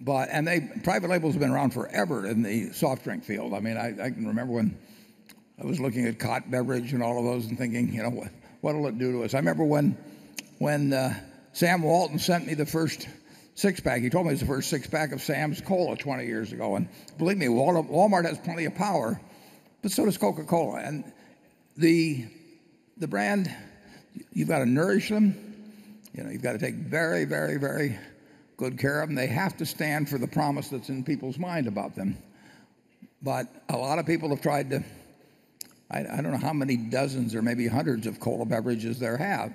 Private labels have been around forever in the soft drink field. I can remember when I was looking at Cott Beverages and all of those and thinking, "What will it do to us?" I remember when Sam Walton sent me the first six-pack. He told me it was the first six-pack of Sam's Cola 20 years ago. Believe me, Walmart has plenty of power, but so does Coca-Cola. The brand, you've got to nourish them. You've got to take very good care of them. They have to stand for the promise that's in people's mind about them. A lot of people have tried to I don't know how many dozens or maybe hundreds of cola beverages there have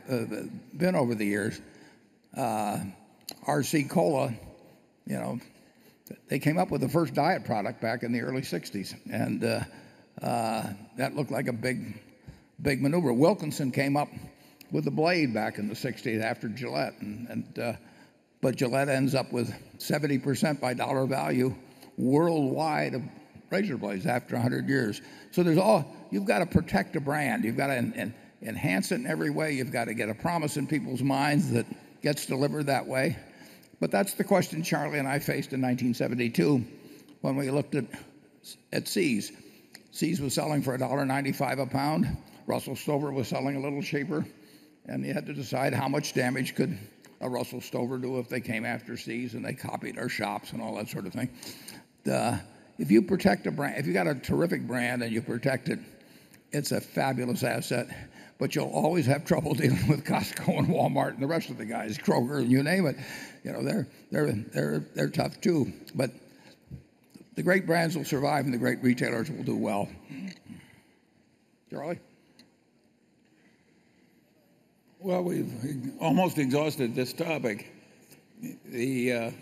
been over the years. RC Cola, they came up with the first diet product back in the early '60s, and that looked like a big maneuver. Wilkinson came up with a blade back in the '60s after Gillette ends up with 70% by dollar value worldwide of razor blades after 100 years. You've got to protect a brand. You've got to enhance it in every way. You've got to get a promise in people's minds that gets delivered that way. That's the question Charlie and I faced in 1972 when we looked at See's. See's was selling for $1.95 a pound. Russell Stover was selling a little cheaper, and you had to decide how much damage could a Russell Stover do if they came after See's and they copied our shops and all that sort of thing. If you got a terrific brand and you protect it's a fabulous asset, but you'll always have trouble dealing with Costco and Walmart and the rest of the guys, Kroger and you name it. They're tough too. The great brands will survive, and the great retailers will do well. Charlie? Well, we've almost exhausted this topic. There's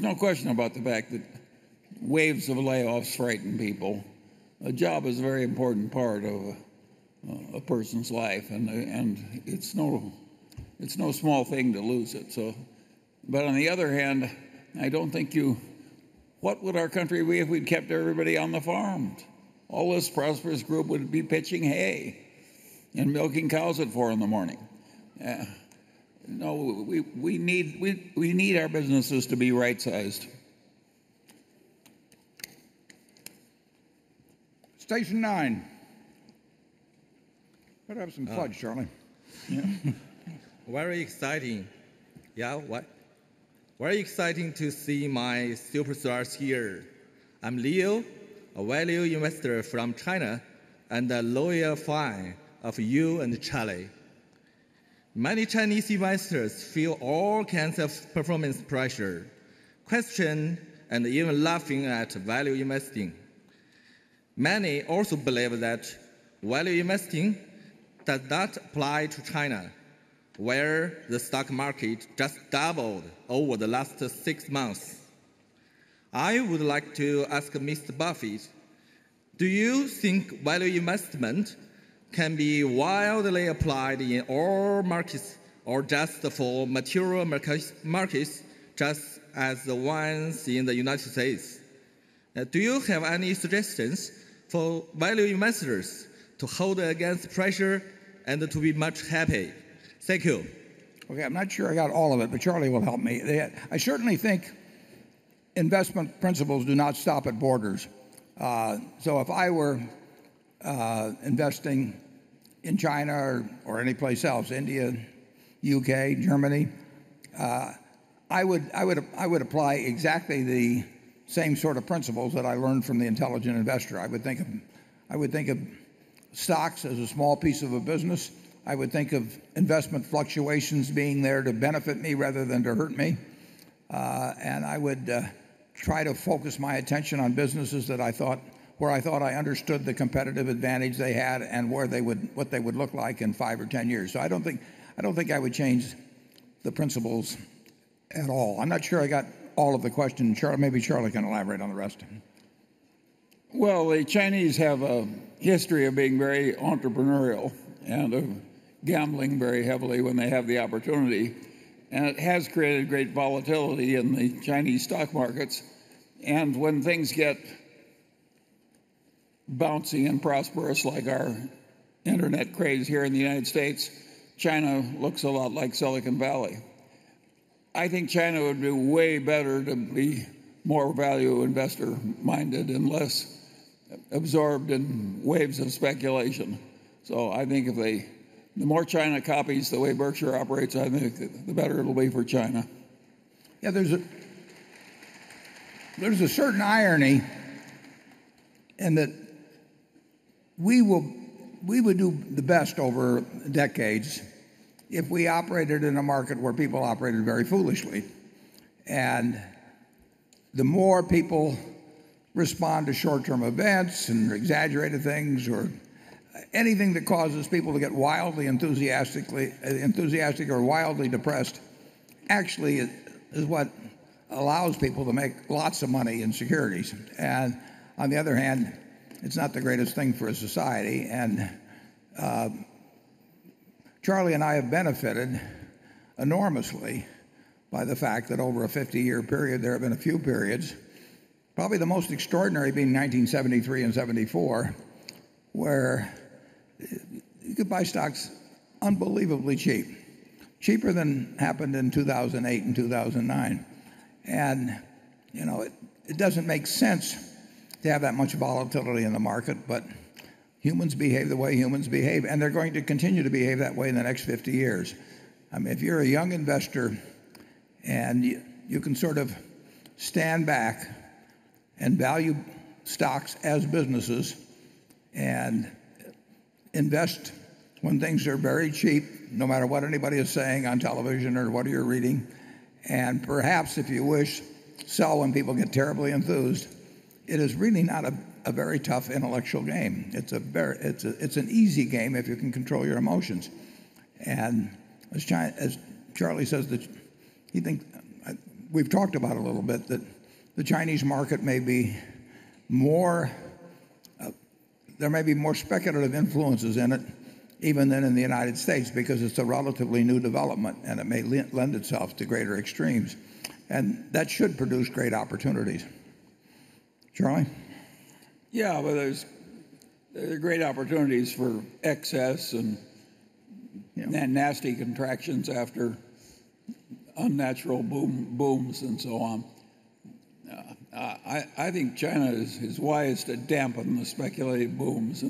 no question about the fact that waves of layoffs frighten people. A job is a very important part of a person's life, and it's no small thing to lose it. On the other hand, what would our country be if we'd kept everybody on the farms? All this prosperous group would be pitching hay and milking cows at 4:00 A.M. No, we need our businesses to be right-sized. Station nine. Better have some flags, Charlie. Yeah. Very exciting. Yeah. Very exciting to see my superstars here. I'm Leo, a value investor from China, and a loyal fan of you and Charlie. Many Chinese investors feel all kinds of performance pressure, question, and even laughing at value investing. Many also believe that value investing does not apply to China, where the stock market just doubled over the last six months. I would like to ask Mr. Buffett, do you think value investment can be widely applied in all markets or just for mature markets, just as the ones in the U.S.? Do you have any suggestions for value investors to hold against pressure and to be much happy? Thank you. Okay. I'm not sure I got all of it, Charlie will help me. I certainly think investment principles do not stop at borders. If I were investing in China or anyplace else, India, U.K., Germany, I would apply exactly the same sort of principles that I learned from "The Intelligent Investor." I would think of stocks as a small piece of a business. I would think of investment fluctuations being there to benefit me rather than to hurt me. I would try to focus my attention on businesses where I thought I understood the competitive advantage they had and what they would look like in five or 10 years. I don't think I would change the principles at all. I'm not sure I got all of the question. Maybe Charlie can elaborate on the rest. Well, the Chinese have a history of being very entrepreneurial and of gambling very heavily when they have the opportunity. It has created great volatility in the Chinese stock markets. When things get bouncy and prosperous, like our internet craze here in the U.S., China looks a lot like Silicon Valley. I think China would do way better to be more value investor minded and less absorbed in waves of speculation. I think the more China copies the way Berkshire operates, I think the better it'll be for China. Yeah, there's a certain irony in that we would do the best over decades if we operated in a market where people operated very foolishly. The more people respond to short-term events and exaggerated things or anything that causes people to get wildly enthusiastic or wildly depressed, actually is what allows people to make lots of money in securities. On the other hand, it's not the greatest thing for a society. Charlie and I have benefited enormously by the fact that over a 50-year period, there have been a few periods, probably the most extraordinary being 1973 and 1974, where you could buy stocks unbelievably cheap, cheaper than happened in 2008 and 2009. It doesn't make sense to have that much volatility in the market, but humans behave the way humans behave, and they're going to continue to behave that way in the next 50 years. If you're a young investor and you can sort of stand back and value stocks as businesses and invest when things are very cheap, no matter what anybody is saying on television or what you're reading, and perhaps if you wish, sell when people get terribly enthused, it is really not a very tough intellectual game. It's an easy game if you can control your emotions. As Charlie says that he thinks we've talked about a little bit, that the Chinese market, there may be more speculative influences in it even than in the U.S. because it's a relatively new development, and it may lend itself to greater extremes, and that should produce great opportunities. Charlie? Yeah. Well, there are great opportunities for excess. Yeah Nasty contractions after unnatural booms and so on. I think China is wise to dampen the speculative booms. I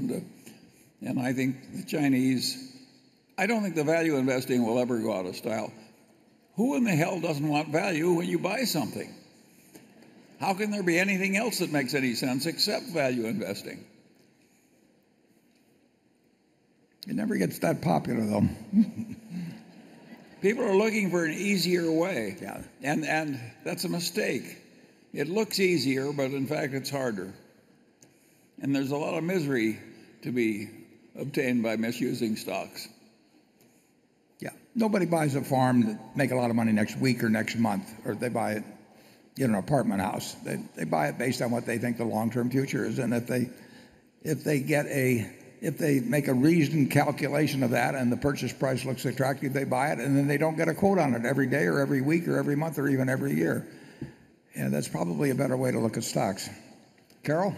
don't think the value investing will ever go out of style. Who in the hell doesn't want value when you buy something? How can there be anything else that makes any sense except value investing? It never gets that popular, though. People are looking for an easier way. Yeah. That's a mistake. It looks easier, but in fact it's harder. There's a lot of misery to be obtained by misusing stocks. Yeah. Nobody buys a farm to make a lot of money next week or next month, or they buy an apartment house. They buy it based on what they think the long-term future is. If they make a reasoned calculation of that and the purchase price looks attractive, they buy it, then they don't get a quote on it every day or every week or every month or even every year. That's probably a better way to look at stocks. Carol?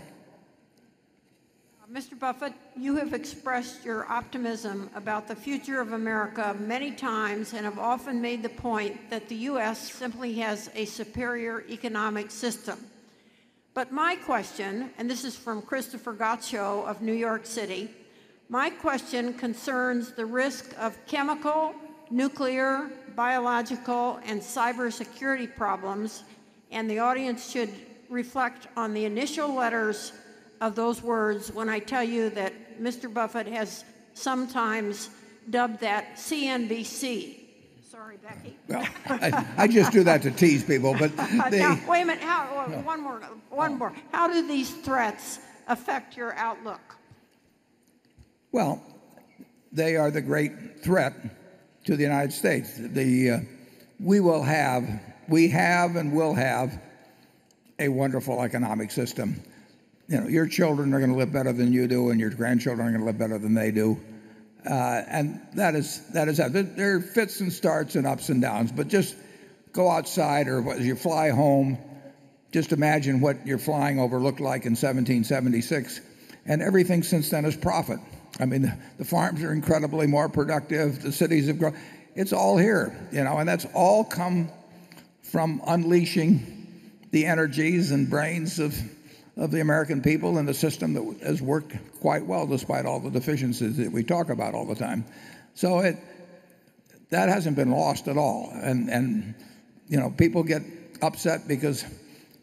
Mr. Buffett, you have expressed your optimism about the future of America many times and have often made the point that the U.S. simply has a superior economic system. My question, and this is from Christopher Gacho of New York City, my question concerns the risk of chemical, nuclear, biological, and cybersecurity problems. The audience should reflect on the initial letters of those words when I tell you that Mr. Buffett has sometimes dubbed that CNBC. Sorry, Becky. I just do that to tease people. Wait a minute. One more. How do these threats affect your outlook? Well, they are the great threat to the U.S. We have and will have a wonderful economic system. Your children are going to live better than you do, and your grandchildren are going to live better than they do. That is that. There are fits and starts and ups and downs, just go outside or as you fly home, just imagine what you're flying over looked like in 1776, everything since then is profit. I mean, the farms are incredibly more productive. The cities have grown. It's all here. That's all come from unleashing the energies and brains of the American people and the system that has worked quite well, despite all the deficiencies that we talk about all the time. That hasn't been lost at all. People get upset because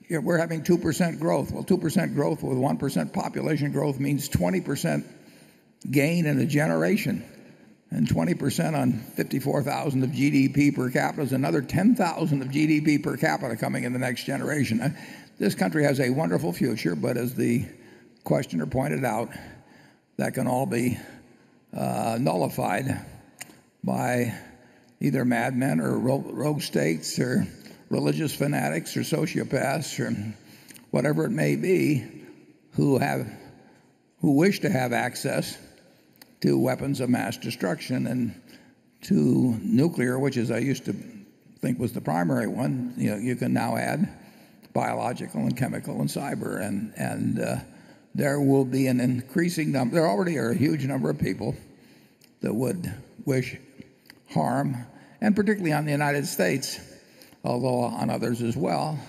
we're having 2% growth. Well, 2% growth with 1% population growth means 20% gain in a generation, and 20% on 54,000 of GDP per capita is another 10,000 of GDP per capita coming in the next generation. This country has a wonderful future, but as the questioner pointed out, that can all be nullified by either madmen or rogue states or religious fanatics or sociopaths or whatever it may be, who wish to have access to weapons of mass destruction and to nuclear, which, as I used to think was the primary one, you can now add biological and chemical and cyber. There already are a huge number of people that would wish harm, and particularly on the United States, although on others as well,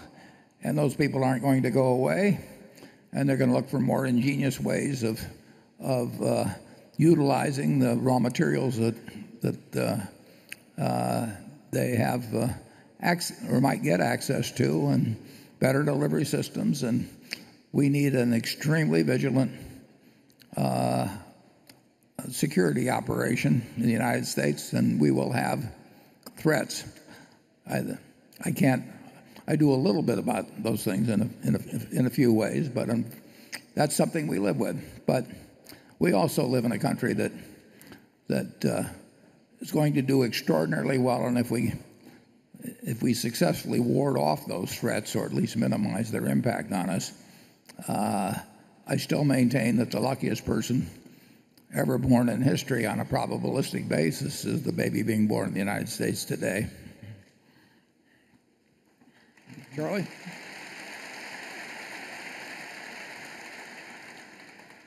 and those people aren't going to go away, and they're going to look for more ingenious ways of utilizing the raw materials that they have or might get access to and better delivery systems. We need an extremely vigilant security operation in the United States, and we will have threats. I do a little bit about those things in a few ways, but that's something we live with. We also live in a country that is going to do extraordinarily well. If we successfully ward off those threats or at least minimize their impact on us, I still maintain that the luckiest person ever born in history on a probabilistic basis is the baby being born in the United States today. Charlie?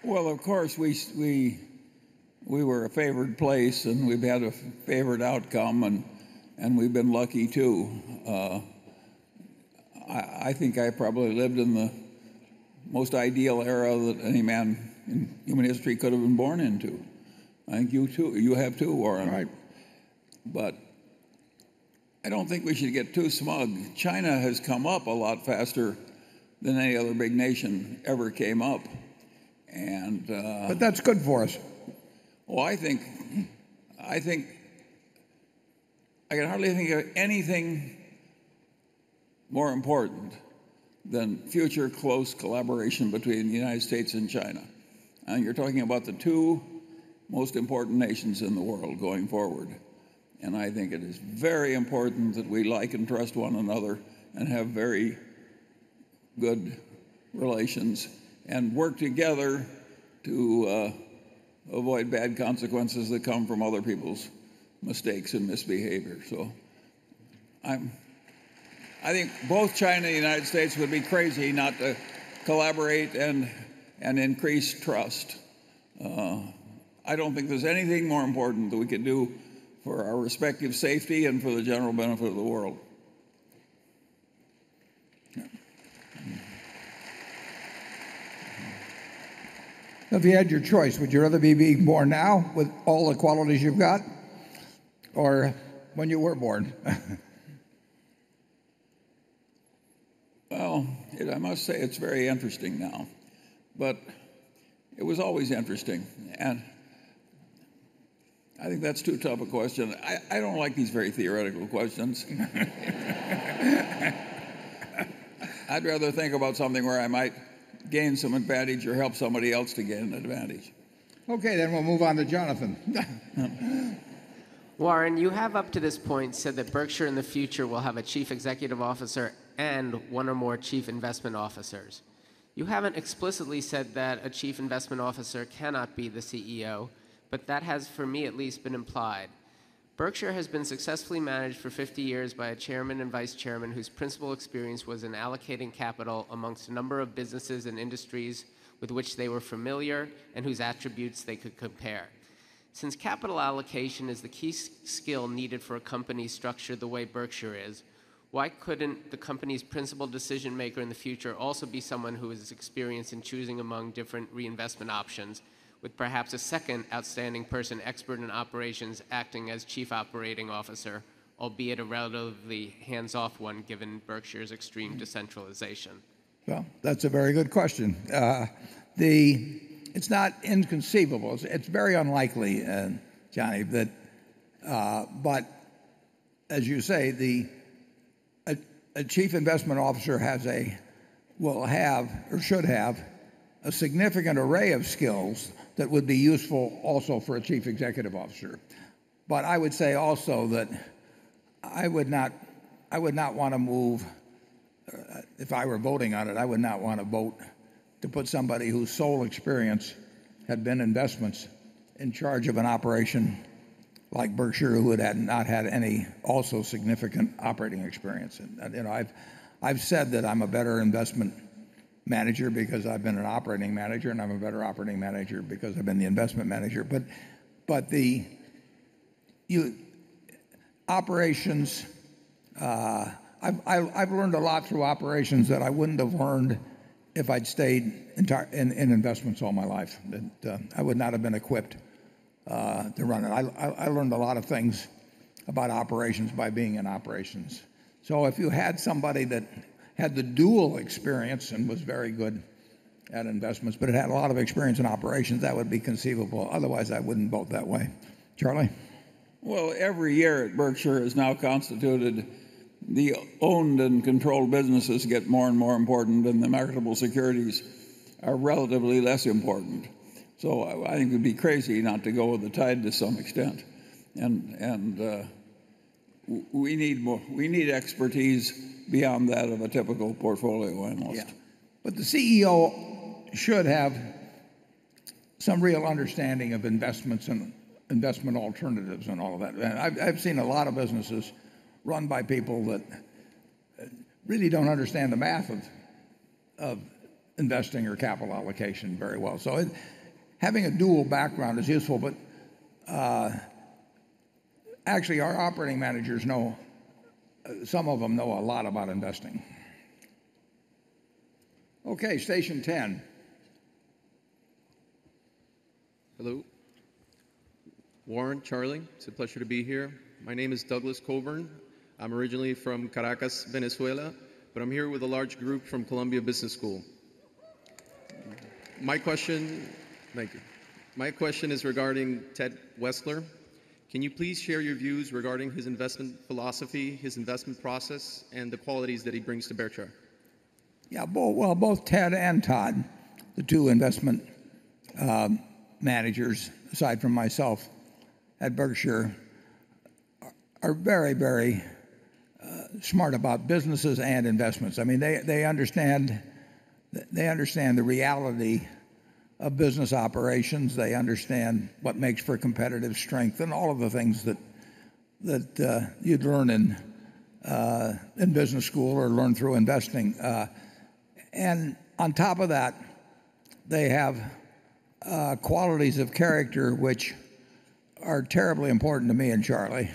Well, of course, we were a favored place, and we've had a favored outcome, and we've been lucky, too. I think I probably lived in the most ideal era that any man in human history could have been born into. I think you have, too, Warren. Right. I don't think we should get too smug. China has come up a lot faster than any other big nation ever came up. That's good for us I can hardly think of anything more important than future close collaboration between the United States and China. You're talking about the two most important nations in the world going forward. I think it is very important that we like and trust one another and have very good relations and work together to avoid bad consequences that come from other people's mistakes and misbehavior. I think both China and the United States would be crazy not to collaborate and increase trust. I don't think there's anything more important that we can do for our respective safety and for the general benefit of the world. If you had your choice, would you rather be being born now with all the qualities you've got or when you were born? Well, I must say it's very interesting now, but it was always interesting. I think that's too tough a question. I don't like these very theoretical questions. I'd rather think about something where I might gain some advantage or help somebody else to gain an advantage. Okay, we'll move on to Jonathan. Warren, you have up to this point said that Berkshire in the future will have a Chief Executive Officer and one or more Chief Investment Officers. You haven't explicitly said that a Chief Investment Officer cannot be the CEO, but that has, for me at least, been implied. Berkshire has been successfully managed for 50 years by a Chairman and Vice Chairman whose principal experience was in allocating capital among a number of businesses and industries with which they were familiar and whose attributes they could compare. Since capital allocation is the key skill needed for a company structured the way Berkshire is, why couldn't the company's principal decision-maker in the future also be someone who is experienced in choosing among different reinvestment options, with perhaps a second outstanding person expert in operations acting as Chief Operating Officer, albeit a relatively hands-off one given Berkshire's extreme decentralization? Well, that's a very good question. It's not inconceivable. It's very unlikely, Johnny. As you say, a Chief Investment Officer will have or should have a significant array of skills that would be useful also for a Chief Executive Officer. I would say also that if I were voting on it, I would not want to vote to put somebody whose sole experience had been investments in charge of an operation like Berkshire, who had not had any also significant operating experience. I've said that I'm a better investment manager because I've been an operating manager, and I'm a better operating manager because I've been the investment manager. Operations, I've learned a lot through operations that I wouldn't have learned if I'd stayed in investments all my life. I would not have been equipped to run it. I learned a lot of things about operations by being in operations. If you had somebody that had the dual experience and was very good at investments, but had a lot of experience in operations, that would be conceivable. Otherwise, I wouldn't vote that way. Charlie? Well, every year at Berkshire is now constituted, the owned and controlled businesses get more and more important, and the marketable securities are relatively less important. I think it would be crazy not to go with the tide to some extent. We need expertise beyond that of a typical portfolio analyst. Yeah. The CEO should have some real understanding of investments and investment alternatives and all of that. I've seen a lot of businesses run by people that really don't understand the math of investing or capital allocation very well. Having a dual background is useful, but actually our operating managers, some of them know a lot about investing. Okay, station 10. Hello. Warren, Charlie, it's a pleasure to be here. My name is Douglas Colburn. I'm originally from Caracas, Venezuela, but I'm here with a large group from Columbia Business School. Thank you. My question is regarding Ted Weschler. Can you please share your views regarding his investment philosophy, his investment process, and the qualities that he brings to Berkshire? Well, both Ted and Todd, the two investment managers, aside from myself at Berkshire, are very, very smart about businesses and investments. They understand the reality of business operations. They understand what makes for competitive strength and all of the things that you'd learn in business school or learn through investing. On top of that, they have qualities of character which are terribly important to me and Charlie.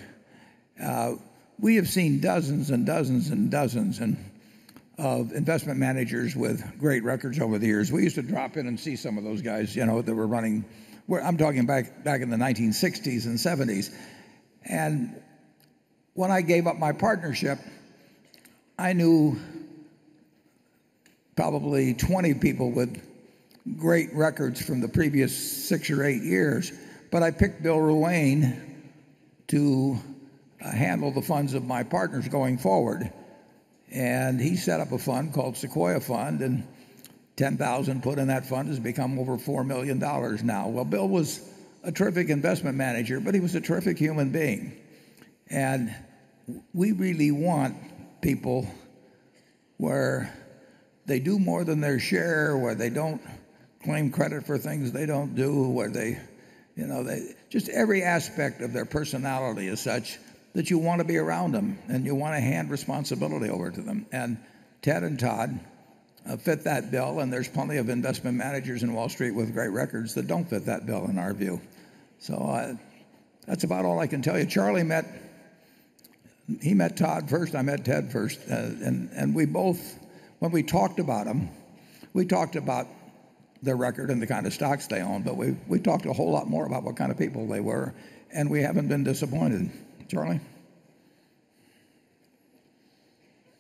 We have seen dozens and dozens and dozens of investment managers with great records over the years. We used to drop in and see some of those guys that were running. I'm talking back in the 1960s and '70s. When I gave up my partnership, I knew probably 20 people with great records from the previous six or eight years. I picked Bill Ruane to handle the funds of my partners going forward, he set up a fund called Sequoia Fund, and 10,000 put in that fund has become over $4 million now. Well, Bill was a terrific investment manager, but he was a terrific human being. We really want people where they do more than their share, where they don't claim credit for things they don't do. Just every aspect of their personality is such that you want to be around them, and you want to hand responsibility over to them. Ted and Todd fit that bill, and there's plenty of investment managers in Wall Street with great records that don't fit that bill in our view. That's about all I can tell you. Charlie met Todd first, I met Ted first. When we talked about them, we talked about their record and the kind of stocks they own, but we talked a whole lot more about what kind of people they were, and we haven't been disappointed. Charlie?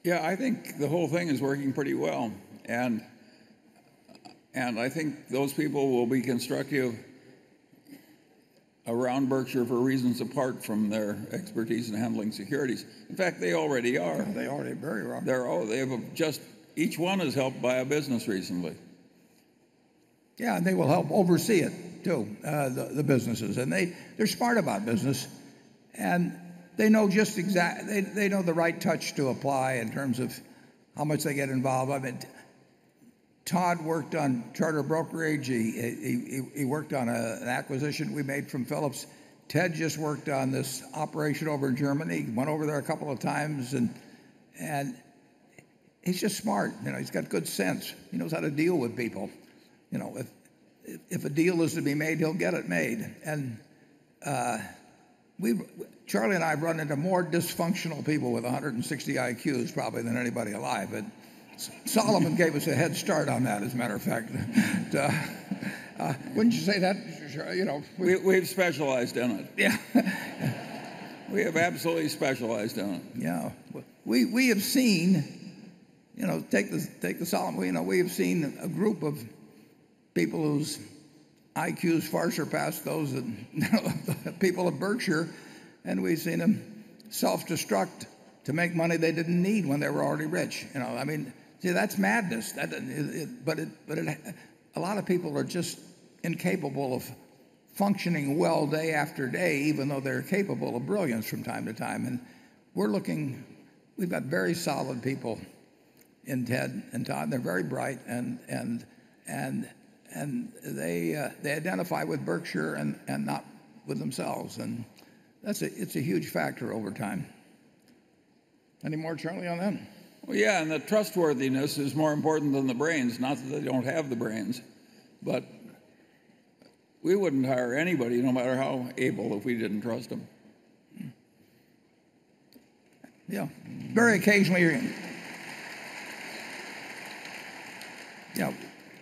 I think the whole thing is working pretty well, and I think those people will be constructive around Berkshire for reasons apart from their expertise in handling securities. In fact, they already are. Yeah, they already very are. Each one has helped buy a business recently. Yeah, they will help oversee it, too, the businesses. They're smart about business, and they know the right touch to apply in terms of how much they get involved. Todd worked on Charter Brokerage. He worked on an acquisition we made from Phillips. Ted just worked on this operation over in Germany. He went over there a couple of times, and he's just smart. He's got good sense. He knows how to deal with people. If a deal is to be made, he'll get it made. Charlie and I have run into more dysfunctional people with 160 IQs probably than anybody alive. Salomon Brothers gave us a head start on that, as a matter of fact. Wouldn't you say that? We've specialized in it. Yeah. We have absolutely specialized in it. Yeah. Take the Salomon. We have seen a group of people whose IQs far surpass those of the people of Berkshire, we've seen them self-destruct to make money they didn't need when they were already rich. See, that's madness. A lot of people are just incapable of functioning well day after day, even though they're capable of brilliance from time to time. We've got very solid people in Ted and Todd. They're very bright, they identify with Berkshire and not with themselves, and it's a huge factor over time. Any more, Charlie, on them? Well, yeah, the trustworthiness is more important than the brains. Not that they don't have the brains, but we wouldn't hire anybody, no matter how able, if we didn't trust them. Yeah. Very occasionally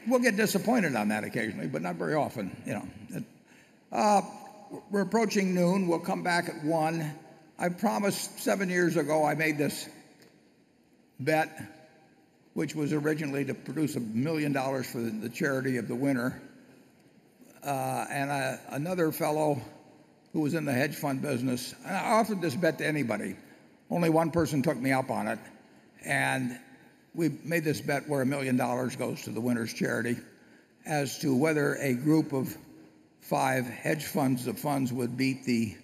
we'll get disappointed on that occasionally, but not very often. We're approaching noon. We'll come back at 1:00. I promised seven years ago, I made this bet, which was originally to produce $1 million for the charity of the winner, and another fellow who was in the hedge fund business. I offered this bet to anybody. Only one person took me up on it, and we made this bet where $1 million goes to the winner's charity as to whether a group of five hedge funds of funds would beat the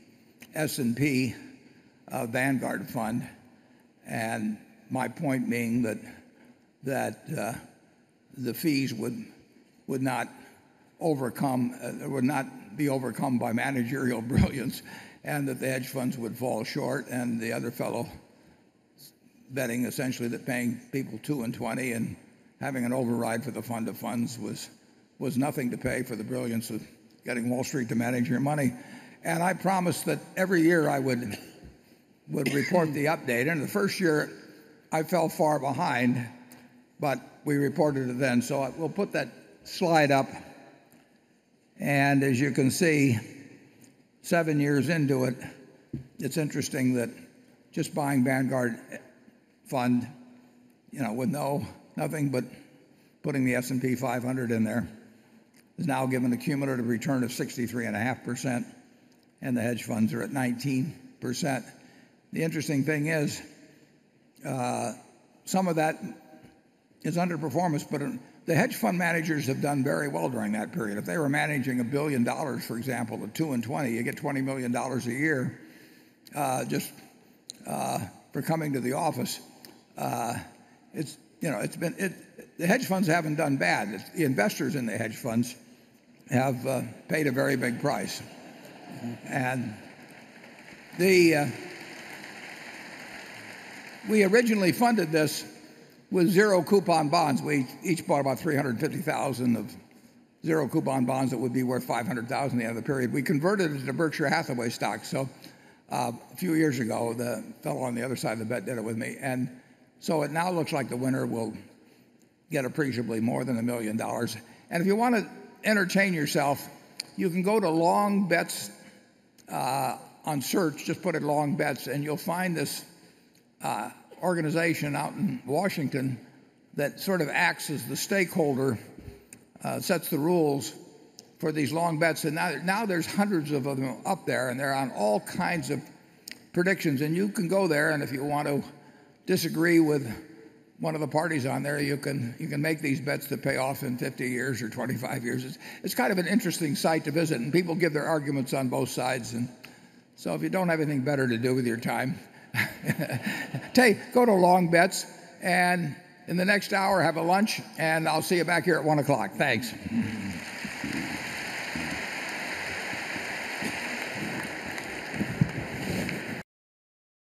S&P Vanguard fund. My point being that the fees would not be overcome by managerial brilliance, and that the hedge funds would fall short, and the other fellow betting essentially that paying people two and 20 and having an override for the fund of funds was nothing to pay for the brilliance of getting Wall Street to manage your money. I promised that every year I would report the update, and the first year I fell far behind, but we reported it then. We'll put that slide up, and as you can see, seven years into it's interesting that just buying Vanguard fund with nothing but putting the S&P 500 in there is now giving a cumulative return of 63.5%, and the hedge funds are at 19%. The interesting thing is some of that is under performance, but the hedge fund managers have done very well during that period. If they were managing $1 billion, for example, at two and 20, you get $20 million a year just for coming to the office. The hedge funds haven't done bad. It's the investors in the hedge funds have paid a very big price. We originally funded this with zero coupon bonds. We each bought about $350,000 of zero coupon bonds that would be worth $500,000 at the end of the period. We converted it into Berkshire Hathaway stock. A few years ago, the fellow on the other side of the bet did it with me. It now looks like the winner will get appreciably more than $1 million. If you want to entertain yourself, you can go to Long Bets on Search, just put in Long Bets, and you'll find this organization out in Washington that sort of acts as the stakeholder, sets the rules for these long bets. Now there's hundreds of them up there, and they're on all kinds of predictions. You can go there, and if you want to disagree with one of the parties on there, you can make these bets to pay off in 50 years or 25 years. It's kind of an interesting site to visit, and people give their arguments on both sides. If you don't have anything better to do with your time, go to Long Bets, and in the next hour, have a lunch, and I'll see you back here at 1:00. Thanks.